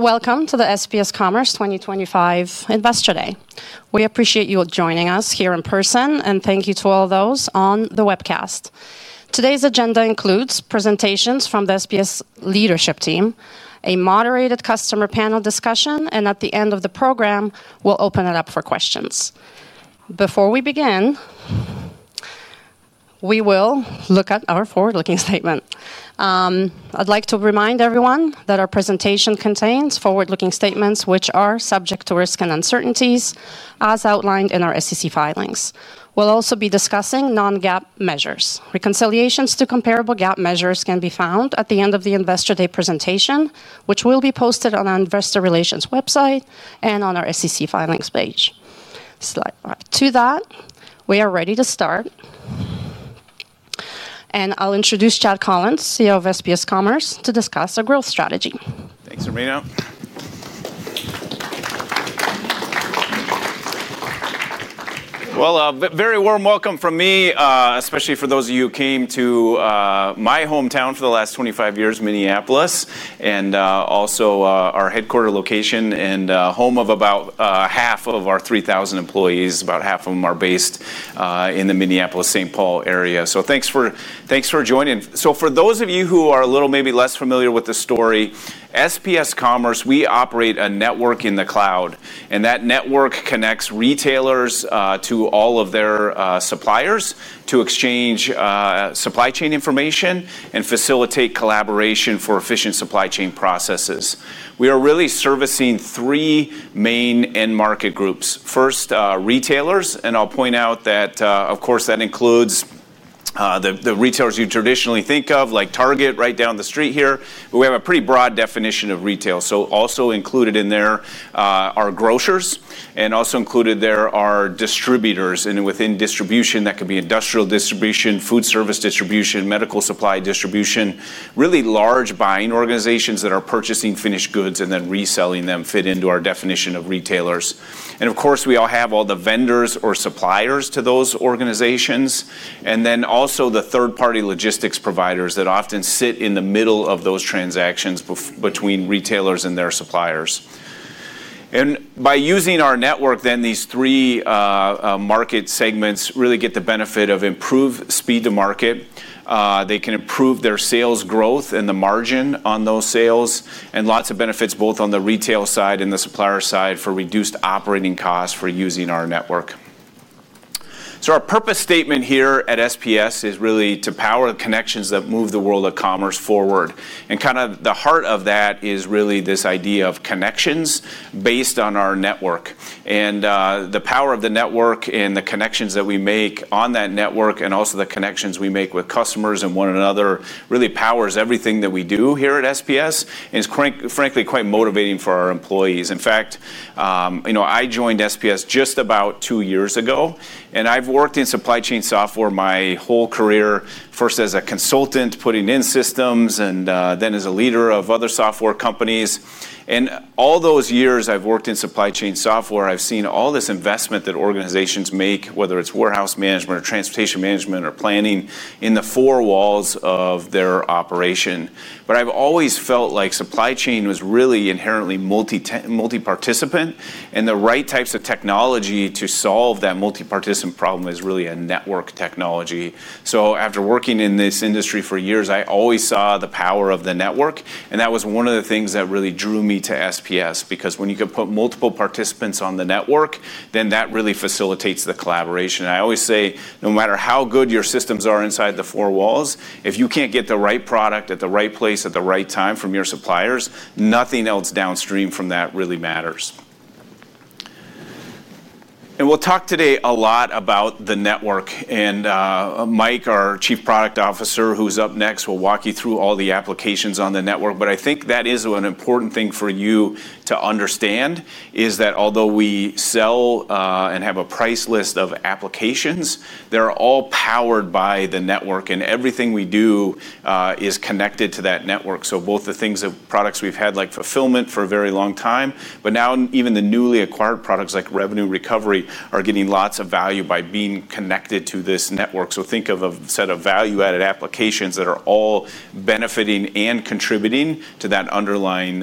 Welcome to the SPS Commerce 2025 Investor Day. We appreciate you joining us here in person and thank you to all those on the webcast. Today's agenda includes presentations from the SPS leadership team, a moderated customer panel discussion, and at the end of the program we'll open it up for questions. Before we begin, we will look at our forward-looking statement. I'd like to remind everyone that our presentation contains forward-looking statements which are subject to risks and uncertainties as outlined in our SEC filings. We'll also be discussing non-GAAP measures. Reconciliations to comparable GAAP measures can be found at the end of the Investor Day presentation, which will be posted on our investor relations website and on our SEC filings page. Slide to that. We are ready to start, and I'll introduce Chad Collins, CEO of SPS Commerce, to discuss our growth strategy. Thanks for being out. A very warm welcome from me, especially for those of you who came to my hometown for the last 25 years, Minneapolis, and also our headquarter location and home of about half of our 3,000 employees. About half of them are based in the Minneapolis St. Paul area. Thanks for joining. For those of you who are a little maybe less familiar with the story, SPS Commerce, we operate a network in the cloud and that network connects retailers to all of their suppliers to exchange supply chain information and facilitate collaboration for efficient supply chain processes. We are really servicing three main end market groups. First, retailers, and I'll point out that of course that includes the retailers you traditionally think of like Target. Right down the street here we have a pretty broad definition of retail. Also included in there are grocers and also included there are distributors. Within distribution, that could be industrial distribution, food service distribution, medical supply distribution. Really large buying organizations that are purchasing finished goods and then reselling them fit into our definition of retailers. Of course, we have all the vendors or suppliers to those organizations and then also the third party logistics providers that often sit in the middle of those transactions between retailers and their suppliers. By using our network, these three market segments really get the benefit of improved speed to market. They can improve their sales growth and the margin on those sales and lots of benefits both on the retail side and the supplier side for reduced operating costs for using our network. Our purpose statement here at SPS is really to power connections that move the world of commerce forward. Kind of the heart of that is really this idea of connections based on our network and the power of the network and the connections that we make on that network and also the connections we make with customers and one another really powers everything that we do here at SPS. It's frankly quite motivating for our employees. In fact, I joined SPS just about two years ago and I've worked in supply chain software my whole career. First as a consultant putting in systems and then as a leader of other software companies. In all those years I've worked in supply chain software, I've seen all this investment that organizations make, whether it's warehouse management or transportation management, or planning in the four walls of their operation. I've always felt like supply chain was really inherently multi participant and the right types of technology to solve that multi participant problem is really a network technology. After working in this industry for years, I always saw the power of the network and that was one of the things that really drew me to SPS because when you put multiple participants on the network, that really facilitates the collaboration. I always say, no matter how good your systems are inside the four walls, if you can't get the right product at the right place at the right time from your suppliers, nothing else downstream from that really matters. We'll talk today a lot about the network and Mike, our Chief Product Officer, who's up next, will walk you through all the applications on the network. I think that is an important thing for you to understand, that although we have a price list of applications, they're all powered by the network and everything we do is connected to that network. Both the things of products we've had like fulfillment for a very long time, and now even the newly acquired products like revenue recovery are getting lots of value by being connected to this network. Think of a set of value added applications that are all benefiting and contributing to that underlying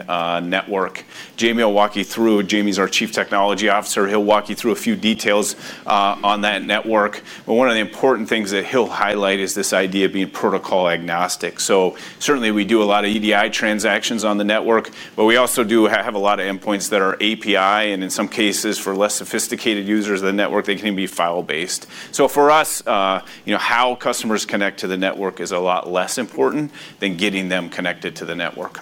network. Jamie will walk you through. Jamie's our Chief Technology Officer, he'll walk you through a few details on that network. One of the important things that he'll highlight is this idea of being protocol agnostic. Certainly we do a lot of EDI transactions on the network, but we also do have a lot of endpoints that are API and in some cases for less sophisticated users of the network, they can be file based. For us, how customers connect to the network is a lot less important than getting them connected to the network.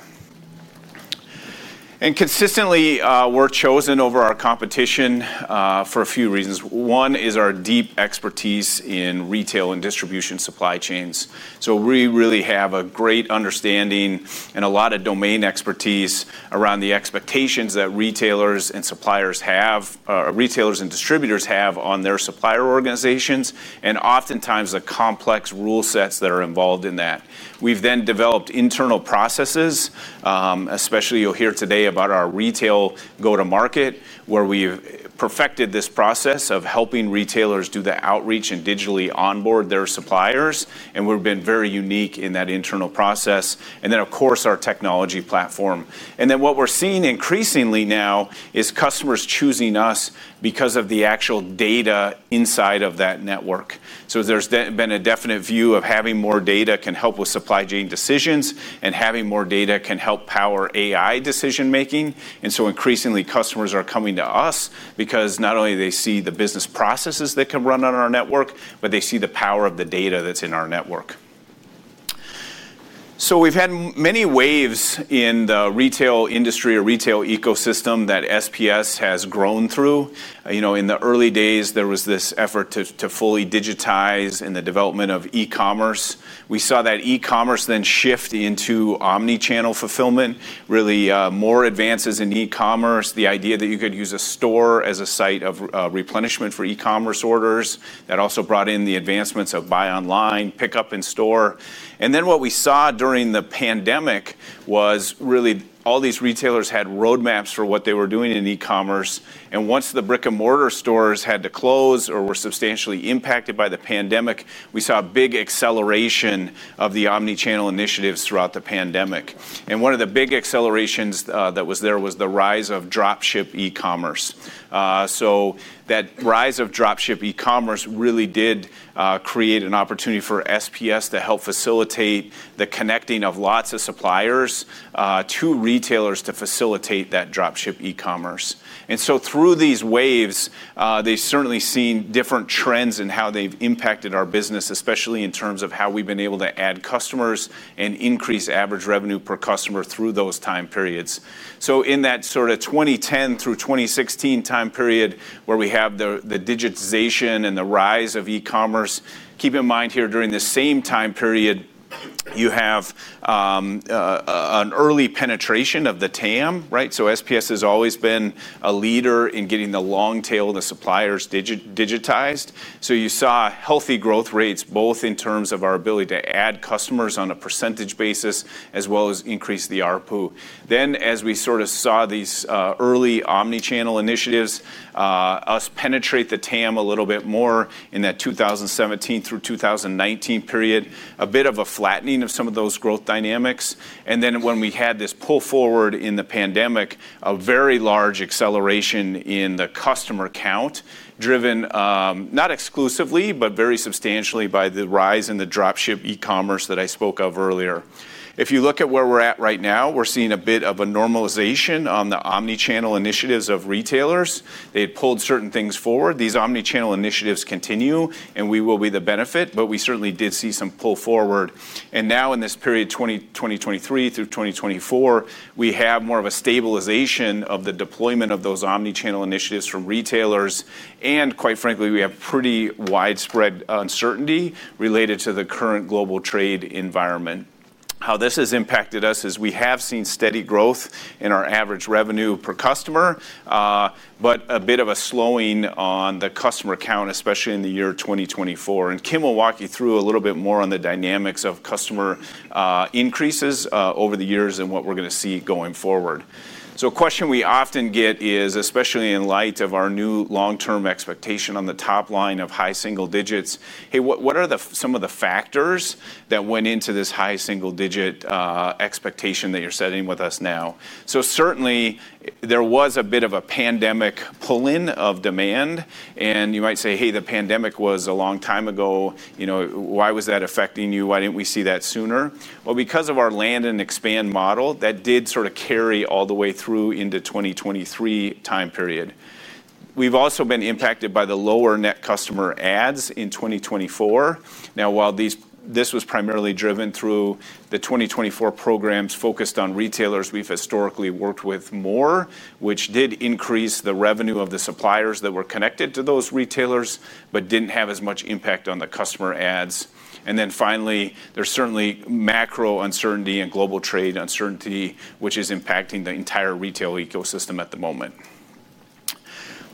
Consistently we're chosen over our competition for a few reasons. One is our deep expertise in retail and distribution supply chains. We really have a great understanding and a lot of domain expertise around the expectations that retailers and suppliers have. Retailers and distributors have on their supplier organizations and oftentimes the complex rule sets that are involved in that. We've then developed internal processes, especially you'll hear today about our retail go to market, where we perfected this process of helping retailers do the outreach and digitally onboard their suppliers and been very unique in that internal process. Of course, our technology platform. What we're seeing increasingly now is customers choosing us because of the actual data inside of that network. There's been a definite view of having more data can help with supply chain decisions, and having more data can help power AI decision making. Increasingly, customers are coming to us because not only do they see the business processes that can run on our network, but they see the power of the data that's in our network. We've had many waves in the retail industry or retail ecosystem that SPS has grown through. In the early days, there was this effort to fully digitize in the development of e-commerce. We saw that e-commerce then shift into omnichannel fulfillment. Really more advances in e-commerce, the idea that you could use a store as a site of replenishment for e-commerce orders, that also brought in the advancements of buy online, pick up in store. What we saw during the pandemic was really all these retailers had roadmaps for what they were doing in e-commerce. Once the brick and mortar stores had to close or were substantially impacted by the pandemic, we saw a big acceleration of the omnichannel initiatives throughout the pandemic. One of the big accelerations that was there was the rise of dropship e-commerce. That rise of dropship e-commerce really did create an opportunity for SPS Commerce to help facilitate the connecting of lots of suppliers to retailers to facilitate that dropship e-commerce. Through these waves, they've certainly seen different trends and how they've impacted our business, especially in terms of how we've been able to add customers and increase average revenue per customer through those time periods. In that sort of 2010 through 2016 time period where we have the digitization and the rise of e-commerce, keep in mind here, during the same time period, you have an early penetration of the TAM, right? SPS has always been a leader in getting the long tail, the suppliers digitized. You saw healthy growth rates both in terms of our ability to add customers on a percentage basis, as well as increase the ARPU. As we sort of saw these early omnichannel initiatives help us penetrate the total addressable market a little bit more in that 2017 through 2019 period, there was a bit of a flattening of some of those growth dynamics. When we had this pull forward in the pandemic, there was a very large acceleration in the customer count, driven not exclusively but very substantially by the rise in the dropship e-commerce that I spoke of earlier. If you look at where we're at right now, we're seeing a bit of a normalization on the omnichannel initiatives of retailers. They had pulled certain things forward. These omnichannel initiatives continue and we will be the beneficiary. We certainly did see some pull forward. Now in this period, 2023 through 2024, we have more of a stabilization of the deployment of those omnichannel initiatives from retailers. Quite frankly, we have pretty widespread uncertainty related to the current global trade environment. How this has impacted us is we have seen steady growth in our average revenue per customer, but a bit of a slowing on the customer count, especially in the year 2024. Kim will walk you through a little bit more on the dynamics of customer increases over the years and what we're going to see going forward. A question we often get is, especially in light of our new long-term expectation on the top line of high single digits, what are some of the factors that went into this high single digit expectation that you're setting with us now? Certainly there was a bit of a pandemic pull in of demand. You might say, the pandemic was a long time ago. Why was that affecting you? Why didn't we see that sooner? Because of our land and expand model, that did sort of carry all the way through into the 2023 time period. We've also been impacted by the lower net customer adds in 2024. While this was primarily driven through the 2024 programs focused on retailers, we've historically worked with more revenue of the suppliers that were connected to those retailers but didn't have as much impact on the customer adds. Finally, there's certainly macro uncertainty and global trade uncertainty, which is impacting the entire retail ecosystem at the moment.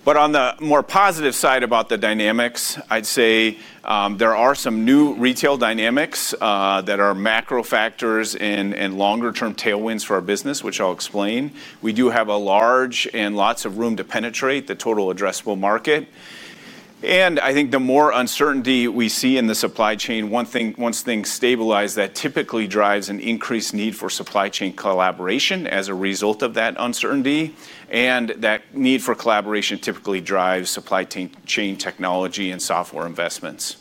On the more positive side about the dynamics, I'd say there are some new retail dynamics that are macro factors and longer-term tailwinds for our business, which I'll explain. We do have a large and lots of room to penetrate the total addressable market. I think the more uncertainty we see in the supply chain once things stabilize, that typically drives an increased need for supply chain collaboration. As a result of that uncertainty and that need for collaboration, it typically drives supply chain technology and software investments.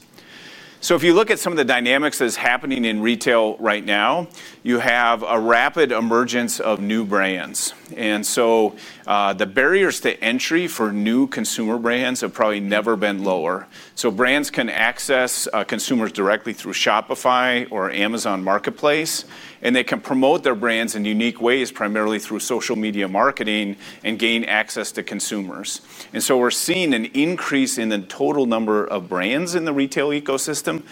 If you look at some of the dynamics that's happening in retail right now, you have a rapid emergence of new brands. The barriers to entry for new consumer brands have probably never been lower. Brands can access consumers directly through Shopify or Amazon Marketplace, and they can promote their brands in unique ways, primarily through social media marketing, and gain access to consumers. We're seeing an increase in the total number of brands in the retail ecosystem.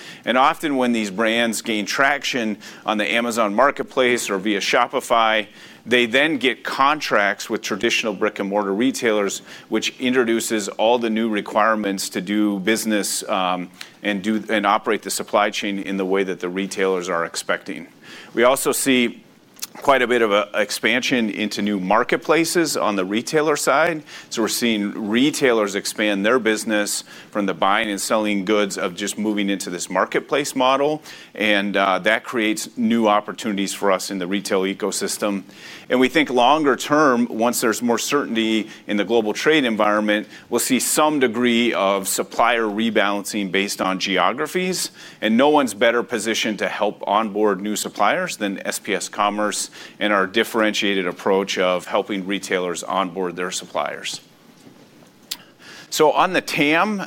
Often when these brands gain traction on the Amazon Marketplace or via Shopify, they then get contracts with traditional brick and mortar retailers, which introduces all the new requirements to do business and operate the supply chain in the way that the retailers are expecting. We also see quite a bit of expansion into new marketplaces on the retailer side. We're seeing retailers expand their business from the buying and selling goods of just moving into this marketplace model. That creates new opportunities for us in the retail ecosystem. We think longer term, once there's more certainty in the global trade environment, we'll see some degree of supplier rebalancing based on geographies. No one's better positioned to help onboard new suppliers than SPS Commerce and our differentiated approach of helping retailers onboard their suppliers. On the TAM,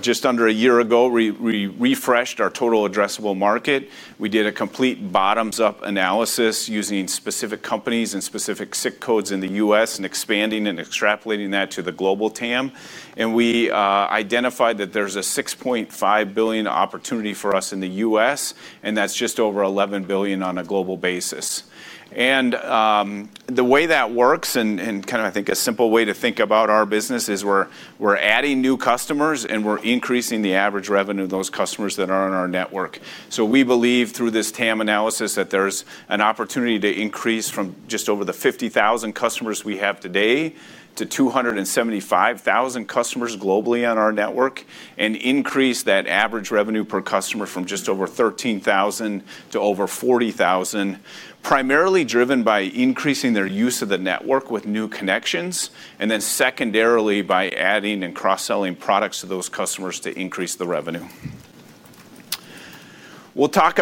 just under a year ago, we refreshed our total addressable market. We did a complete bottoms up analysis using specific companies and specific SIC codes in the U.S. and expanding and extrapolating that to the global TAM. We identified that there's a $6.5 billion opportunity for us in the U.S., and that's just over $11 billion on a global basis. The way that works and, I think, a simple way to think about our business is we're adding new customers and we're increasing the average revenue of those customers that are on our network. We believe through this TAM analysis that there's an opportunity to increase from just over the 50,000 customers we have today to 275,000 customers globally on our network and increase that average revenue per customer from just over $13,000 to over $40,000, primarily driven by increasing their use of the network with new connections and then secondarily by adding and cross selling products to those customers to increase the revenue. We'll talk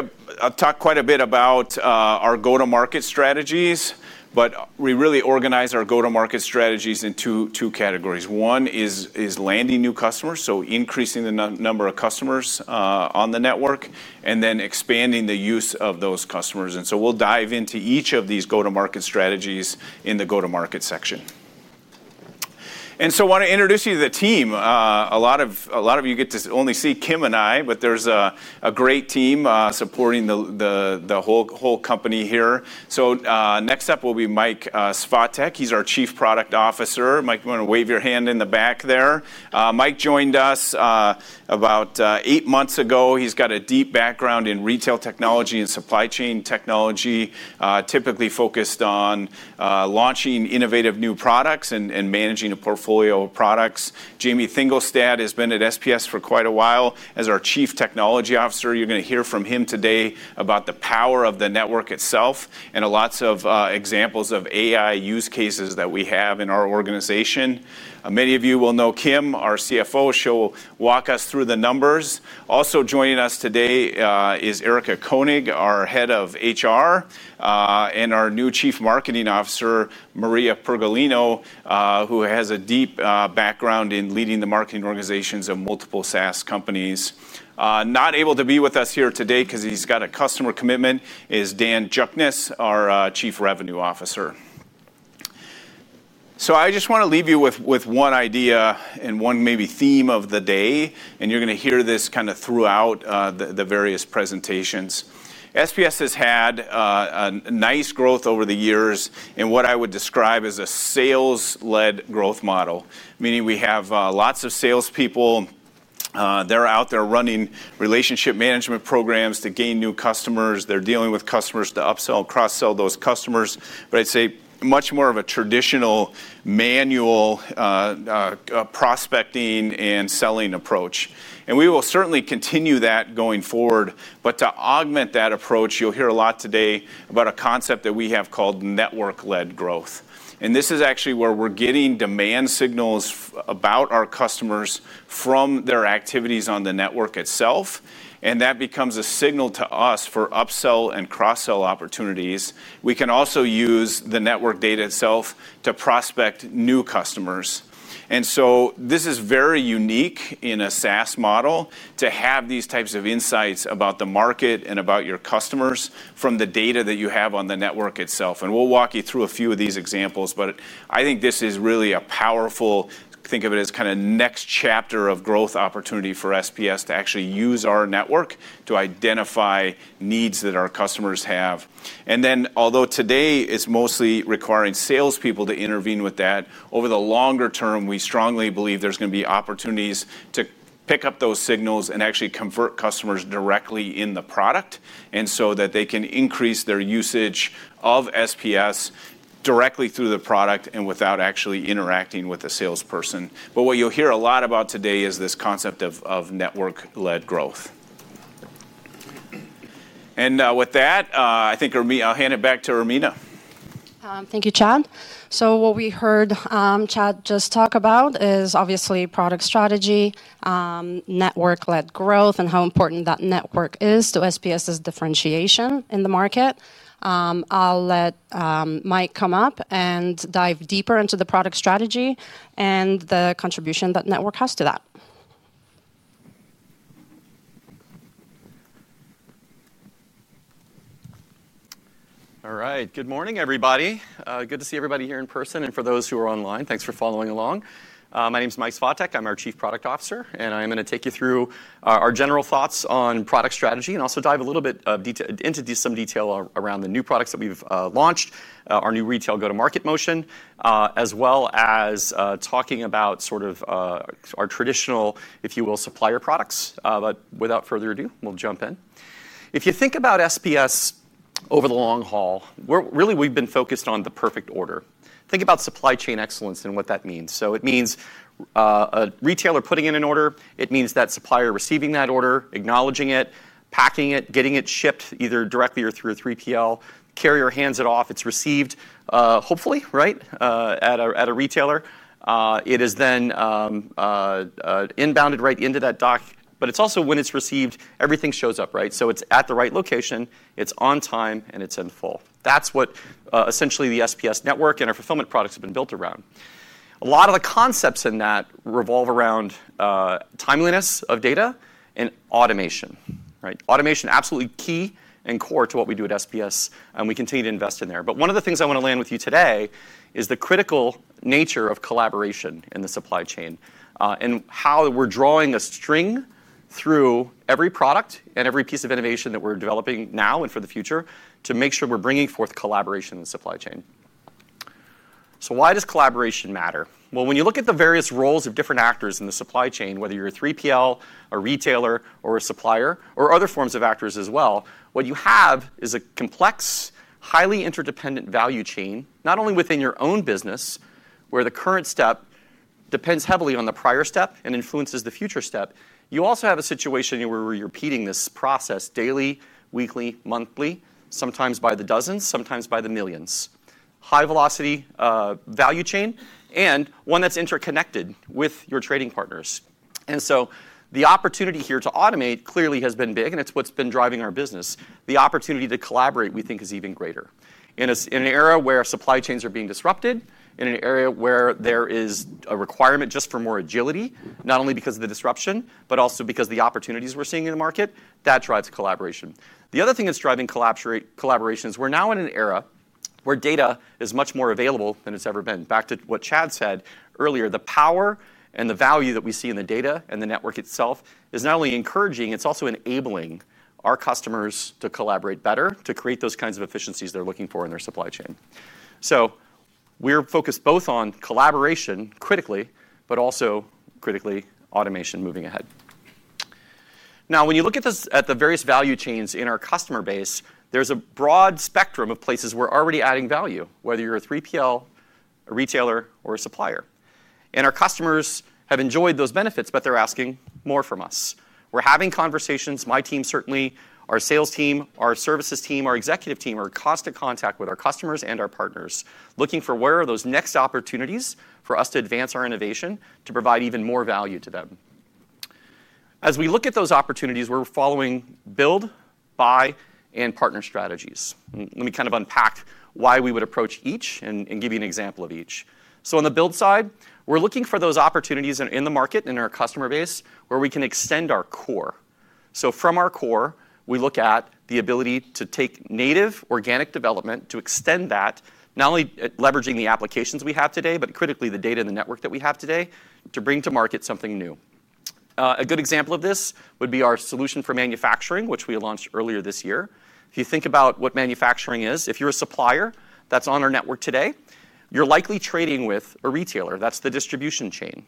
quite a bit about our go to market strategies, but we really organize our go to market strategies into two categories. One is landing new customers, increasing the number of customers on the network and then expanding the use of those customers. We'll dive into each of these go to market strategies in the go to market section. I want to introduce you to the team. A lot of you get to only see Kim and I, but there's a great team supporting the whole company here. Next up will be Mike Svatek. He's our Chief Product Officer. Mike, you want to wave your hand in the back there. Mike joined us about eight months ago. He's got a deep background in retail technology and supply chain technology, typically focused on launching innovative new products and managing a portfolio of products. Jamie Thingelstad has been at SPS for quite a while as our Chief Technology Officer. You are going to hear from him today about the power of the network itself and lots of examples of AI use cases that we have in our organization. Many of you will know Kim, our CFO, she'll walk us through the numbers. Also joining us today is Erica Koenig, our Head of HR, and our new Chief Marketing Officer, Maria Pergolino, who has a deep background in leading the marketing organizations of multiple SaaS companies. Not able to be with us here today because he's got a customer commitment is Dan Jukness, our Chief Revenue Officer. I just want to leave you with one idea and one maybe theme of the day and you're going to hear this kind of throughout the various presentations. SPS has had a nice growth over the years in what I would describe as a sales led growth model, meaning we have lots of salespeople, they're out there running relationship management programs to gain new customers. They're dealing with customers to upsell and cross sell those customers, much more of a traditional manual prospecting and selling approach. We will certainly continue that going forward. To augment that approach, you'll hear a lot today about a concept that we have called network led growth. This is actually where we're getting demand signals about our customers from their activities on the network itself. That becomes a signal to us for upsell and cross sell opportunities. We can also use the network data itself to prospect new customers. This is very unique in a SaaS model to have these types of insights about the market and about your customers from the data that you have on the network itself. We'll walk you through a few of these examples. I think this is really a powerful, think of it as kind of next chapter of growth opportunity for SPS to actually use our network to identify needs that our customers have. Although today it's mostly requiring salespeople to intervene with that, over the longer term, we strongly believe there's going to be opportunities to pick up those signals and actually convert customers directly in the product so that they can increase their usage of SPS directly through the product and without actually interacting with the salesperson. What you'll hear a lot about today is this concept of network led growth. With that, I think I'll hand it back to Irmina. Thank you, Chad. What we heard Chad just talk about is obviously product strategy, network-led growth, and how important that network is to SPS's differentiation in the market. I'll let Mike come up and dive deeper into the product strategy and the contribution that network has to that. All right. Good morning, everybody. Good to see everybody here in person. For those who are online, thanks for following along. My name is Mike Svatek. I'm our Chief Product Officer and I'm going to take you through our general thoughts on product strategy and also dive a little bit into some detail around the new products that we've launched, our new retail go-to-market motion, as well as talking about sort of our traditional, if you will, supplier products. Without further ado, we'll jump in. If you think about SPS over the long haul, really we've been focused on the perfect order. Think about supply chain excellence and what that means. It means a retailer putting in an order. It means that supplier receiving that order, acknowledging it, packing it, getting it shipped either directly or through a 3PL carrier, hands it off. It's received, hopefully right at a retailer, it is then inbounded right into that dock. It's also when it's received, everything shows up right. It's at the right location, it's on time and it's in full. Tht's what essentially the SPS network and our fulfillment products have been built around. A lot of the concepts in that revolve around timeliness of data and automation. Automation is absolutely key and core to what we do at SPS and we continue to invest in there. One of the things I want to land with you today is the critical nature of collaboration in the supply chain and how we're drawing a string through every product and every piece of innovation that we're developing now and for the future to make sure we're bringing forth collaboration in the supply chain. Why does collaboration matter? When you look at the various roles of different actors in the supply chain, whether you're a 3PL, a retailer or a supplier, or other forms of actors as well, what you have is a complex, highly interdependent value chain, not only within your own business, where the current step depends heavily on the prior step and influences the future step. You also have a situation where we're repeating this process daily, weekly, monthly, sometimes by the dozens, sometimes by the millions. High velocity value chain and one that's interconnected with your trading partners. The opportunity here to automate clearly has been big, and it's what's been driving our business. The opportunity to collaborate, we think, is even greater in an era where supply chains are being disrupted in an area where there is a requirement just for more agility, not only because of the disruption, but also because the opportunities we're seeing in the market that drives collaboration. The other thing that's driving collaboration is we're now in an era where data is much more available than it's ever been. Back to what Chad said earlier. The power and the value that we see in the data and the network itself is not only encouraging, it's also enabling our customers to collaborate better, to create those kinds of efficiencies they're looking for in their supply chain. We're focused both on collaboration critically, but also critically automation moving ahead. When you look at the various value chains in our customer base, there's a broad spectrum of places we're already adding value, whether you're a 3PL, a retailer or a supplier. Our customers have enjoyed those benefits, but they're asking more from us. We're having conversations. My team, certainly our sales team, our services team, our executive team, are in constant contact with our customers and our partners looking for where are those next opportunities for us to advance our innovation, to provide even more value to them. As we look at those opportunities, we're following build, buy and partner strategies. Let me kind of unpack why we would approach each and give you an example of each. On the build side, we're looking for those opportunities in the market, in our customer base, where we can extend our core. From our core, we look at the ability to take native organic development to extend that, not only leveraging the applications we have today, but critically the data and the network that we have today to bring to market something new. A good example of this would be our solution for manufacturing, which we launched earlier this year. If you think about what manufacturing is, if you're a supplier that's on our network today, you're likely trading with a retailer that's the distribution chain.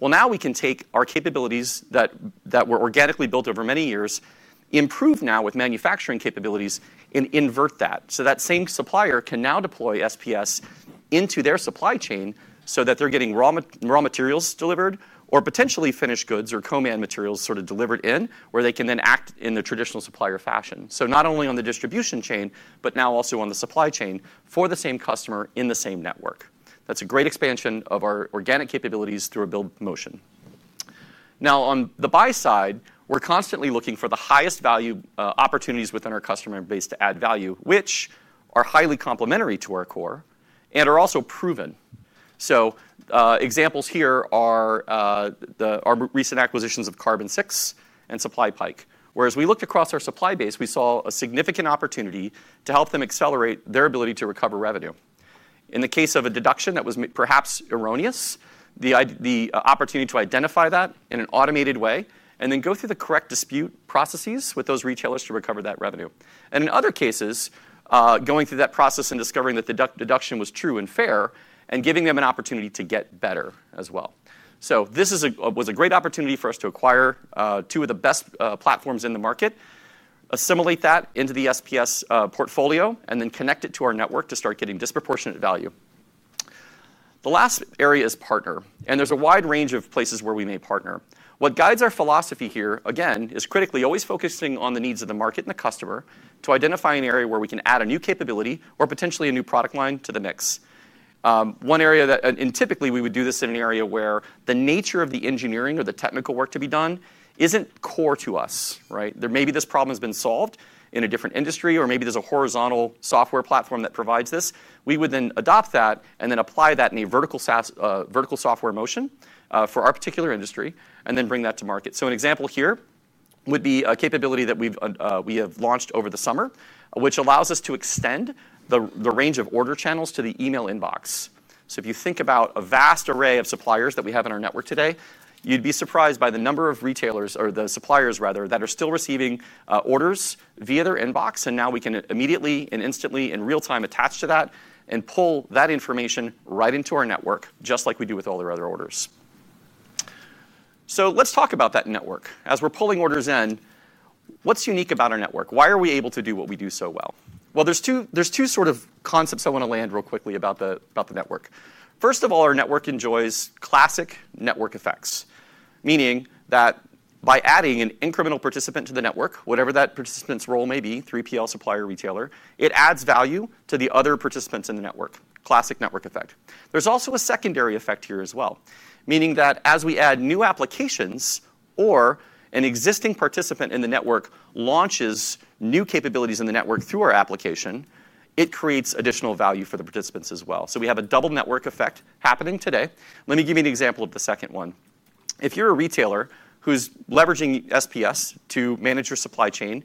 Now we can take our capabilities that were organically built over many years, improved now with manufacturing capabilities, and invert that so that same supplier can now deploy SPS into their supply chains so that they're getting raw materials delivered or potentially finished goods or co-man materials delivered in, where they can then act in the traditional supplier fashion. Not only on the distribution chain, but now also on the supply chain for the same customer in the same network. That's a great expansion of our organic capabilities through a build motion. On the buy side, we're constantly looking for the highest value opportunities within our customer base to add value, which are highly complementary to our core and are also proven. Examples here are our recent acquisitions of Carbon6 and SupplyPike, where as we looked across our supply base, we saw a significant opportunity to help them accelerate their ability to recover revenue. In the case of a deduction that was perhaps erroneous, the opportunity to identify that in an automated way and then go through the correct dispute processes with those retailers to recover that revenue. In other cases, going through that process and discovering that the deduction was true and fair and giving them an opportunity to get better as well. This was a great opportunity for us to acquire two of the best platforms in the market, assimilate that into the SPS portfolio, and then connect it to our network to start getting disproportionate value. The last area is partner, and there's a wide range of places where we may partner. What guides our philosophy here again is critically always focusing on the needs of the market and the customer to identify an area where we can add a new capability or potentially a new product line to the mix. One area that, and typically we would do this in an area where the nature of the engineering or the technical work to be done isn't core to us. Maybe this problem has been solved in a different industry, or maybe there's a horizontal software platform that provides this. We would then adopt that and then apply that in a vertical software motion for our particular industry and then bring that to market. An example here would be a capability that we have launched over the summer, which allows us to extend the range of order channels to the email inbox. If you think about a vast array of suppliers that we have in our network today, you'd be surprised by the number of retailers or the suppliers, rather, that are still receiving orders via their inbox. Now we can immediately and instantly, in real time, attach to that and pull that information right into our network, just like we do with all the other orders. Let's talk about that network as we're pulling orders in. What's unique about our network? Why are we able to do what we do so well? There are two sort of concepts I want to land real quickly about the network. First of all, our network enjoys classic network effects, meaning that by adding an incremental participant to the network, whatever that participant's role may be—3PL, supplier, retailer—it adds value to the other participants in the network. Classic network effect. There's also a secondary effect here as well, meaning that as we add new applications or an existing participant in the network launches new capabilities in the network through our application, it creates additional value for the participants as well. We have a double network effect happening today. Let me give you an example of the second one. If you're a retailer who's leveraging SPS to manage your supply chain,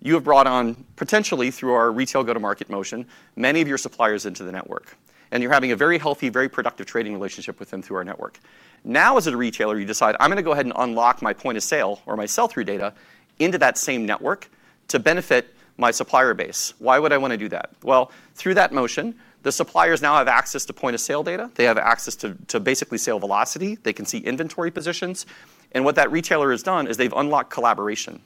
you have brought on, potentially through our retail go-to-market motion, many of your suppliers into the network and you're having a very healthy, very productive trading relationship with them through our network. Now, as a retailer, you decide, I'm going to go ahead and unlock my point of sale or my sell-through data into that same network to benefit my supplier base. Why would I want to do that? Through that motion, the suppliers now have access to point of sale data. They have access to basically sale velocity. They can see inventory positions. What that retailer has done is they've unlocked collaboration.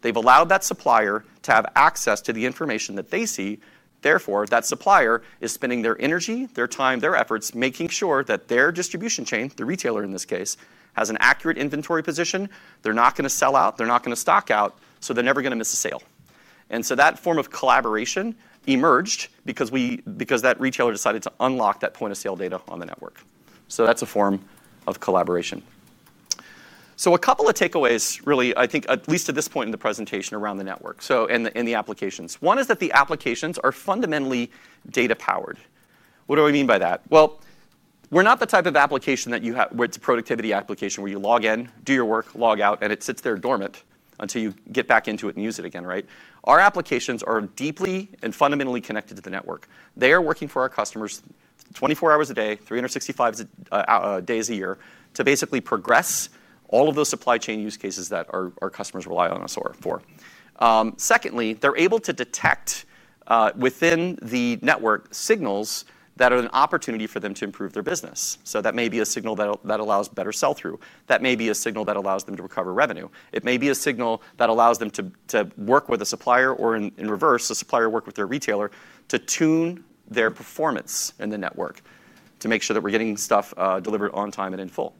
They've allowed that supplier to have access to the information that they see. Therefore, that supplier is spending their energy, their time, their efforts, making sure that their distribution chain—the retailer in this case—has an accurate inventory position. They're not going to sell out, they're not going to stock out, so they're never going to miss a sale. That form of collaboration emerged because that retailer decided to unlock that point of sale data on the network. That's a form of collaboration. A couple of takeaways really, I think, at least at this point in the presentation around the network. In the applications, one is that the applications are fundamentally data powered. What do I mean by that? We're not the type of application that you have where it's a productivity application where you log in, do your work, log out, and it sits there dormant until you get back into it and use it again. Our applications are deeply and fundamentally connected to the network. They are working for our customers 24 hours a day, 365 days a year to basically progress all of those supply chain use cases that our customers rely on us for. Secondly, they're able to detect within the network signals that are an opportunity for them to improve their business. That may be a signal that allows better sell through, that may be a signal that allows them to recover revenue. It may be a signal that allows them to work with a supplier or in reverse, the supplier worked with their retailer to tune in their performance in the network to make sure that we're getting stuff delivered on time and in full.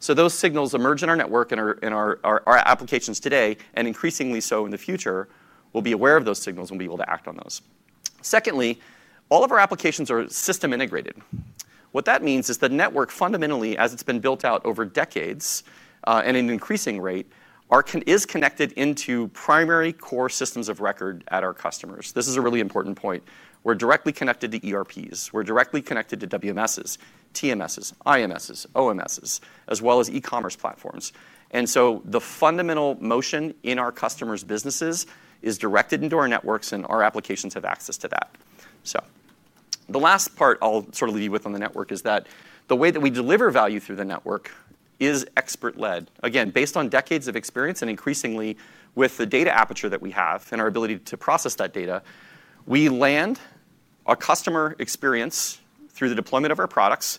Those signals emerge in our network and our applications today and increasingly so in the future we'll be aware of those signals and be able to act on those. Secondly, all of our applications are system integrated. What that means is the network, fundamentally as it's been built out over decades and at an increasing rate, is connected into primary core systems of record at our customers. This is a really important point. We're directly connected to ERPs, we're directly connected to WMSs, TMSs, IMSs, OMSs, as well as e-commerce platforms. The fundamental motion in our customers' businesses is directed into our networks and our applications have access to that. The last part I'll sort of leave you with on the network is that the way that we deliver value through the network is expert led. Again, based on decades of experience and increasingly with the data aperture that we have and our ability to process that data, we land a customer experience through the deployment of our products,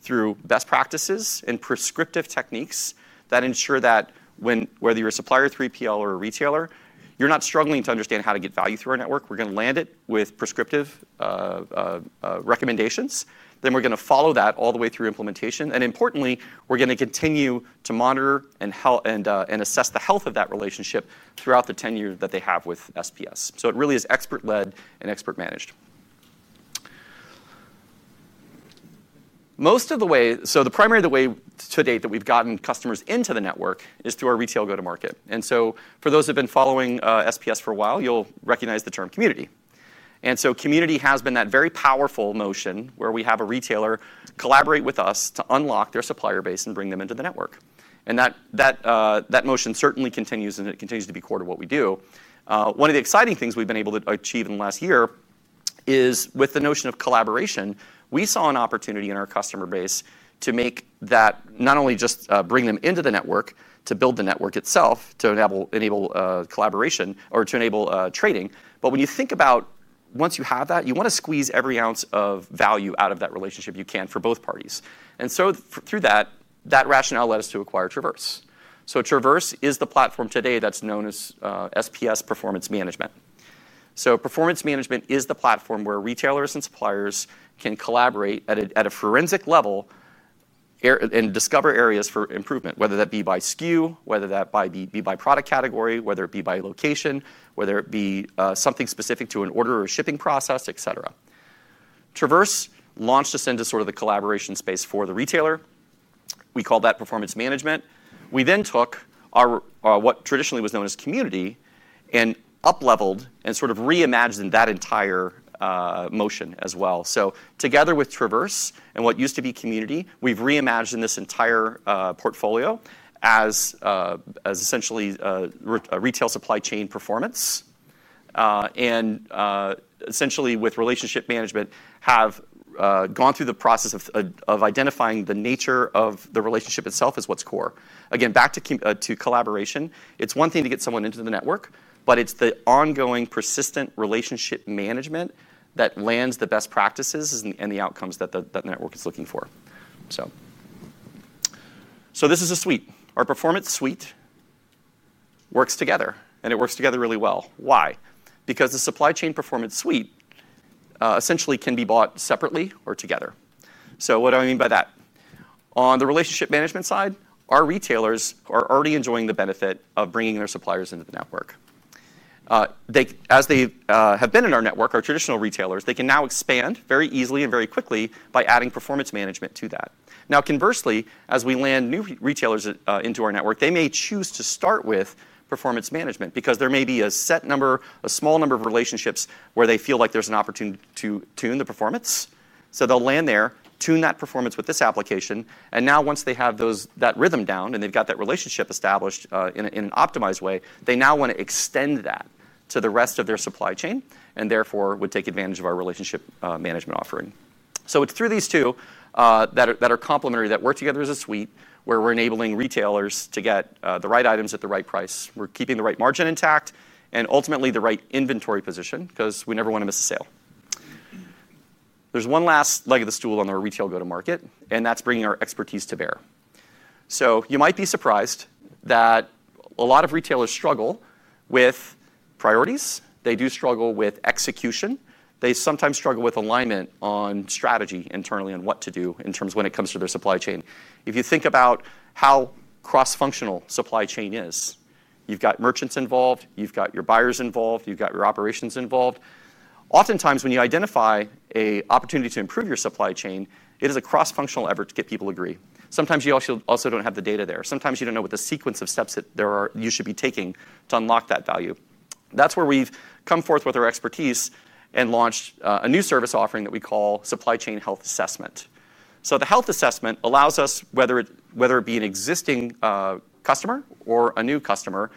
through best practices and prescriptive techniques that ensure that whether you're a supplier through EPL or a retailer, you're not struggling to understand how to get value through our network. We're going to land it with prescriptive recommendations, then we're going to follow that all the way through implementation. Importantly, we're going to continue to monitor and assess the health of that relationship throughout the tenure that they have with SPS. It really is expert led and expert managed most of the way. The primary way to date that we've gotten customers into the network is through our retail go-to-market. For those who've been following SPS for a while, you'll recognize the term Community. Community has been that very powerful motion where we have a retailer collaborate with us to unlock their supplier base and bring them into the network. That motion certainly continues and it continues to be core to what we do. One of the exciting things we've been able to achieve in the last year is with the notion of collaboration. We saw an opportunity in our customer base to make that not only just bring them into the network to build the network itself to enable collaboration or to enable trading. When you think about once you have that, you want to squeeze every ounce of value out of that relationship you can for both parties. Through that, that rationale led us to acquire Traverse. Traverse is the platform today that's known as SPS Performance Management. Performance Management is the platform where retailers and suppliers can collaborate at a forensic level and discover areas for improvement, whether that be by SKU, by product category, by location, or something specific to an order or shipping process, etc. Traverse launched us into the collaboration space for the retailer. We call that Performance Management. We then took what traditionally was known as Community and up-leveled and reimagined that entire motion as well. Together with Traverse and what used to be Community, we've reimagined this entire portfolio as essentially retail supply chain performance and, essentially with relationship management, have gone through the process of identifying the nature of the relationship itself as what's core. Again, back to collaboration. It's one thing to get someone into the network, but it's the ongoing, persistent relationship management that lands the best practices and the outcomes that network is looking for. This is a suite. Our performance suite works together, and it works together really well. The supply chain performance suite essentially can be bought separately or together. What do I mean by that? On the relationship management side, our retailers are already enjoying the benefit of bringing their suppliers into the network, as they have been in our network, our traditional retailers, they can now expand very easily and very quickly by adding Performance Management to that. Conversely, as we land new retailers into our network, they may choose to start with Performance Management because there may be a set number, a small number of relationships where they feel like there's an opportunity to tune the performance. They'll land there, tune that performance with this application. Once they have that rhythm down and they've got that relationship established in an optimized way, they now want to extend that to the rest of their supply chain and therefore would take advantage of our relationship management offering. It's through these two that are complementary, that work together as a suite where we're enabling retailers to get the right items at the right price, we're keeping the right margin intact and ultimately the right inventory position because we never want to miss a sale. There's one last leg of the stool on the retail go to market and that's bringing our expertise to bear. You might be surprised that a lot of retailers struggle with priorities, they do struggle with execution, they sometimes struggle with alignment on strategy internally, on what to do in terms when it comes to their supply chain. If you think about how cross functional supply chain is, you've got merchants involved, you've got your buyers involved, you've got your operations involved. Oftentimes when you identify an opportunity to improve your supply chain, it is a cross functional effort to get people to agree. Sometimes you also don't have the data there, sometimes you don't know what the sequence of steps that you should be taking to unlock that value. That's where we've come forth with our expertise and launched a new service offering that we call Supply Chain Health Assessment. The health assessment allows us, whether it be an existing customer or a new customer,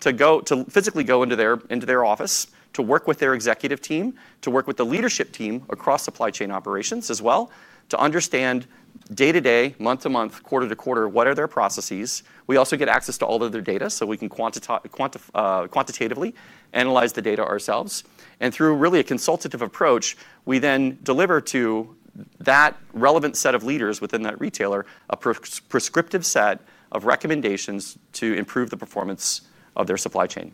to physically go into their office, to work with their executive team, to work with the leadership team across supply chain operations as well to understand day to day, month to month, quarter to quarter, what are their processes. We also get access to all of their data so we can quantitatively analyze the data ourselves. Through really a consultative approach, we then deliver to that relevant set of leaders within that retailer a prescriptive set of recommendations to improve the performance of their supply chain.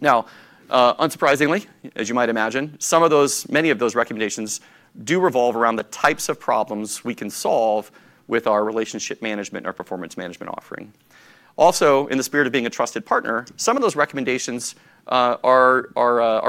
Unsurprisingly, as you might imagine, some of those, many of those recommendations do revolve around the types of problems we can solve with our relationship management, our Performance Management offering. Also, in the spirit of being a trusted partner, some of those recommendations are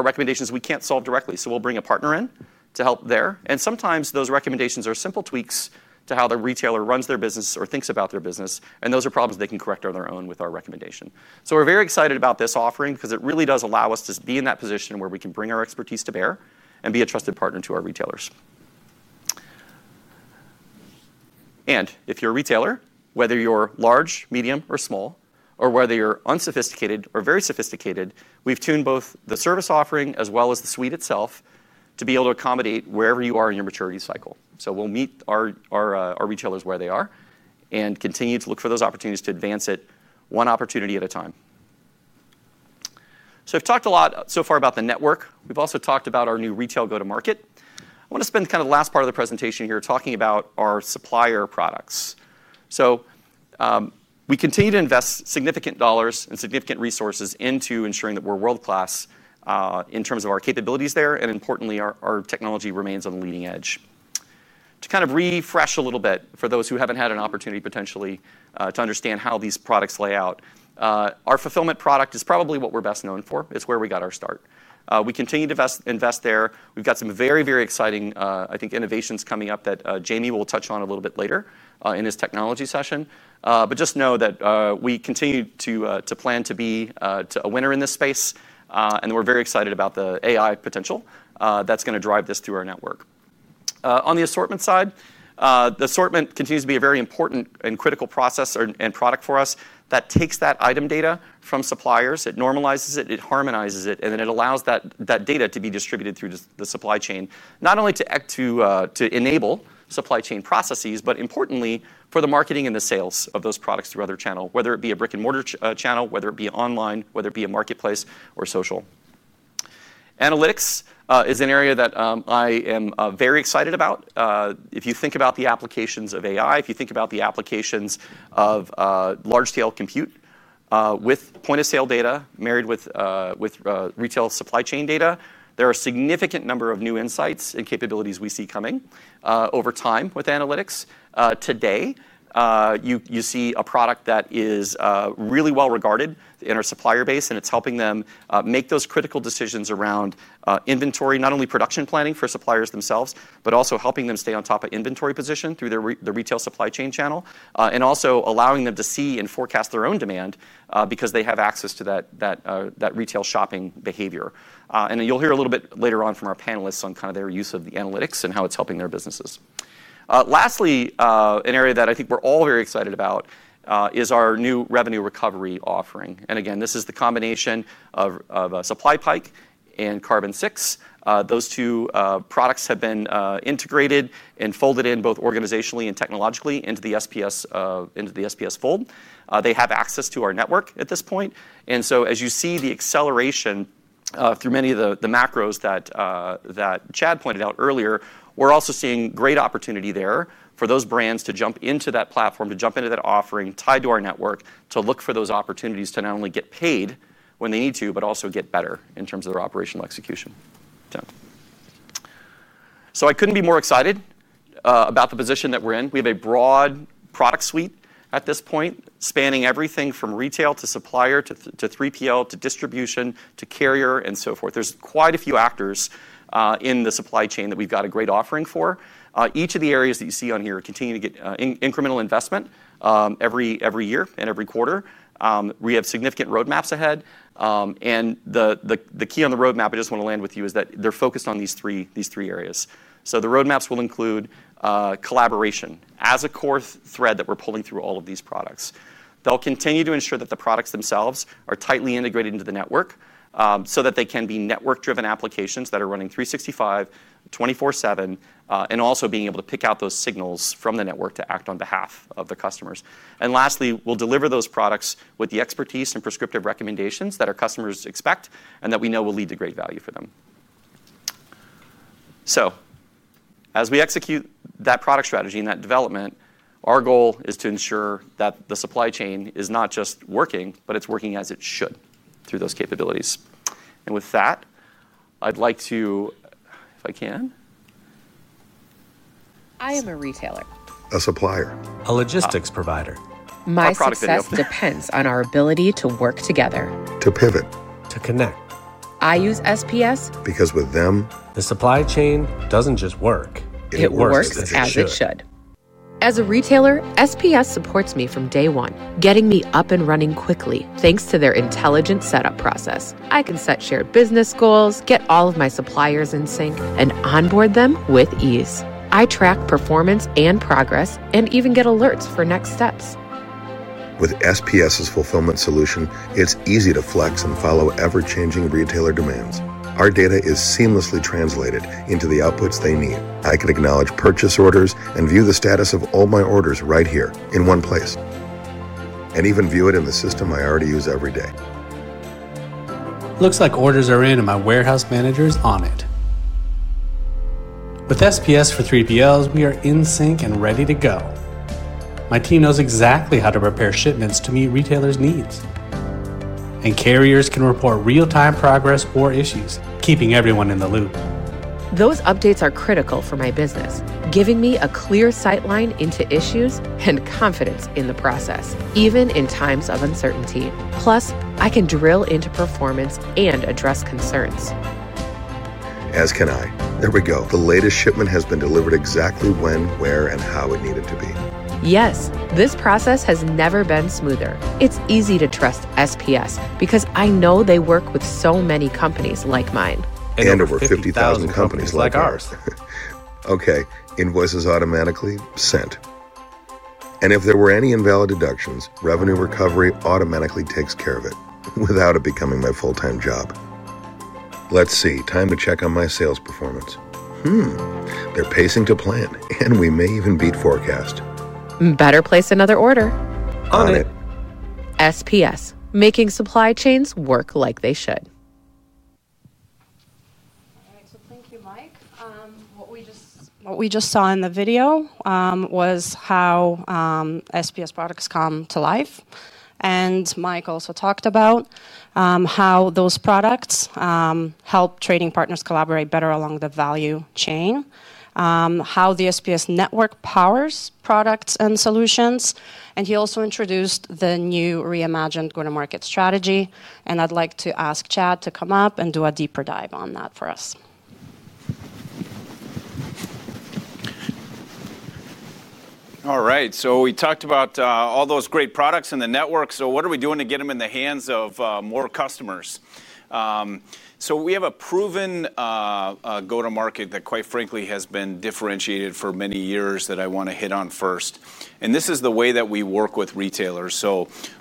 recommendations we can't solve directly, so we'll bring a partner in to help there. Sometimes those recommendations are simple tweaks to how the retailer runs their business or thinks about their business. Those are problems they can correct on their own with our recommendation. We're very excited about this offering because it really does allow us to be in that position where we can bring our expertise to bear and be a trusted partner to our retailers. If you're a retailer, whether you're large, medium or small, or whether you're unsophisticated or very sophisticated, we've tuned both the service offering as well as the suite itself to be able to accommodate wherever you are in your maturity cycle. We'll meet our retailers where they are and continue to look for those opportunities to advance it one opportunity at a time. I've talked a lot so far about the network. We've also talked about our new retail go to market. I want to spend kind of the last part of the presentation here talking about our supplier products. We continue to invest significant dollars and significant resources into ensuring that we're world class in terms of our capabilities there. Importantly, our technology remains on the leading edge to kind of refresh a little bit for those who haven't had an opportunity potentially to understand how these products lay out. Our fulfillment product is probably what we're best known for. It's where we got our start. We continue to invest there. We've got some very, very exciting, I think, innovations coming up that Jamie will touch on a little bit later in his technology session. Just know that we continue to plan to be a winner in this space and we're very excited about the AI potential that's going to drive this through our network. On the assortment side, the assortment continues to be a very important and critical process and product for us that takes that item data from suppliers, it normalizes it, it harmonizes it, and then it allows that data to be distributed through the supply chain. Not only to act to enable supply chain processes, but importantly for the marketing and the sales of those products through other channel. Whether it be a brick and mortar channel, whether it be online, whether it be a marketplace or social, analytics is an area that I am very excited about. If you think about the applications of AI, if you think about the applications of large scale compute with point of sale data married with retail supply chain data, there are a significant number of new insights and capabilities we see coming over time. With analytics today, you see a product that is really well regarded in our supplier base and it's helping them make those critical decisions around inventory, not only production planning for suppliers themselves, but also helping them stay on top of inventory position through the retail supply chain channel and also allowing them to see and forecast their own demand because they have access to that retail shopping behavior. You'll hear a little bit later on from our panelists on kind of their use of the analytics and how it's helping their businesses. Lastly, an area that I think we're all very excited about is our new revenue recovery offering. This is the combination of SupplyPike and Carbon6. Those two products have been integrated and folded in both organizationally and technologically into the SPS fold. They have access to our network at this point. As you see the acceleration through many of the macros that Chad pointed out earlier, we're also seeing great opportunity there for those brands to jump into that platform, to jump into that offering tied to our network, to look for those opportunities to not only get paid when they need to, but also get better in terms of their operational execution. I couldn't be more excited about the position that we're in. We have a broader product suite at this point spanning everything from retail to supplier to 3PL to distribution to carrier and so forth. There's quite a few actors in the supply chain that we've got a great offering for each of the areas that you see on here. Continue to get incremental investment every year and every quarter. We have significant roadmaps ahead, and the key on the roadmap I just want to land with you is that they're focused on these three areas. The roadmaps will include collaboration as a core thread that we're pulling through all of these products. They'll continue to ensure that the products themselves are tightly integrated into the network so that they can be network-driven applications that are running 365, 24/7, and also being able to pick out those signals from the network to act on behalf of the customers. Lastly, we'll deliver those products with the expertise and prescriptive recommendations that our customers expect and that we know will lead to great value for them. As we execute that product strategy and that development, our goal is to ensure that the supply chain is not just working, but it's working as it should through those capabilities. With that, I'd like to, if I can. I am a retailer, a supplier, a logistics provider. My product that you depends on our ability to work together, to pivot, to connect. I use SPS because with them the. Supply chain doesn't just work, it works as it should. As a retailer, SPS supports me from day one, getting me up and running quickly. Thanks to their intelligent setup process, I can set shared business goals, get all of my suppliers in sync, and onboard them with ease. I track performance and progress, and even get alerts for next steps. With SPS's fulfillment solution, it's easy to flex and follow ever-changing retailer demands. Our data is seamlessly translated into the outputs they need. I can acknowledge purchase orders and view. The status of all my orders right here in one place, and even view it in the system I already use every day. Looks like orders are in. Warehouse manager's on it. With SPS for 3PLs, we are. In sync and ready to go. My team knows exactly how to prepare. Shipments to meet retailers' needs and carriers. Can report real-time progress or issues. Keeping everyone in the loop. Those updates are critical for my business, giving me a clear sight line into issues and confidence in the process, even in times of uncertainty. Plus, I can drill into performance and address concerns. There we go. The latest shipment has been delivered exactly when, where, and how it needed to be. Yes, this process has never been smoother. It's easy to trust SPS because I know they work with so many companies. Like mine and over 50,000 companies like ours. Okay. Invoices automatically sent. If there were any invalid deductions, revenue recovery automatically takes care of it without it becoming my full-time job. Let's see. Time to check on my sales performance. Hmm. They're pacing to plan, and we may even beat forecast. Better place another order on it. SPS making supply chains work like they should. All right, thank you, Mike. What we just saw in the video was how SPS products come to life. Mike also talked about how those products help trading partners collaborate better along the value chain, how the SPS network powers products and solutions. He also introduced the new reimagined go-to-market strategy. I'd like to ask Chad to come up and do a deeper dive on that for us. All right, so we talked about all those great products in the network. What are we doing to get them in the hands of more customers? We have a proven go to market that, quite frankly, has been differentiated for many years that I want to hit on first. This is the way that we work with retailers.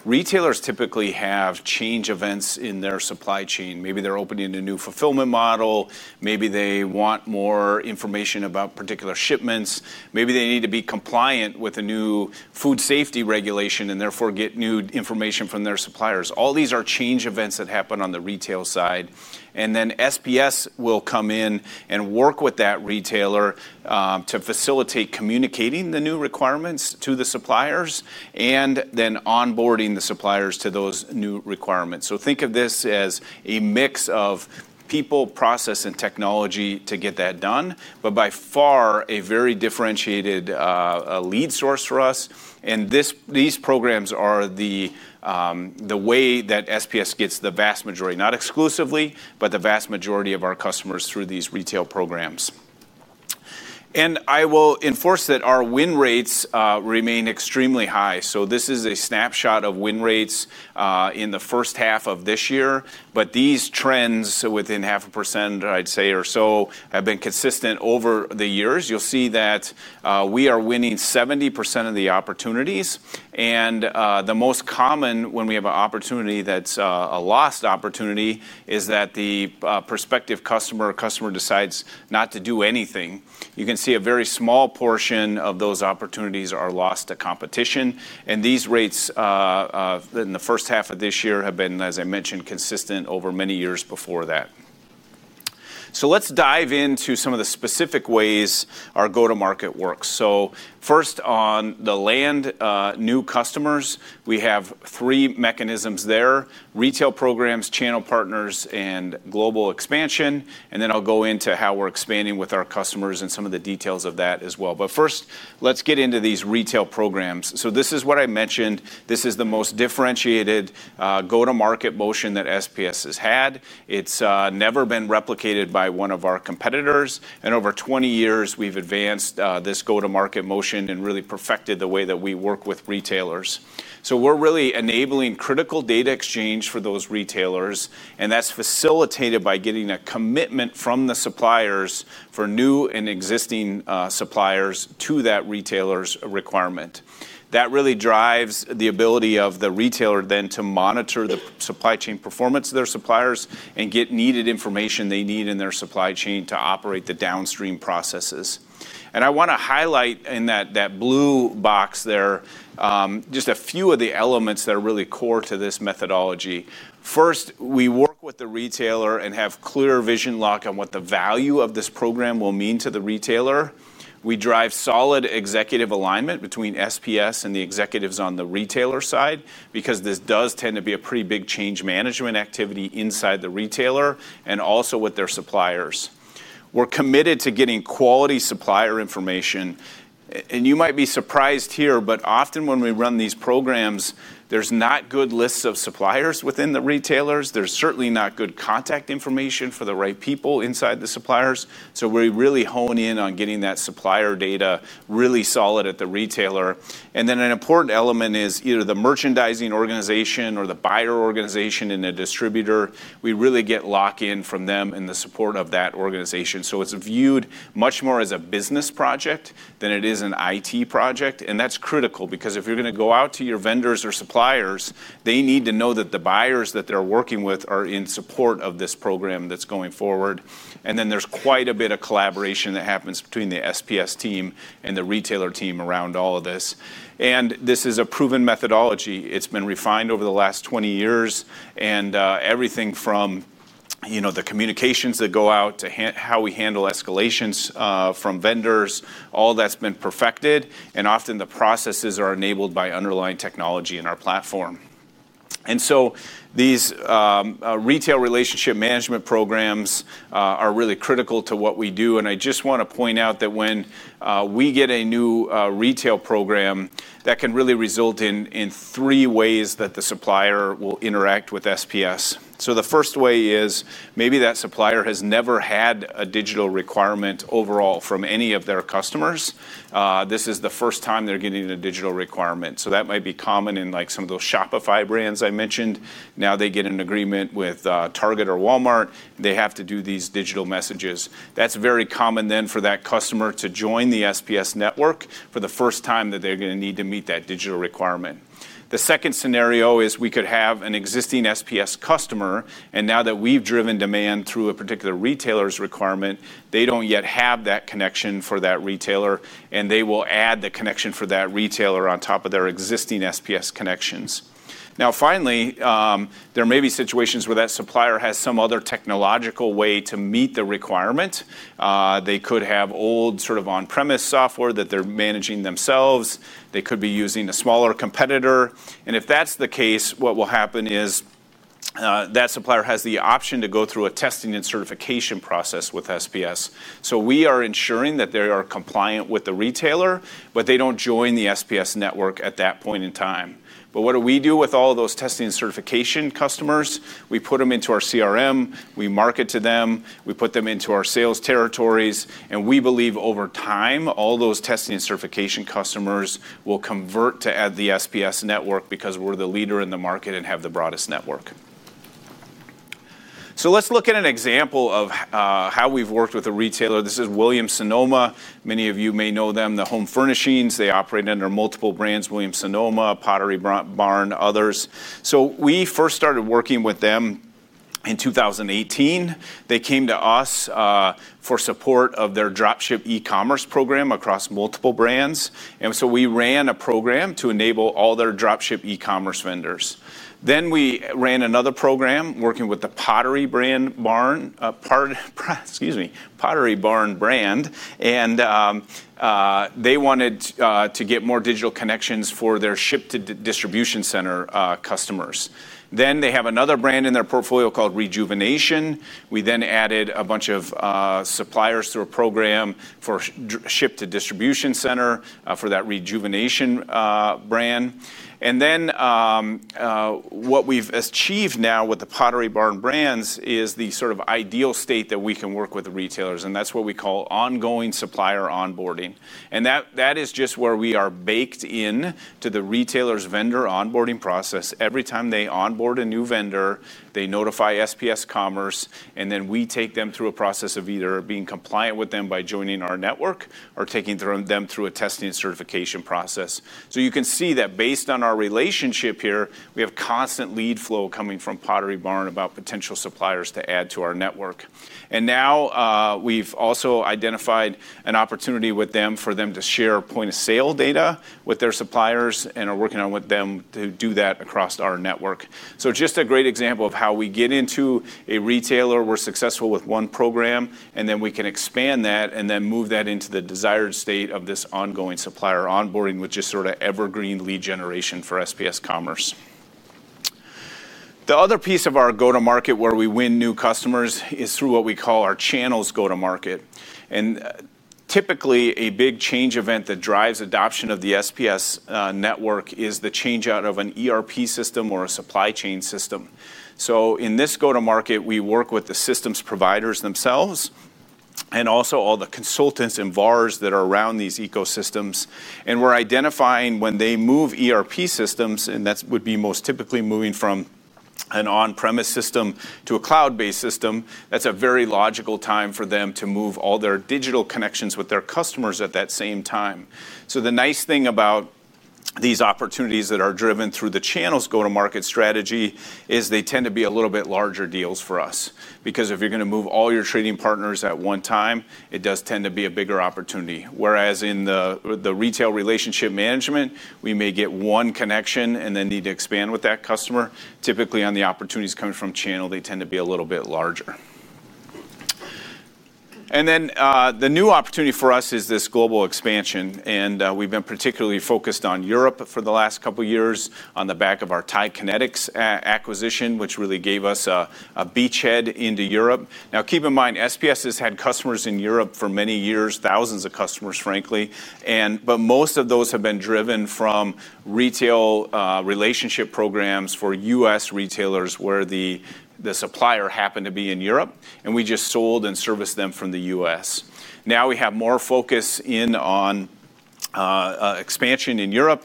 Retailers typically have change events in their supply chain. Maybe they're opening a new fulfillment model. Maybe they want more information about particular shipments. Maybe they need to be compliant with a new food safety regulation and therefore get new information from their suppliers. All these are change events that happen on the retail side. SPS will come in and work with that retailer to facilitate communicating the new requirements to the suppliers and then onboarding the suppliers to those new requirements. Think of this as a mix of people, process, and technology to get that done. By far, a very differentiated lead source for us. These programs are the way that SPS gets the vast majority, not exclusively, but the vast majority of our customers through these retail programs. I will enforce that our win rates remain extremely high. This is a snapshot of win rates in the first half of this year. These trends, within half a percentage, I'd say, or so, have been consistent over the years. You'll see that we are winning 70% of the opportunities. The most common, when we have an opportunity that's a lost opportunity, is that the prospective customer or customer decides not to do anything. You can see a very small portion of those opportunities are lost to competition. These rates in the first half of this year have been, as I mentioned, consistent over many years before that. Let's dive into some of the specific ways our go to market works. First, on the land, new customers. We have three mechanisms there: retail programs, channel partners, and global expansion. I'll go into how we're expanding with our customers and some of the details of that as well. First, let's get into these retail programs. This is what I mentioned. This is the most differentiated go to market motion that SPS has had. It's never been replicated by one of our competitors. Over 20 years we've advanced this go to market motion and really perfected the way that we work with retailers. We're really enabling critical data exchange for those retailers. That's facilitated by getting a commitment from the suppliers for new and existing suppliers to that retailer's requirement. That really drives the ability of the retailer to monitor the supply chain performance of their suppliers and get needed information they need in their supply chain to operate the downstream processes. I want to highlight in that blue box there just a few of the elements that are really core to this methodology. First, we work with the retailer and have clear vision lock on what the value of this program will mean to the retailer. We drive solid executive alignment between SPS and the executives on the retailer side because this does tend to be a pretty big change management activity inside the retailer and also with their suppliers. We're committed to getting quality supplier information. You might be surprised here, but often when we run these programs, there's not good lists of suppliers within the retailers. There's certainly not good contact information for the right people inside the suppliers. We really hone in on getting that supplier data really solid at the retailer. An important element is either the merchandising organization or the buyer organization and the distributor. We really get lock in from them and the support of that organization. It's viewed much more as a business project than it is an IT project. That's critical because if you're going to go out to your vendors or suppliers, they need to know that the buyers that they're working with are in support of this program that's going forward. There's quite a bit of collaboration that happens between the SPS team and the retailer team around all of this. This is a proven methodology. It's been refined over the last 20 years and everything from the communications that go out to how we handle escalations from vendors, all that's been perfected. Often the processes are enabled by underlying technology in our platform. These retail relationship management programs are really critical to what we do. I just want to point out that when we get a new retail program, that can really result in three ways that the supplier will interact with SPS. The first way is maybe that supplier has never had a digital requirement overall from any of their customers. This is the first time they're getting a digital requirement. That might be common in some of those Shopify brands I mentioned. Now they get an agreement with Target or Walmart, they have to do these digital messages. That's very common. For that customer to join the SPS network for the first time, they're going to need to meet that digital requirement. The second scenario is we could have an existing SPS customer, and now that we've driven demand through a particular retailer's requirement, they don't yet have that connection for that retailer, and they will add the connection for that retailer on top of their existing SPS connections. Finally, there may be situations where that supplier has some other technological way to meet the requirement. They could have old sort of on-premise software that they're managing themselves. They could be using a smaller competitor. If that's the case, what will happen is that supplier has the option to go through a testing and certification process with SPS. We are ensuring that they are compliant with the retailer, but they don't join the SPS network at that point in time. What do we do with all those testing and certification customers? We put them into our CRM, we market to them, we put them into our sales territories. We believe over time all those testing and certification customers will convert to add the SPS network because we're the leader in the market and have the broadest network. Let's look at an example of how we've worked with a retailer. This is Williams-Sonoma. Many of you may know them, the home furnishings company. They operate under multiple brands: Williams-Sonoma, Pottery Barn, others. We first started working with them in 2018. They came to us for support of their dropship e-commerce program across multiple brands, and we ran a program to enable all their dropship e-commerce vendors. We ran another program working with the Pottery Barn brand, and they wanted to get more digital connections for their ship-to-distribution center customers. They have another brand in their portfolio called Rejuvenation. We then added a bunch of suppliers through a program for ship-to-distribution center for that Rejuvenation brand. What we've achieved now with the Pottery Barn brands is the sort of ideal state that we can work with the retailers, and that's what we call ongoing supplier onboarding. That is just where we are baked in to the retailer's vendor onboarding process. Every time they onboard a new vendor, they notify SPS and then we take them through a process of either being compliant with them by joining our network or taking them through a testing certification process. You can see that based on our relationship here, we have constant lead flow coming from Pottery Barn about potential suppliers to add to our network. We have also identified an opportunity with them for them to share point of sale data with their suppliers and are working with them to do that across our network. This is just a great example of how we get into a retailer. We're successful with one program and then we can expand that and move that into the desired state of this ongoing supplier onboarding, which is sort of evergreen lead generation for SPS Commerce. The other piece of our go to market where we win new customers is through what we call our channels go to market. Typically, a big change event that drives adoption of the SPS network is the change out of an ERP system or a supply chain system. In this go to market, we work with the systems providers themselves and also all the consultants and VARs that are around these ecosystems. We're identifying when they move ERP systems and that would be most typically moving from an on-premise system to a cloud-based system. That's a very logical time for them to move all their digital connections with their customers at that same time. The nice thing about these opportunities that are driven through the channels go to market strategy is they tend to be a little bit larger deals for us because if you're going to move all your trading partners at one time, it does tend to be a bigger opportunity. Whereas in the retail relationship management, we may get one connection and then need to expand with that customer. Typically, on the opportunities coming from channel, they tend to be a little bit larger. The new opportunity for us is this global expansion. We have been particularly focused on Europe for the last couple years on the back of our TIE Kinetix acquisition, which really gave us a beachhead into Europe. Keep in mind, SPS has had customers in Europe for many years, thousands of customers frankly, but most of those have been driven from retail relationship programs for U.S. retailers where the supplier happened to be in Europe and we just sold and serviced them from the U.S. Now we have more focus in on expansion in Europe.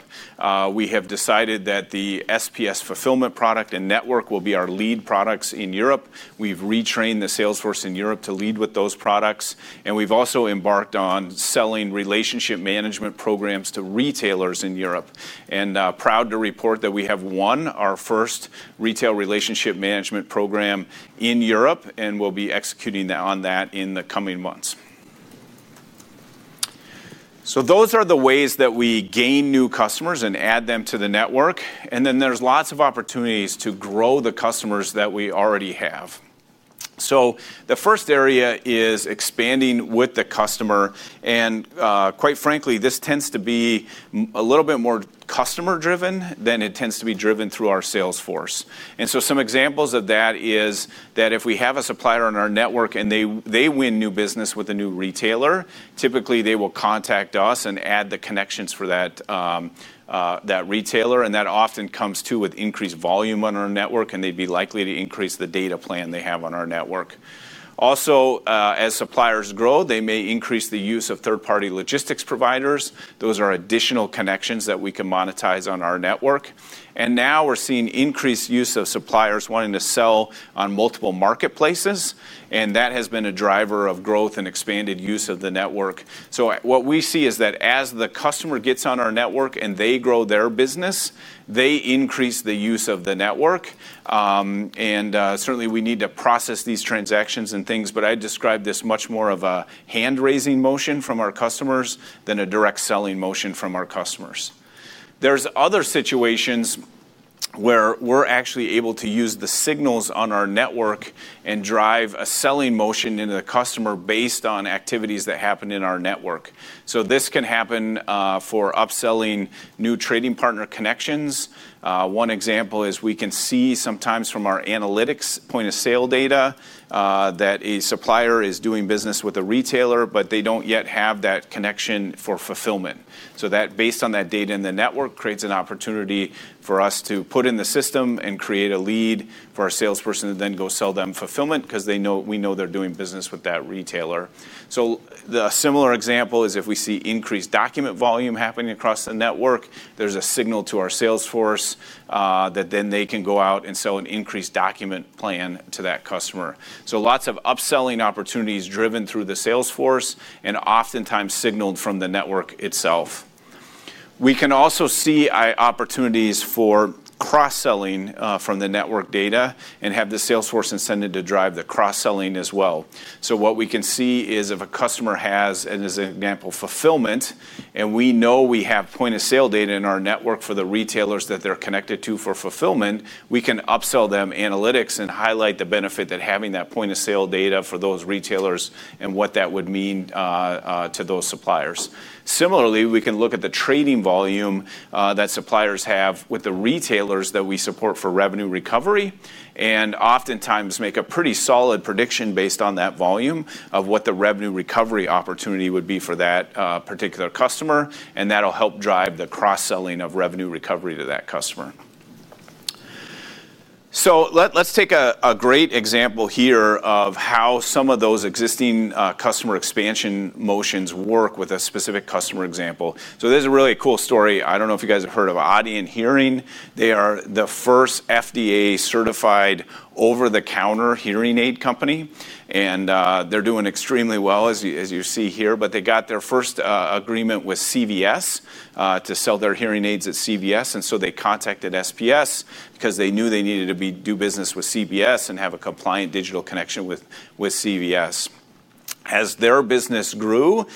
We have decided that the SPS fulfillment product and network will be our lead products in Europe. We've retrained the sales force in Europe to lead with those products. We've also embarked on selling retail relationship management programs to retailers in Europe. I'm proud to report that we have won our first retail relationship management program in Europe and we'll be executing on that in the coming months. Those are the ways that we gain new customers and add them to the network. There are lots of opportunities to grow the customers that we already have. The first area is expanding with the customer. Quite frankly, this tends to be a little bit more customer driven than it tends to be driven through our sales force. Some examples of that are that if we have a supplier on our network and they win new business with a new retailer, typically they will contact us and add the connections for that retailer. That often comes with increased volume on our network and they'd be likely to increase the data plan they have on our network. Also, as suppliers grow, they may increase the use of third party logistics providers. Those are additional connections that we can monetize on our network. We are now seeing increased use of suppliers wanting to sell on multiple marketplaces. That has been a driver of growth and expanded use of the network. What we see is that as the customer gets on our network and they grow their business, they increase the use of the network. Certainly we need to process these transactions and things, but I describe this much more as a hand raising motion from our customers than a direct selling motion from our customers. There are other situations where we're actually able to use the signals on our network and drive a selling motion into the customer based on activities that happen in our network. This can happen for upselling new trading partner connections. One example is we can see sometimes from our analytics point of sale data that a supplier is doing business with a retailer, but they don't yet have that connection for fulfillment. Based on that data in the network, it creates an opportunity for us to put in the system and create a lead for our salesperson to then go sell them fulfillment because we know they're doing business with that retailer. A similar example is if we see increased document volume happening across the network, there's a signal to our sales force that they can go out and sell an increased document plan to that customer. There are lots of upselling opportunities driven through the sales force and oftentimes signaled from the network itself. We can also see opportunities for cross selling from the network data and have the sales force incentivized to drive the cross selling as well. What we can see is if a customer has, as an example, fulfillment, and we know we have point of sale data in our network for the retailers that they're connected to for fulfillment, we can upsell them analytics and highlight the benefit of having that point of sale data for those retailers and what that would mean to those suppliers. Similarly, we can look at the trading volume that suppliers have with the retailers that we support for revenue recovery and oftentimes make a pretty solid prediction based on that volume of what the revenue recovery opportunity would be for that particular customer, and that'll help drive the cross selling of revenue recovery to that customer. Let's take a great example here of how some of those existing customer expansion motions work with a specific customer example. There's a really cool story. I don't know if you guys have heard of Audien Hearing. They are the first FDA certified over-the-counter hearing aid company, and they're doing extremely well as you see here. They got their first agreement with CVS to sell their hearing aids at CVS, and they contacted SPS because they knew they needed to do business with CVS and have a compliant digital connection with CVS. As their business grew,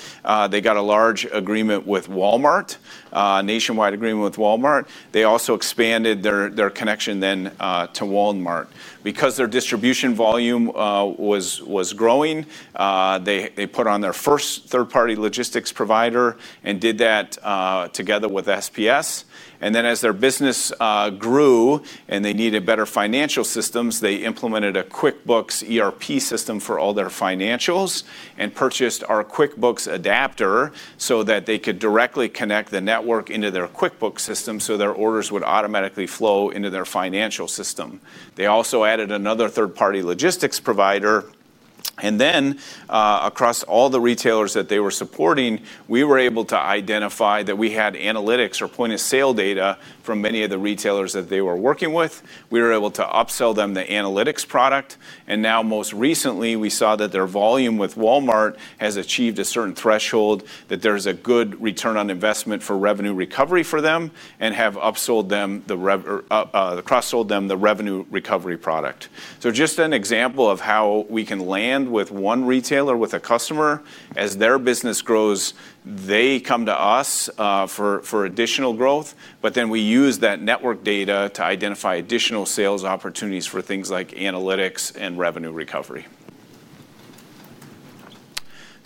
they got a large agreement with Walmart, a nationwide agreement with Walmart. They also expanded their connection then to Walmart because their distribution volume was growing. They put on their first third-party logistics provider and did that together with SPS. As their business grew and they needed better financial systems, they implemented a QuickBooks ERP system for all their financials and purchased our QuickBooks adapter so that they could directly connect the network into their QuickBooks system so their orders would automatically flow into their financial system. They also added another third party logistics provider, and then across all the retailers that they were supporting, we were able to identify that we had analytics or point of sale data from many of the retailers that they were working with. We were able to upsell them the analytics product, and now most recently we saw that their volume with Walmart has achieved a certain threshold that there's a good return on investment for revenue recovery for them and have upsold them the revenue recovery product. This is just an example of how we can land with one retailer with a customer. As their business grows, they come to us for additional growth. We use that network data to identify additional sales opportunities for things like analytics and revenue recovery.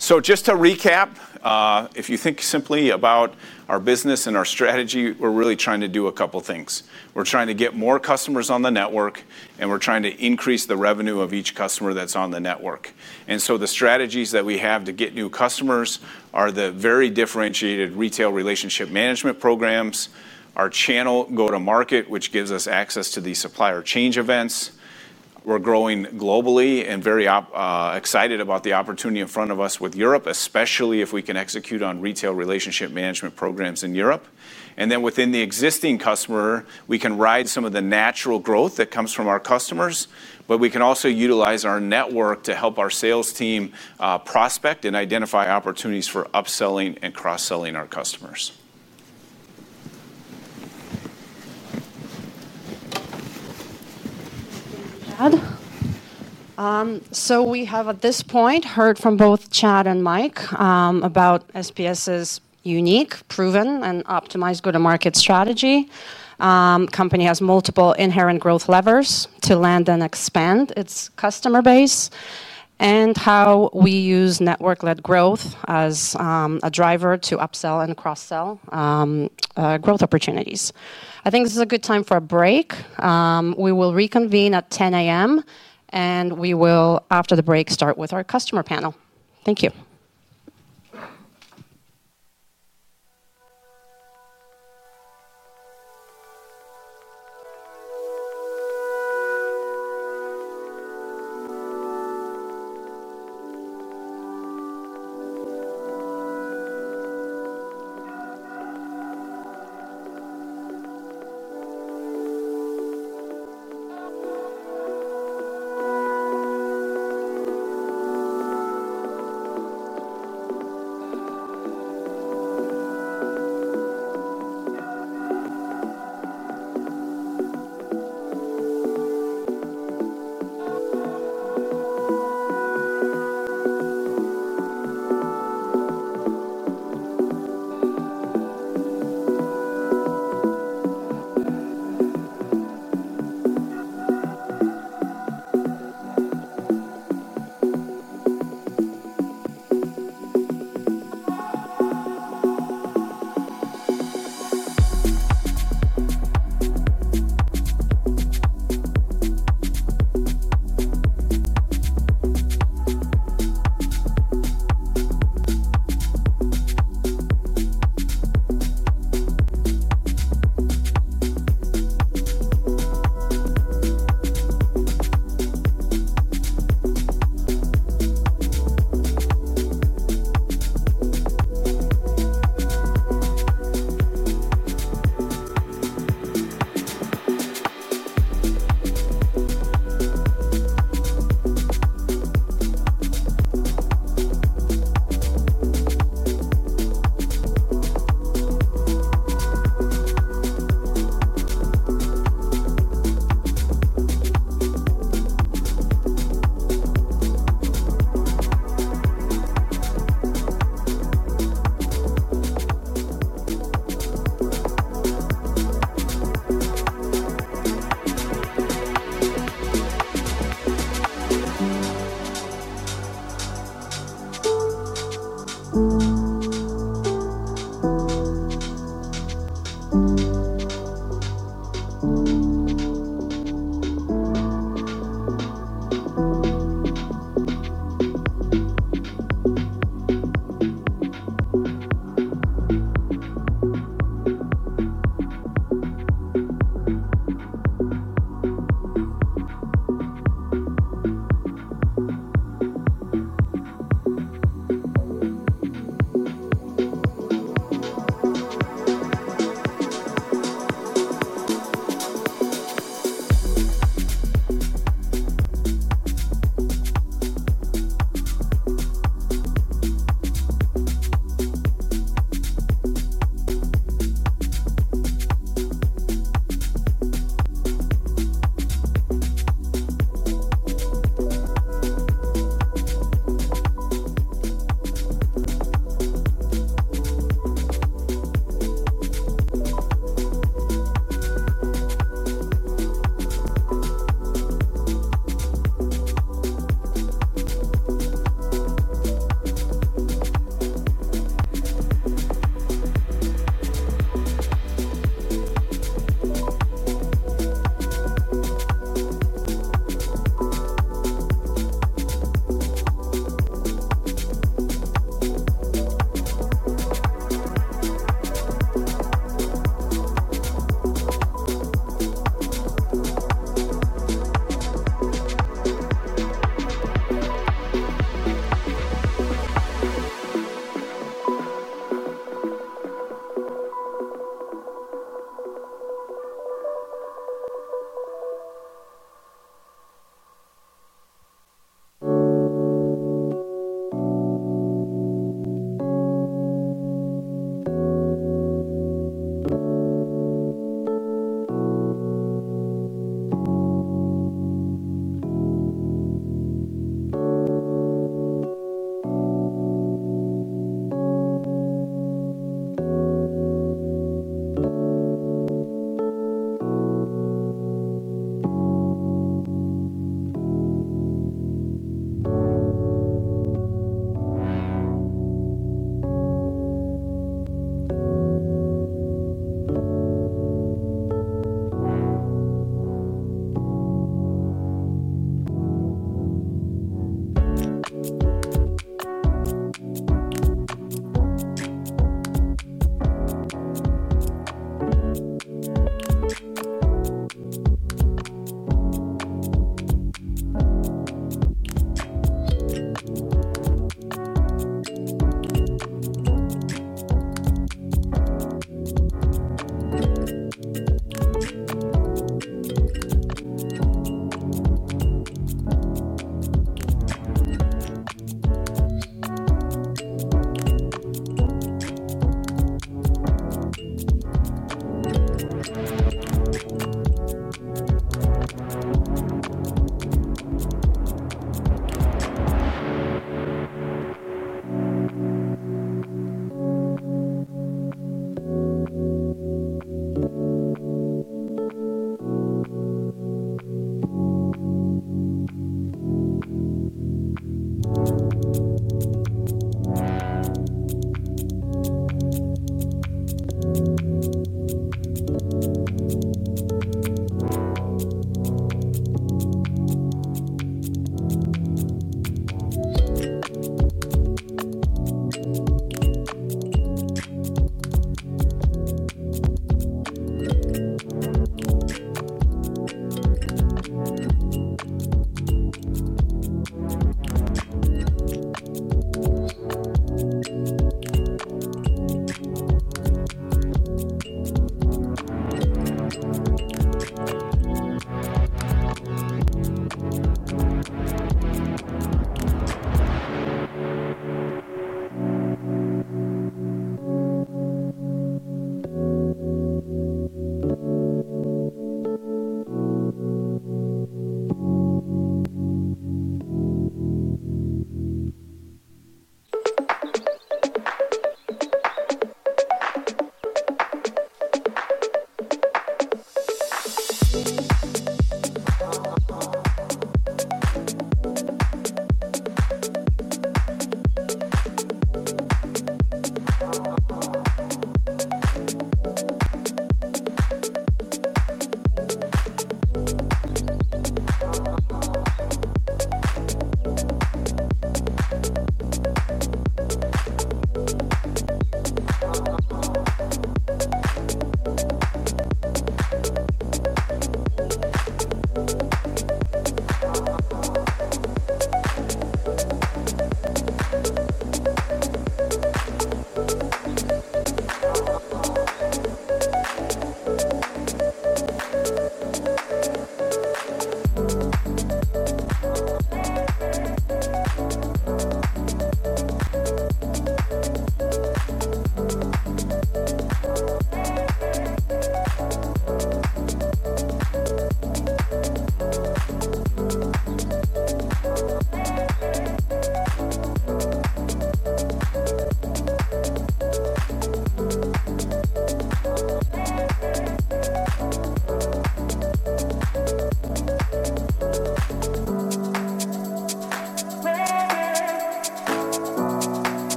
To recap, if you think simply about our business and our strategy, we're really trying to do a couple things. We're trying to get more customers on the network, and we're trying to increase the revenue of each customer that's on the network. The strategies that we have to get new customers are the very differentiated retail relationship management programs. Our channel go to market gives us access to these supplier change events. We're growing globally and very excited about the opportunity in front of us with Europe, especially if we can execute on retail relationship management programs in Europe. Within the existing customer, we can ride some of the natural growth that comes from our customers, but we can also utilize our network to help our sales team prospect and identify opportunities for upselling and cross selling our customers. At this point, we have heard from both Chad and Mike about SPS's unique, proven, and optimized go-to-market strategy. The company has multiple inherent growth levers to land and expand its customer base and how we use network-led growth as a driver to upsell and cross-sell growth opportunities. I think this is a good time for a break. We will reconvene at 10:00 A.M., and after the break, we will start with our customer panel. Thank you.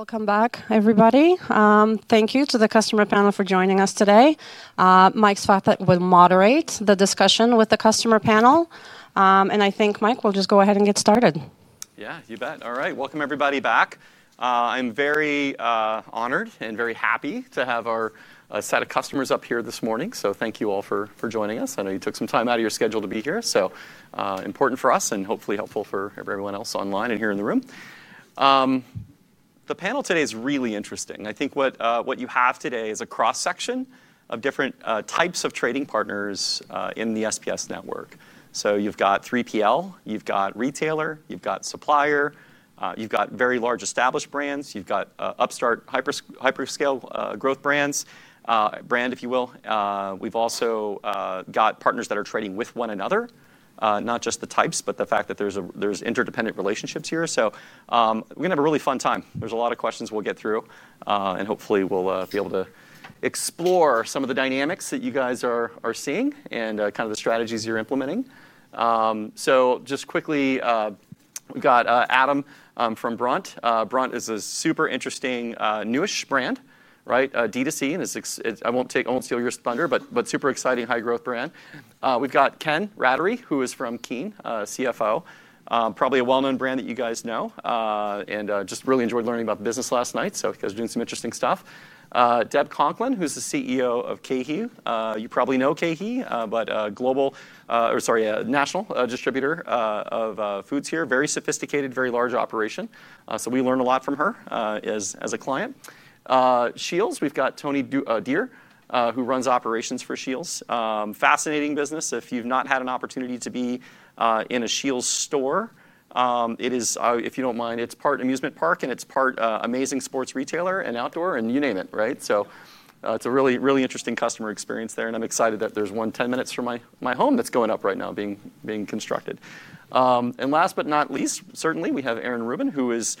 Welcome back everybody. Thank you to the customer panel for joining us today. Mike Svatek will moderate the discussion with the customer panel, and I think Mike will just go ahead and get started. Yeah, you bet. All right, welcome everybody back. I'm very honored and very happy to have our set of customers up here this morning. Thank you all for joining us. I know you took some time out of your schedule to be here. It's so important for us and hopefully helpful for everyone else online and here in the room. The panel today is really interesting. I think what you have today is a cross section of different types of trading partners in the SPS network. You've got 3PL, you've got retailer, you've got supplier, you've got very large established brands, you've got upstart, hyperscale growth brands, brand if you will. We've also got partners that are trading with one another, not just the types but the fact that there's interdependent relationships here. We're going to have a really fun time. There are a lot of questions we'll get through and hopefully we'll be able to explore some of the dynamics that you guys are seeing and kind of the strategies you're implementing. Just quickly, we've got Adam from BRUNT. BRUNT is a super interesting newish brand, right? D2C and it's, I won't steal your thunder, but super exciting, high growth brand. We've got Ken Ratterree who is from KEEN, CFO, probably a well-known brand that you guys know and just really enjoyed learning about business last night. You guys are doing some interesting stuff. Deb Conklin, who's the CEO of KeHE, you probably know KeHE, but nationally a distributor of foods here, very sophisticated, very large operation. We learn a lot from her as a client. Scheels, we've got Tony Duerr who runs operations for Scheels. Fascinating business. If you've not had an opportunity to be in a Scheels store, it is, if you don't mind, it's part amusement park and it's part amazing sports retailer and outdoor and you name it, right? It's a really, really interesting customer experience there. I'm excited that there's one ten minutes from my home that's going up right now. Last but not least, certainly we have Aaron Rubin who is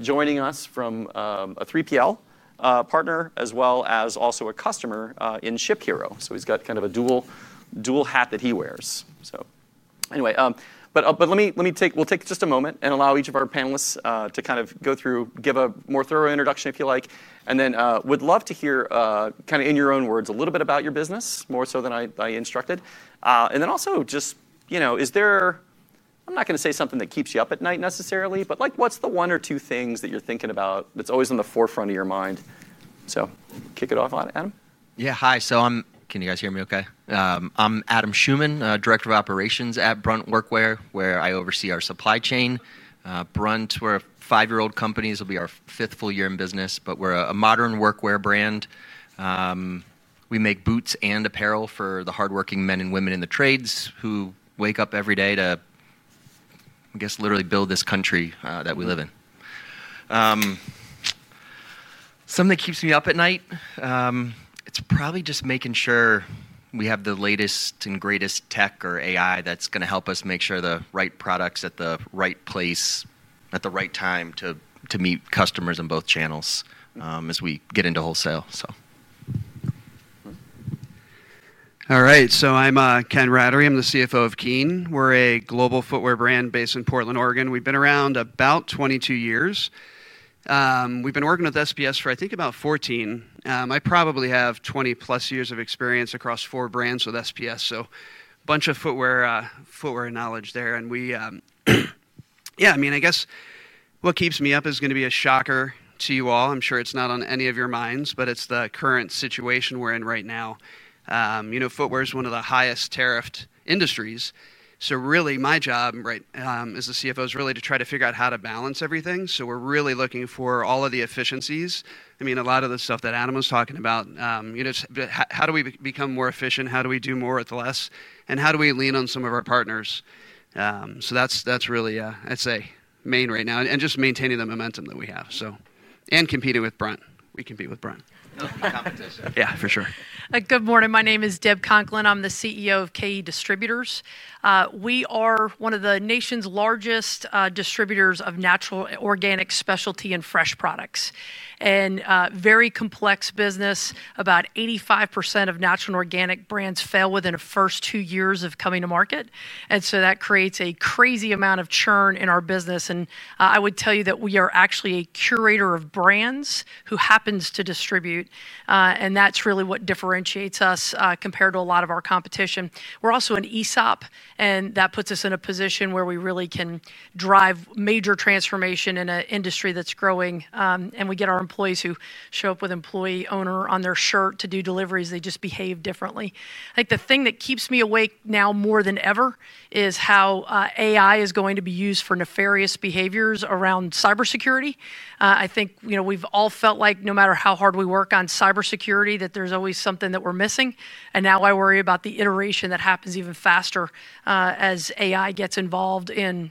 joining us from a 3PL partner as well as also a customer in ShipHero. He's got kind of a dual hat that he wears. Let me take just a moment and allow each of our panelists to go through, give a more thorough introduction if you like, and then would love to hear in your own words a little bit about your business, more so than I instructed. Also, just, you know, is there, I'm not going to say something that keeps you up at night necessarily, but what's the one or two things that you're thinking about that's always on the forefront of your mind? Kick it off on Adam. Yeah. I'm Adam Shuman, Director of Operations at BRUNT Workwear where I oversee our supply chain. BRUNT, we're a five-year-old company. This will be our fifth full year in business. We're a modern workwear brand. We make boots and apparel for the hard-working men and women in the trades who wake up every day to, I guess, literally build this country that we live in. Something that keeps me up at night is probably just making sure we have the latest and greatest tech or AI that's going to help us make sure the right products are at the right place at the right time to meet customers in both channels as we get into wholesale. So. All right, so I'm Ken Ratterree, I'm the CFO of KEEN. We're a global footwear brand based in Portland, Oregon. We've been around about 22 years. We've been working with SPS for I think about 14. I probably have 20+ years of experience across four brands with SPS. So bunch of footwear, footwear knowledge there. I mean, I guess what keeps me up is going to be a shocker to you all. I'm sure it's not on any of your minds, but it's the current situation we're in right now. You know, footwear is one of the highest tariff industries. Really my job right as the CFO is really to try to figure out how to balance everything. We're really looking for all of the efficiencies. A lot of the stuff that Adam was talking about, you know, how do we become more efficient, how do we do more at the last and how do we lean on some of our partners. That's really, I'd say main right now and just maintaining the momentum that we have and competing with BRUNT. We compete with BRUNT. Yeah, for sure. Good morning. My name is Deb Conklin. I'm the CEO of KeHE Distributors. We are one of the nation's largest distributors of natural, organic, specialty, and fresh products and a very complex business. About 85% of natural organic brands fail within the first two years of coming to market, which creates a crazy amount of churn in our business. I would tell you that we are actually a curator of brands who happens to distribute, and that's really what differentiates us compared to a lot of our competition. We're also an ESOP, which puts us in a position where we really can drive major transformation in an industry that's growing. We get our employees who show up with employee owner on their shirt to do deliveries. They just behave differently. The thing that keeps me awake now more than ever is how AI is going to be used for nefarious behaviors around cybersecurity. I think we've all felt like no matter how hard we work on cybersecurity, there's always something that we're missing. Now I worry about the iteration that happens even faster as AI gets involved in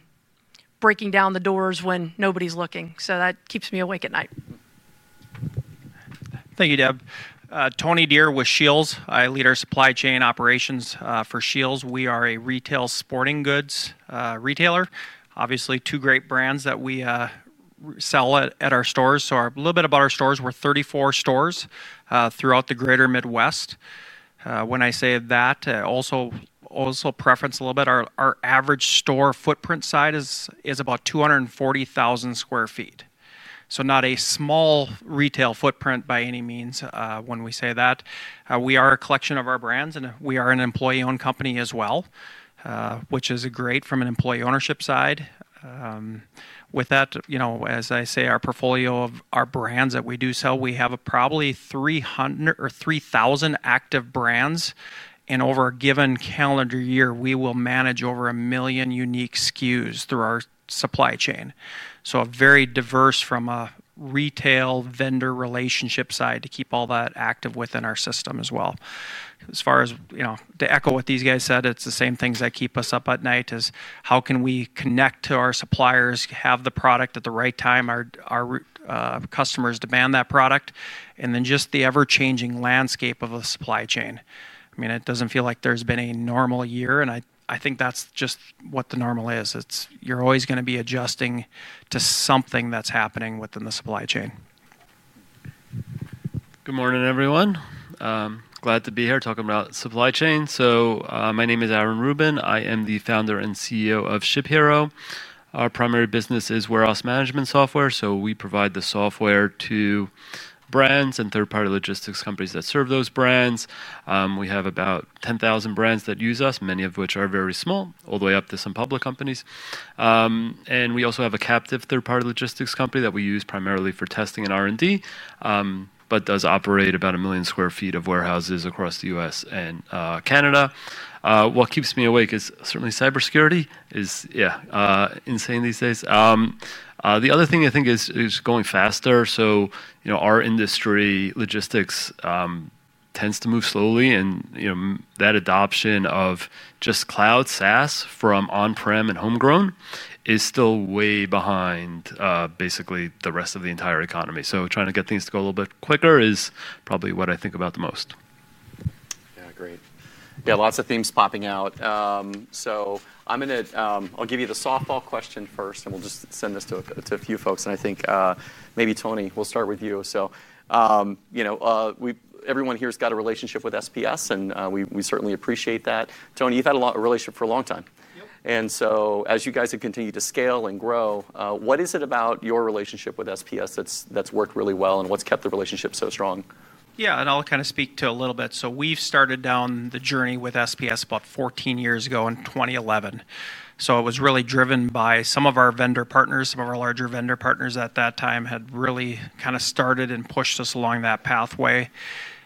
breaking down the doors when nobody's looking. That keeps me awake at night. Thank you, Deb. Tony Duerr with Scheels. I lead our supply chain operations for Scheels. We are a retail sporting goods retailer. Obviously, two great brands that we sell at our stores. A little bit about our stores: we're 34 stores throughout the greater Midwest. When I say that, I also preface a little bit. Our average store footprint size is about 240,000 sq ft, so not a small retail footprint by any means. When we say that we are a collection of our brands and we are an employee-owned company as well, which is great from an employee ownership side. With that, as I say, our portfolio of our brands that we do sell, we have probably 300 or 3,000 active brands, and over a given calendar year we will manage over a million unique SKUs through our supply chain. Very diverse from a retail vendor relationship side to keep all that active within our system as well. As far as, to echo what these guys said, it's the same things that keep us up at night: how can we connect to our suppliers, have the product at the right time, our customers demand that product. Just the ever-changing landscape of a supply chain, it doesn't feel like there's been a normal year. I think that's just what the normal is. You're always going to be adjusting to something that's happening within the supply chain. Good morning everyone. Glad to be here talking about supply chain. My name is Aaron Rubin. I am the Founder and CEO of ShipHero. Our primary business is warehouse management software. We provide the software to brands and third party logistics companies that serve those brands. We have about 10,000 brands that use us, many of which are very small, all the way up to some public companies. We also have a captive third party logistics company that we use primarily for testing and R&D, but it does operate about a million square feet of warehouses across the U.S. and Canada. What keeps me awake is certainly cybersecurity is insane these days. The other thing I think is going faster. Our industry logistics tends to move slowly and that adoption of just cloud SaaS from on-prem and homegrown is still way behind basically the rest of the entire economy. Trying to get things to go a little bit quicker is probably what I think of about the most. Yeah, great. Yeah, lots of themes popping out. I'm going to give you the softball question first and we'll just send this to a few folks. I think maybe Tony, we'll start with you. Everyone here has got a relationship with SPS and we certainly appreciate that. Tony, you've had a relationship for a long time and as you guys have continued to scale and grow, what is it about your relationship with SPS that's worked really well and what's kept the relationship so strong? Yeah, I'll kind of speak to a little bit. We've started down the journey with SPS about 14 years ago in 2011. It was really driven by some of our vendor partners. Some of our larger vendor partners at that time had really kind of started and pushed us along that pathway,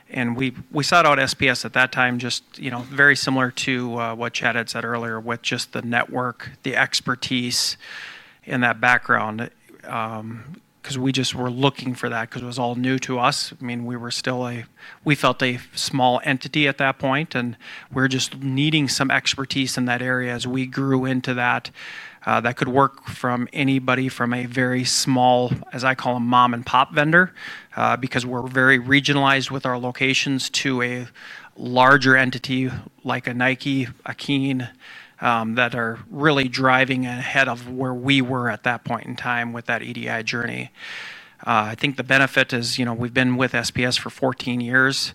and we sought out SPS at that time, just, you know, very similar to what Chad had said earlier with just the network, the expertise in that background, because we just were looking for that because it was all new to us. I mean, we were still a, we felt a small entity at that point and were just needing some expertise in that area. As we grew into that, that could work from anybody from a very small, as I call them, mom and pop vendor, because we're very regionalized with our locations, to a larger entity like a Nike, a KEEN, that are really driving ahead of where we were at that point in time with that EDI journey. I think the benefit is, you know, we've been with SPS for 14 years.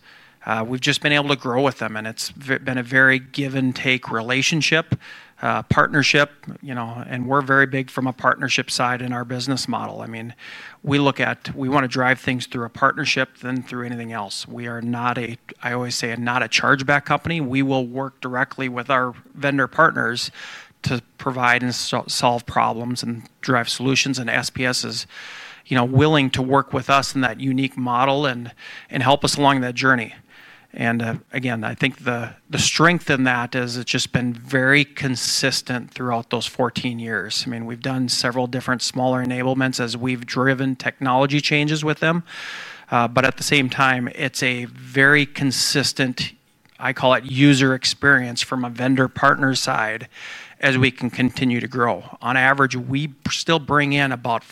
We've just been able to grow with them, and it's been a very give and take relationship, partnership, you know, and we're very big from a partnership side in our business model. I mean, we look at, we want to drive things through a partnership than through anything else. We are not a, I always say, not a chargeback company. We will work directly with our vendor partners to provide and solve problems and drive solutions. SPS is, you know, willing to work with us in that unique model and help us along that journey. I think the strength in that is it's just been very consistent throughout those 14 years. I mean, we've done several different smaller enablements as we've driven technology changes with them. At the same time, it's a very consistent, I call it, user experience from a vendor partner side. As we continue to grow, on average, we still bring in about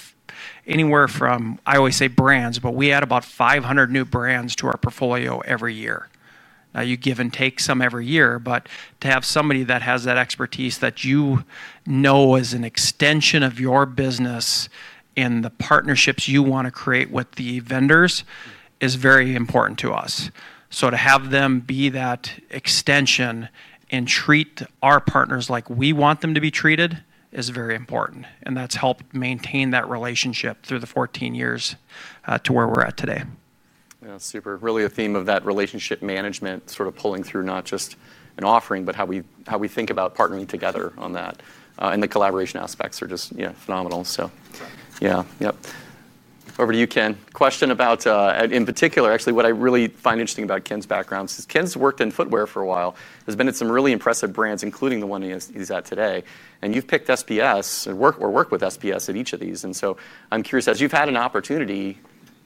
anywhere from, I always say brands, but we add about 500 new brands to our portfolio every year. You give and take some every year. To have somebody that has that expertise that you know is an extension of your business and the partnerships you want to create with the vendors is very important to us. To have them be that extension and treat our partners like we want them to be treated is very important. That's helped maintain that relationship through the 14 years to where we're at today. Super. Really a theme of that relationship management sort of pulling through, not just an offering, but how we think about partnering together on that. The collaboration aspects are just, you know, phenomenal. Yeah. Over to you, Ken. Question about, in particular, actually what I really find interesting about Ken's background is Ken's worked in footwear for a while. He's been at some really impressive brands, including the one he is at today. You've picked SPS or worked with SPS at each of these. I'm curious, as you've had an opportunity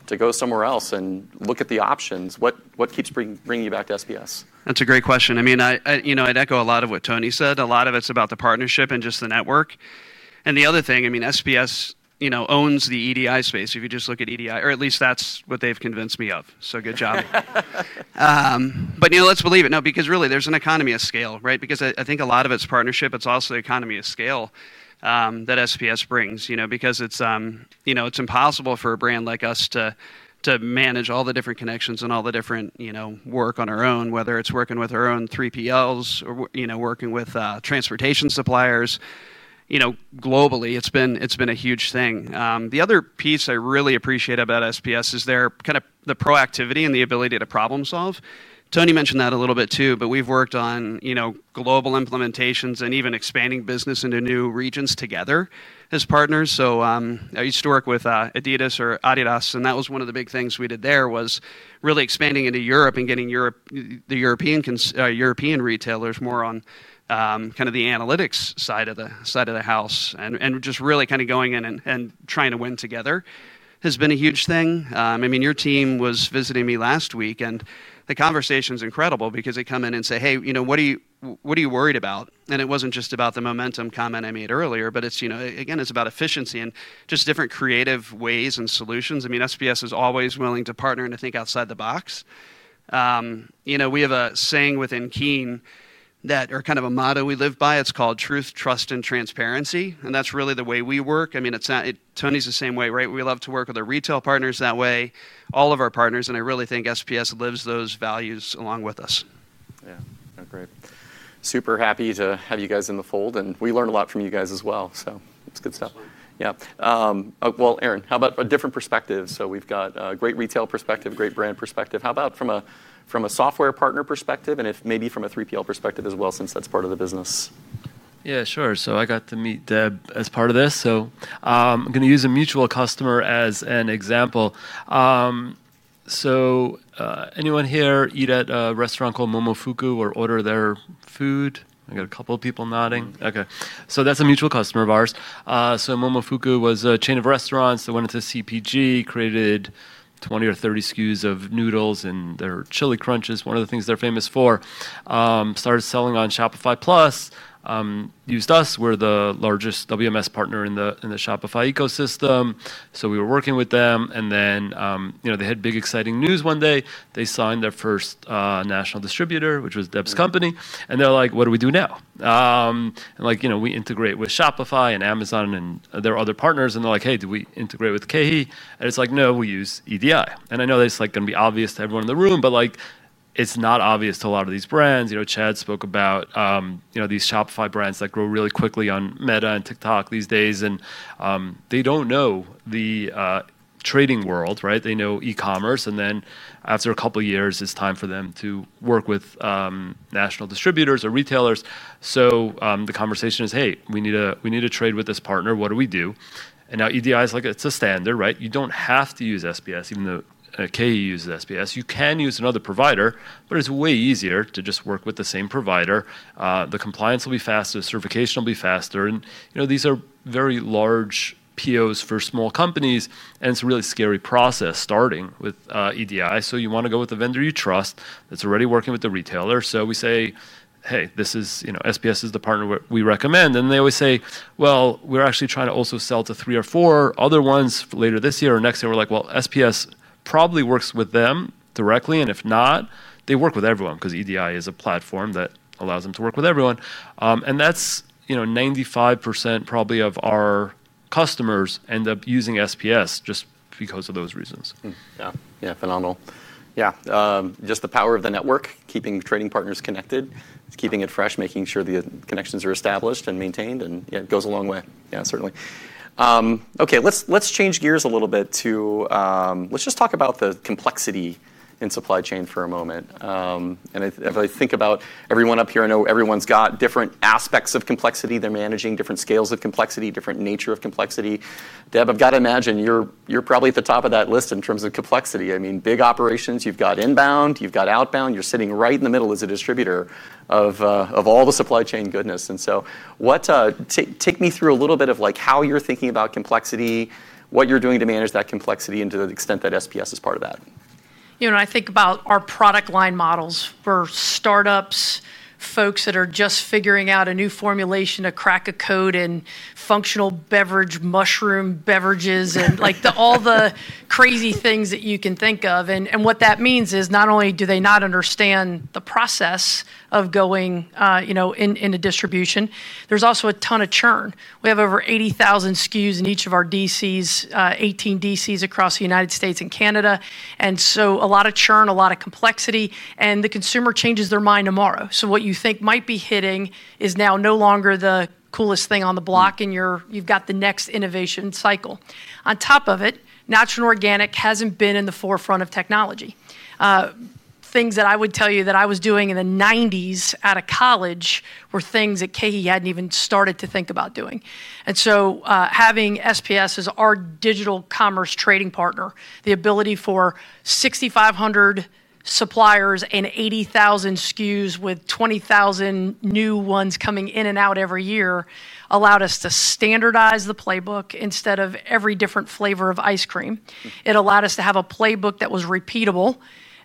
to go somewhere else and look at the options, what keeps bringing you back to SPS? That's a great question. I mean, I'd echo a lot of what Tony said. A lot of it's about the partnership and just the network and the other thing. I mean, SPS, you know, owns the EDI space. If you just look at EDI, or at least that's what they've convinced me of. Good job. You know, let's believe it. No, because really there's an economy of scale. Right. Because I think a lot of it's partnership. It's also the economy of scale that SPS brings, you know, because it's impossible for a brand like us to manage all the different connections and all the different work on our own, whether it's working with our own 3PLs or working with transportation suppliers globally. It's been a huge thing. The other piece I really appreciate about SPS is their proactivity and the ability to problem solve. Tony mentioned that a little bit too. We've worked on global implementations and even expanding business into new regions together as partners. I used to work with Adidas, and that was one of the big things we did there, really expanding into Europe and getting European retailers more on the analytics side of the house and just really going in and trying to win together has been a huge thing. I mean, your team was visiting me last week and the conversation is incredible because they come in and say, hey, you know, what are you worried about? It wasn't just about the momentum comment I made earlier, but it's about efficiency and just different creative ways and solutions. I mean, SPS is always willing to partner and to think outside the box. We have a saying within KEEN that is kind of a motto we live by. It's called truth, trust and transparency. That's really the way we work. Tony's the same way. Right. We love to work with our retail partners that way, all of our partners. I really think SPS lives those values along with us. Great. Super happy to have you guys in the fold. We learn a lot from you guys as well, so it's good stuff. Aaron, how about a different perspective? We've got a great retail perspective, great brand perspective. How about from a software partner perspective, and maybe from a 3PL perspective as well, since that's part of the business. Yeah, sure. I got to meet Deb as part of this, so I'm going to use a mutual customer as an example. Anyone here eat at a restaurant called Momofuku or order their food? I got a couple of people nodding. Okay, that's a mutual customer of ours. Momofuku was a chain of restaurants that went into CPG, created 20 or 30 SKUs of noodles and their chili crunches, one of the things they're famous for, started selling on Shopify Plus, used us. We're the largest WMS partner in the Shopify ecosystem. We were working with them and then they had big, exciting news. One, they signed their first national distributor, which was Deb's company, and they're like, what do we do now? Like, you know, we integrate with Shopify and Amazon and their other partners. They're like, hey, do we integrate with KeHE? It's like, no, we use EDI. I know that it's going to be obvious to everyone in the room, but it's not obvious to a lot of these brands. Chad spoke about these Shopify brands that grow really quickly on Meta and TikTok these days. They don't know the trading world. Right. They know e-commerce. After a couple years, it's time for them to work with national distributors or retailers. The conversation is, hey, we need to trade with this partner. What do we do? Now EDI is like, it's a standard. You don't have to use SPS, even though KE uses SPS. You can use another provider, but it's way easier to just work with the same provider. The compliance will be faster, certification will be faster. These are very large POS for small companies, and it's a really scary process, starting with EDI. You want to go with the vendor you trust that's already working with the retailer. We say, hey, this is, you know, SPS is the partner we recommend. They always say, we're actually trying to also sell to three or four other ones later this year or next year. SPS probably works with them directly, and if not, they work with everyone because EDI is a platform that allows them to work with everyone. That's, you know, 95% probably of our customers end up using SPS just because of those reasons. Yeah, yeah, phenomenal. The power of the network, keeping trading partners connected, keeping it fresh, making sure the connections are established and maintained. It goes a long way. Certainly. Let's change gears a little bit. Let's just talk about the complexity in supply chain for a moment. If I think about everyone up here, I know everyone's got different aspects of complexity. They're managing different scales of complexity, different nature of complexity. Deb, I've got to imagine you're probably at the top of that list in terms of complexity. I mean, big operations, you've got inbound, you've got outbound, you're sitting right in the middle as a distributor of all the supply chain goodness. Take me through a little bit of how you're thinking about complexity, what you're doing to manage that complexity. To the extent that SPS is part of that. You know, I think about our product line models for startups, folks that are just figuring out a new formulation to crack a code in functional beverage, mushroom beverages, and like all the crazy things that you can think of. What that means is not only do they not understand the process of going, you know, into distribution, there's also a ton of churn. We have over 80,000 SKUs in each of our DCs, 18 DCs across the United States and Canada. A lot of churn, a lot of complexity, and the consumer changes their mind tomorrow. What you think might be hitting is now no longer the coolest thing on the block and you've got the next innovation cycle on top of it. Natural organic hasn't been in the forefront of technology. Things that I would tell you that I was doing in the 1990s out of college were things that KeHE hadn't even started to think about doing. Having SPS as our digital commerce trading partner, the ability for 6,500 suppliers and 80,000 SKUs with 20,000 new ones coming in and out every year allowed us to standardize the playbook. Instead of every different flavor of ice cream, it allowed us to have a playbook that was repeatable.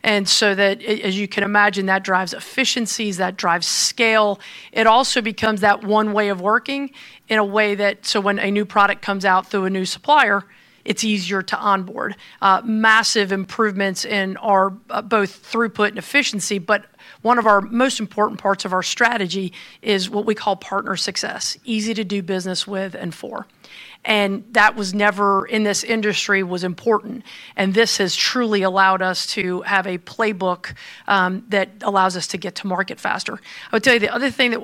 As you can imagine, that drives efficiencies, that drives scale. It also becomes that one way of working in a way that when a new product comes out through a new supplier, it's easier to onboard, massive improvements in both our throughput and efficiency. One of our most important parts of our strategy is what we call partner success. Easy to do business with and for, and that was never in this industry was important. This has truly allowed us to have a playbook that allows us to get to market faster. The other thing that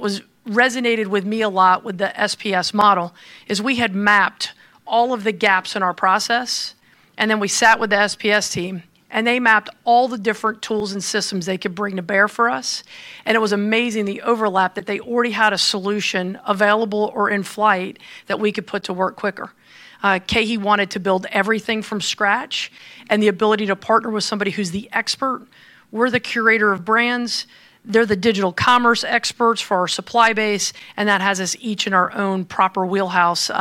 resonated with me a lot with the SPS model is we had mapped all of the gaps in our process and then we sat with the SPS team and they mapped all the different tools and systems they could bring to bear for us. It was amazing the overlap that they already had a solution available or in flight that we could put to work quicker. KeHE wanted to build everything from scratch and the ability to partner with somebody who's the expert. We're the curator of brands, they're the digital commerce experts for our supply base. That has us each in our own proper wheelhouse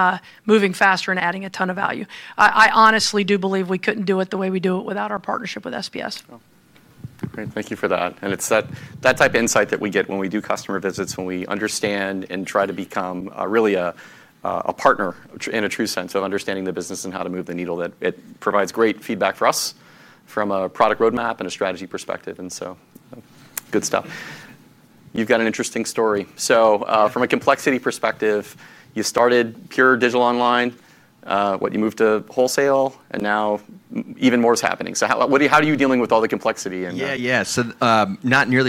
moving faster and adding a ton of value. I honestly do believe we couldn't do it the way we do it without our partnership with SPS. Thank you for that. It's that type of insight that we get when we do customer visits, when we understand and try to become really a partner in a true sense of understanding the business and how to move the needle. It provides great feedback for us from a product roadmap and a strategy perspective. Good stuff. You've got an interesting story. From a complexity perspective, you started pure digital online. You moved to wholesale and now even more is happening. How are you dealing with all the complexity? Nearly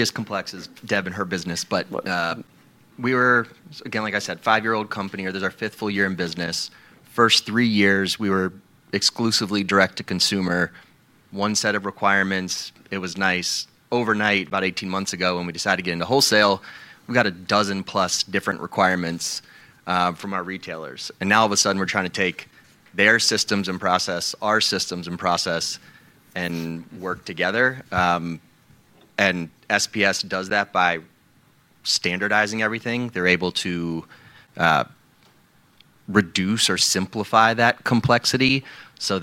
as complex as Deb and her business. Like I said, five-year-old company or this is our fifth full year in business. First three years we were exclusively direct to consumer, one set of requirements. It was nice overnight about 18 months ago when we decided to get into wholesale, we got a dozen plus different requirements from our retailers and now all of a sudden we're trying to take their systems and process our systems and process and work together. SPS does that by standardizing everything. They're able to reduce or simplify that complexity so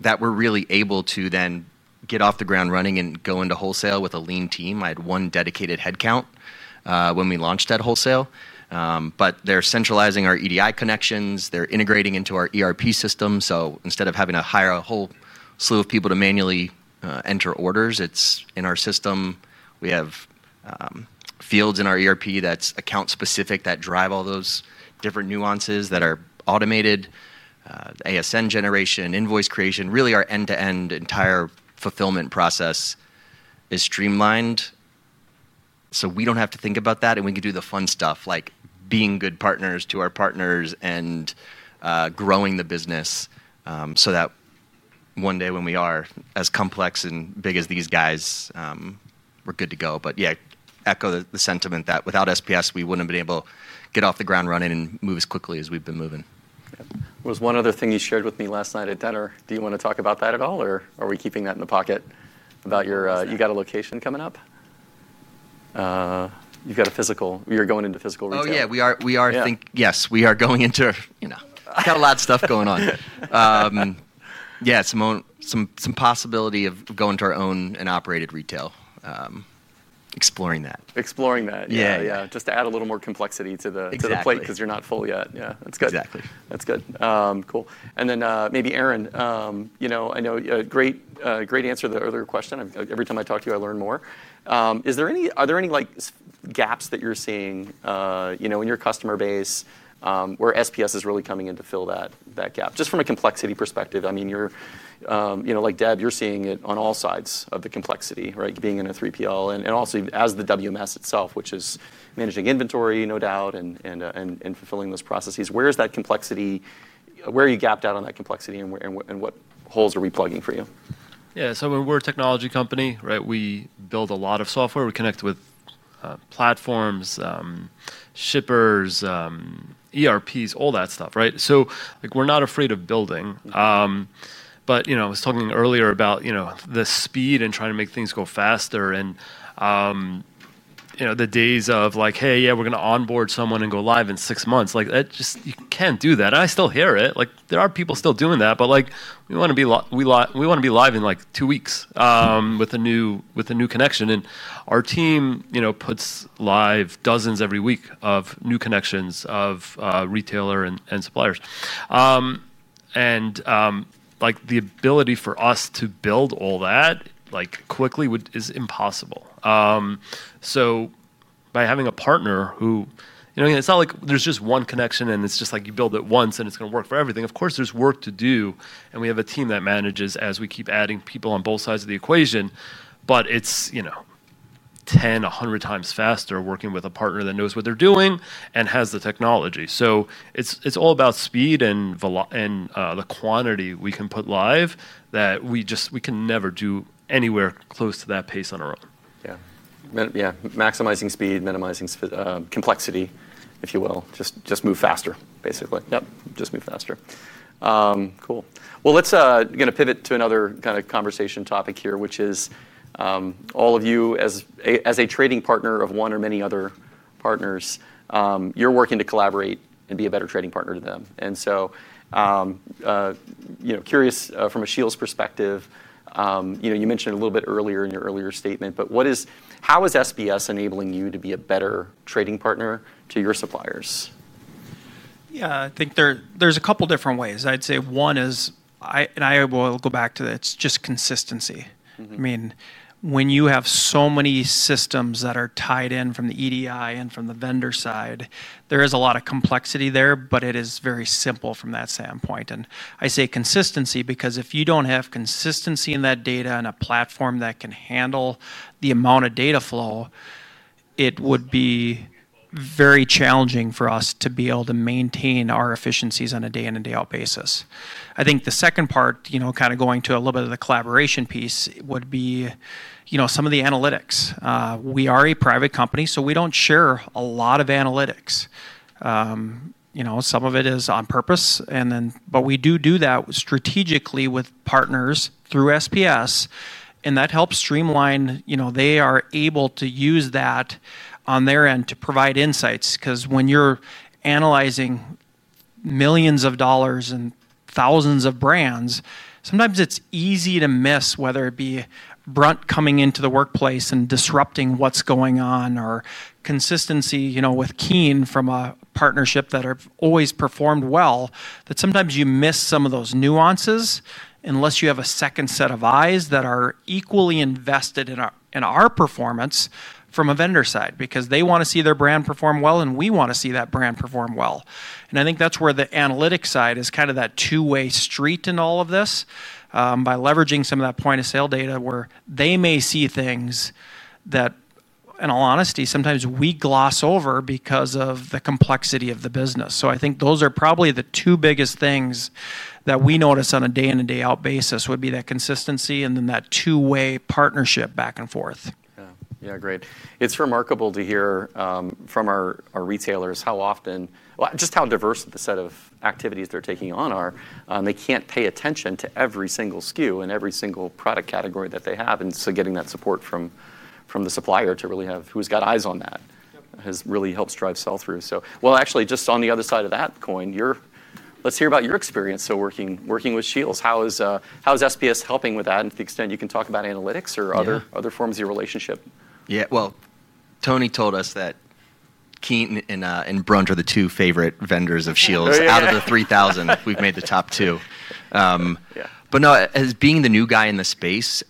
that we're really able to then get off the ground running and go into wholesale with a lean team. I had one dedicated headcount when we launched that wholesale, but they're centralizing our EDI connections. They're integrating into our ERP system. Instead of having to hire a whole slew of people to manually enter orders, it's in our system. We have fields in our ERP that's account specific that drive all those different nuances that are automated. ASN generation, invoice creation. Really our end-to-end entire fulfillment process is streamlined so we don't have to think about that and we can do the fun stuff like being good partners to our partners and growing the business so that one day when we all are as complex and big as these guys, we're good to go. I echo the sentiment that without SPS, we wouldn't have been able to get off the ground running and move as quickly as we've been moving. Was one other thing you shared with me last night at dinner. Do you want to talk about that at all, or are we keeping that in the pocket about your location coming up? You've got a physical. You're going into physical. Yeah, we are. Yes, we are going into, you know, I got a lot of stuff going on. Yeah. Simone, some possibility of going to our own and operated retail, exploring that. Exploring that. Yeah. Yeah, just to add a little more complexity to the plate because you're not full yet. Yeah, that's good. Exactly. That's good. Cool. Maybe Aaron, I know a great, great answer to the other question. Every time I talk to you, I learn more. Are there any gaps that you're seeing in your customer base where SPS is really coming in to fill that gap? Just from a complexity perspective, you're seeing it on all sides of the complexity, right? Being in a 3PL and also as the WMS itself, which is managing inventory, no doubt, and fulfilling those processes. Where's that complexity? Where are you gapped out on that complexity and what holes are we plugging for you? Yeah, so when we're a technology company, right, we build a lot of software, we kind of with platforms, shippers, ERPs, all that stuff, right. We're not afraid of building. I was talking earlier about the speed and trying to make things go faster, and the days of like, hey, yeah, we're going to onboard someone and go live in six months, like that just, you can't do that. I still hear it, like there are people still doing that. We want to be live in like two weeks with a new connection, and our team puts live dozens every week of new connections of retailer and suppliers, and the ability for us to build all that quickly is impossible. By having a partner who, you know, it's not like there's just one connection and it's just like you build it once and it's going to work for everything. Of course there's work to do, and we have a team that manages as we keep adding people on both sides of the equation, but it's, you know, 10x, 100x faster working with a partner that knows what they're doing and has the technology. It's all about speed and the quantity we can put live that we just, we can never do anywhere close to that pace on our own. Yeah, yeah. Maximizing speed, minimizing complexity if you will. Just move faster basically. Yep, just move faster. Cool. Let's pivot to another kind of conversation topic here, which is, as all of you, as a trading partner of one or many other partners, you're working to collaborate and be a better trading partner to them. I'm curious from a Scheels perspective. You mentioned a little bit earlier in your earlier statement, but how is SPS enabling you to be a better trading partner to your suppliers? Yeah, I think there are a couple different ways. I'd say one is, and I will go back to, it's just consistency. I mean, when you have so many systems that are tied in from the EDI and from the vendor side, there is a lot of complexity there, but it is very simple from that standpoint. I say consistency because if you don't have consistency in that data and a platform that can handle the amount of data flow, it would be very challenging for us to be able to maintain our efficiencies on a day in and day out basis. I think the second part, kind of going to a little bit of the collaboration piece, would be some of the analytics. We are a private company, so we don't share a lot of analytics. Some of it is on purpose, but we do do that strategically with partners through SPS, and that helps streamline. They are able to use that on their end to provide insights. Because when you're analyzing millions of dollars and thousands of brands, sometimes it's easy to miss, whether it be BRUNT coming into the workplace and disrupting what's going on or consistency with KEEN from a partnership that has always performed well, that sometimes you miss some of those nuances. Unless you have a second set of eyes that are equally invested in our performance from a vendor side because they want to see their brand perform well and we want to see that brand perform well. I think that's where the analytic side is kind of that two-way street in all of this by leveraging some of that point of sale data, where they may see things that, in all honesty, sometimes we gloss over because of the complexity of the business. I think those are probably the two biggest things that we notice on a day in and day out basis: that consistency and then that two-way partnership back and forth. Yeah, great. It's remarkable to hear from our retailers how often just how diverse the set of activities they're taking on are. They can't pay attention to every single SKU and every single product category that they have. Getting that support from the supplier who’s got eyes on that really helps drive sell through so well. Actually, just on the other side of that coin, let's hear about your experience. Working with Scheels, how is SPS helping with that, and to the extent you can, talk about analytics or other forms of your relationship. Yeah, Tony told us that KEEN and BRUNT are the two favorite vendors of Scheels. Out of the 3,000 we've made the top two. As being the new guy in the space,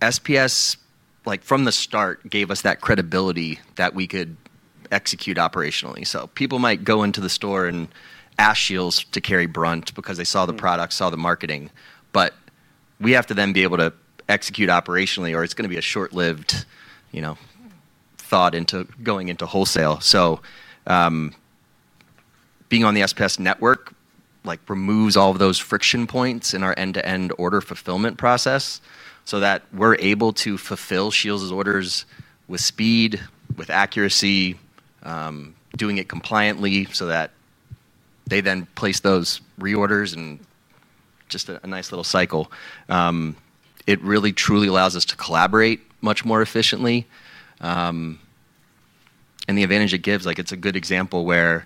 SPS, from the start, gave us that credibility that we could execute operationally. People might go into the store and ask Scheels to carry BRUNT because they saw the product, saw the marketing, but we have to then be able to execute operationally or it's going to be a short-lived thought into going into wholesale. Being on the SPS network removes all those friction points in our end-to-end order fulfillment process so that we're able to fulfill Scheels orders with speed, with accuracy, doing it compliantly so that they then place those reorders and just a nice little cycle. It really truly allows us to collaborate much more efficiently. The advantage it gives, it's a good example where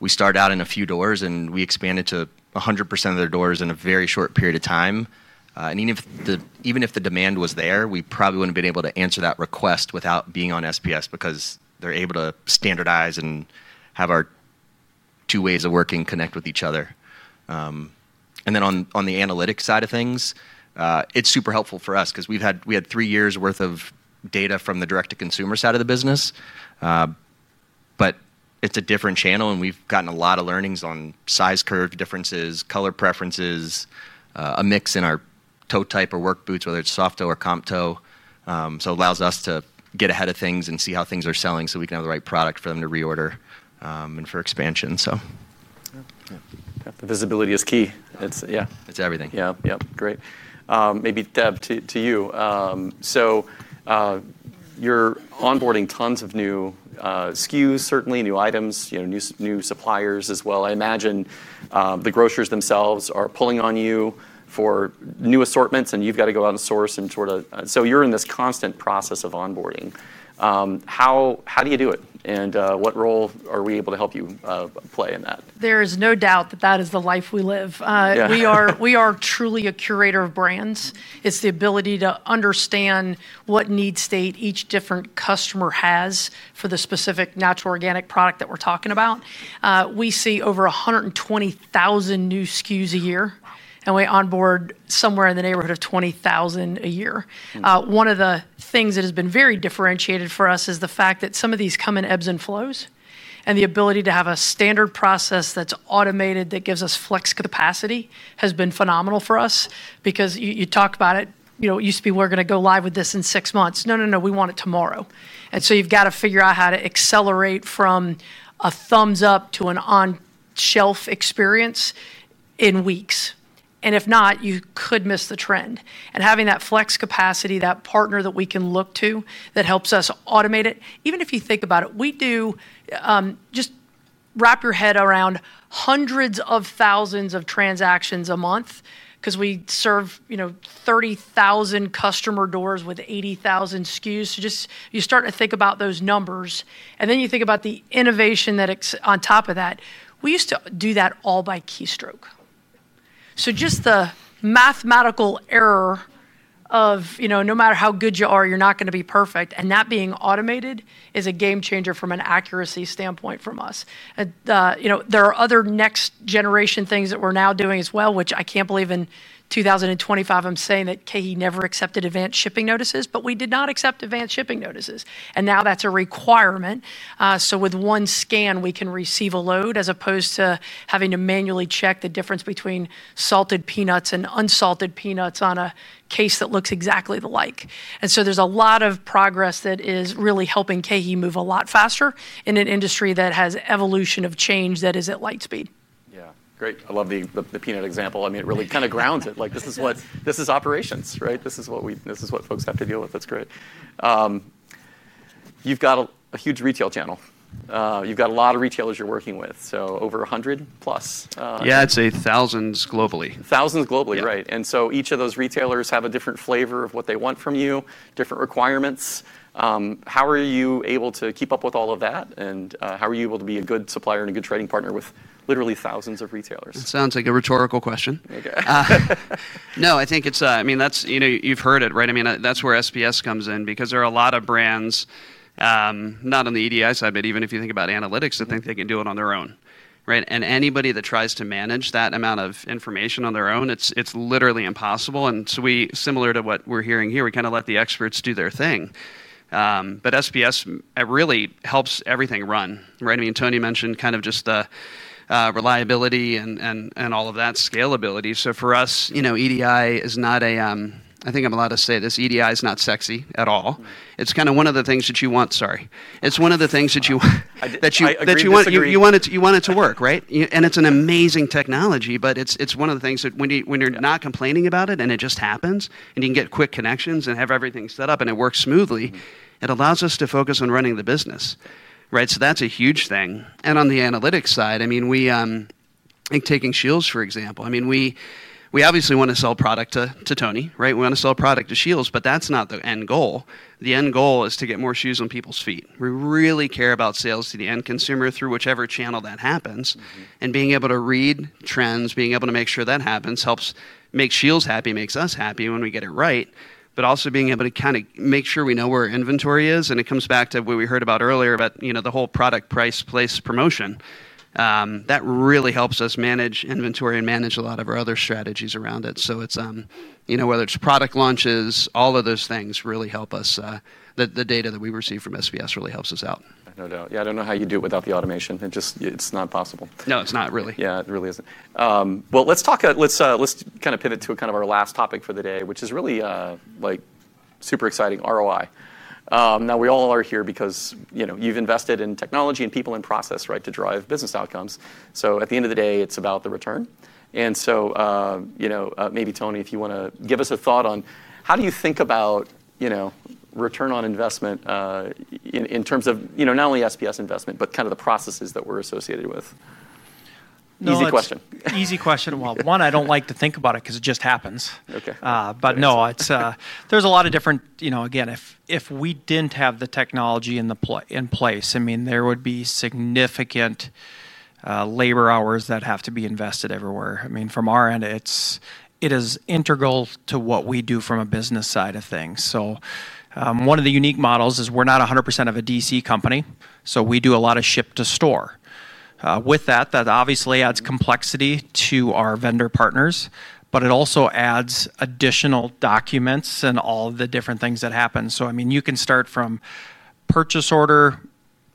we start out in a few doors and we expanded to 100% of their doors in a very short period of time. Even if the demand was there, we probably wouldn't have been able to answer that request without being on SPS because they're able to standardize and have our two ways of working connect with each other. On the analytics side of things, it's super helpful for us because we've had three years' worth of data from the direct-to-consumer side of the business, but it's a different channel and we've gotten a lot of learnings on size curve differences, color preferences, a mix in our toe type or work boots, whether it's soft toe or comp toe. It allows us to get ahead of things and see how things are selling so we can have the right product for them to reorder and for expansion. Visibility is key. It's everything. Great. Maybe Deb, to you. You're onboarding tons of new SKUs, certainly new items, new suppliers as well. I imagine the grocers themselves are pulling on you for new assortments and you've got to go out and source and sort of, you're in this constant process of onboarding. How do you do it and what role are we able to help you play in that? There is no doubt that that is the life we live. We are truly a curator of brands. It's the ability to understand what need state each different customer has for the specific natural, organic product that we're talking about. We see over 120,000 new SKUs a year and we onboard somewhere in the neighborhood of 20,000 a year. One of the things that has been very differentiated for us is the fact that some of these come in ebbs and flows, and the ability to have a standard process that's automated that gives us flex capacity has been phenomenal for us. You talk about it, you know, it used to be we're going to go live with this in six months. No, no, no, we want it tomorrow. You've got to figure out how to accelerate from a thumbs up to an on shelf experience in weeks. If not, you could miss the trend, and having that flex capacity, that partner that we can look to that help us automate it. Even if you think about it, just wrap your head around hundreds of thousands of transactions a month because we serve, you know, 30,000 customer doors with 80,000 SKUs. Just you start to think about those numbers and then you think about the innovation that on top of that, we used to do that all by keystroke. Just the mathematical error of, you know, no matter how good you are, you're not going to be perfect. That being automated is a game changer from an accuracy standpoint. From us, you know, there are other next generation things that we're now doing as well, which I can't believe in 2025, I'm saying that KeHE never accepted advanced shipping notices, but we did not accept advanced shipping notices, and now that's a requirement. With one scan, we can receive a load, as opposed to having to manually check the difference between salted peanuts and unsalted peanuts on a case that looks exactly alike. There is a lot of progress that is really helping KeHE move a lot faster in an industry that has evolution of change that is at light speed. Yeah. Great. I love the peanut example. I mean, it really kind of grounds it, like, this is what, this is operations, right? This is what folks have to deal with. That's great. You've got a huge retail channel. You've got a lot of retailers you're working with, over 100+. Yeah, I'd say thousands globally. Thousands globally, right. Each of those retailers have a different flavor of what they want from you, different requirements. How are you able to keep up with all of that? How are you able to be a good supplier and a good trading partner with literally thousands of retailers? Sounds like a rhetorical question. No, I think it's, I mean, that's, you know, you've heard it, right? I mean, that's where SPS comes in. There are a lot of brands not on the EDI side, but even if you think about analytics that think they can do it on their own, right? Anybody that tries to manage that amount of information on their own, it's literally impossible. We, similar to what we're hearing here, kind of let the experts do their thing. SPS really helps everything run. Right. I mean, Tony mentioned just the reliability and all of that scalability. For us, you know, EDI is not a—I think I'm allowed to say this—EDI is not sexy at all. It's kind of one of the things that you want. Sorry, it's one of the things that you want. You want it, you want it to work. Right. It's an amazing technology, but it's one of the things that when you're not complaining about it and it just happens, you can get quick connections and have everything set up and it works smoothly. It allows us to focus on running the business. Right. That's a huge thing. On the analytics side, we like taking Scheels, for example. We obviously want to sell product to Tony. Right. We want to sell product to Scheels, but that's not the end goal. The end goal is to get more shoes on people's feet. We really care about sales to the end consumer through whichever channel that happens. Being able to read trends, being able to make sure that happens, helps make Scheels happy, makes us happy when we get it right. Also, being able to make sure we know where inventory is comes back to what we heard about earlier, about the whole product, price, place, promotion. That really helps us manage inventory and manage a lot of our other strategies around it. Whether it's product launches, all of those things really help us. The data that we receive from SPS. Really helps us out, no doubt. Yeah. I don't know how you do it without the automation. It's just not possible. No, it's not really. Yeah, it really isn't. Let's talk. Let's kind of pivot to our last topic for the day, which is really like super exciting ROI. We all are here because, you know, you've invested in technology and people and process, right, to drive business outcomes. At the end of the day, it's about the return. Maybe, Tony, if you want to give us a thought on how do you think about, you know, return on investment in terms of, you know, not only SPS investment, but kind of the processes that we're associated with. Easy question. Easy question. I don't like to think about it because it just happens. Okay. No, it's. There's a lot of different, you know, again, if we didn't have the technology in place, there would be significant labor hours that have to be invested everywhere. From our end, it's integral to what we do from a business side of things. One of the unique models is we're not 100% of a DC company, so we do a lot of ship to store with that. That obviously adds complexity to our vendor partners, but it also adds additional documents and all the different things that happen. You can start from purchase order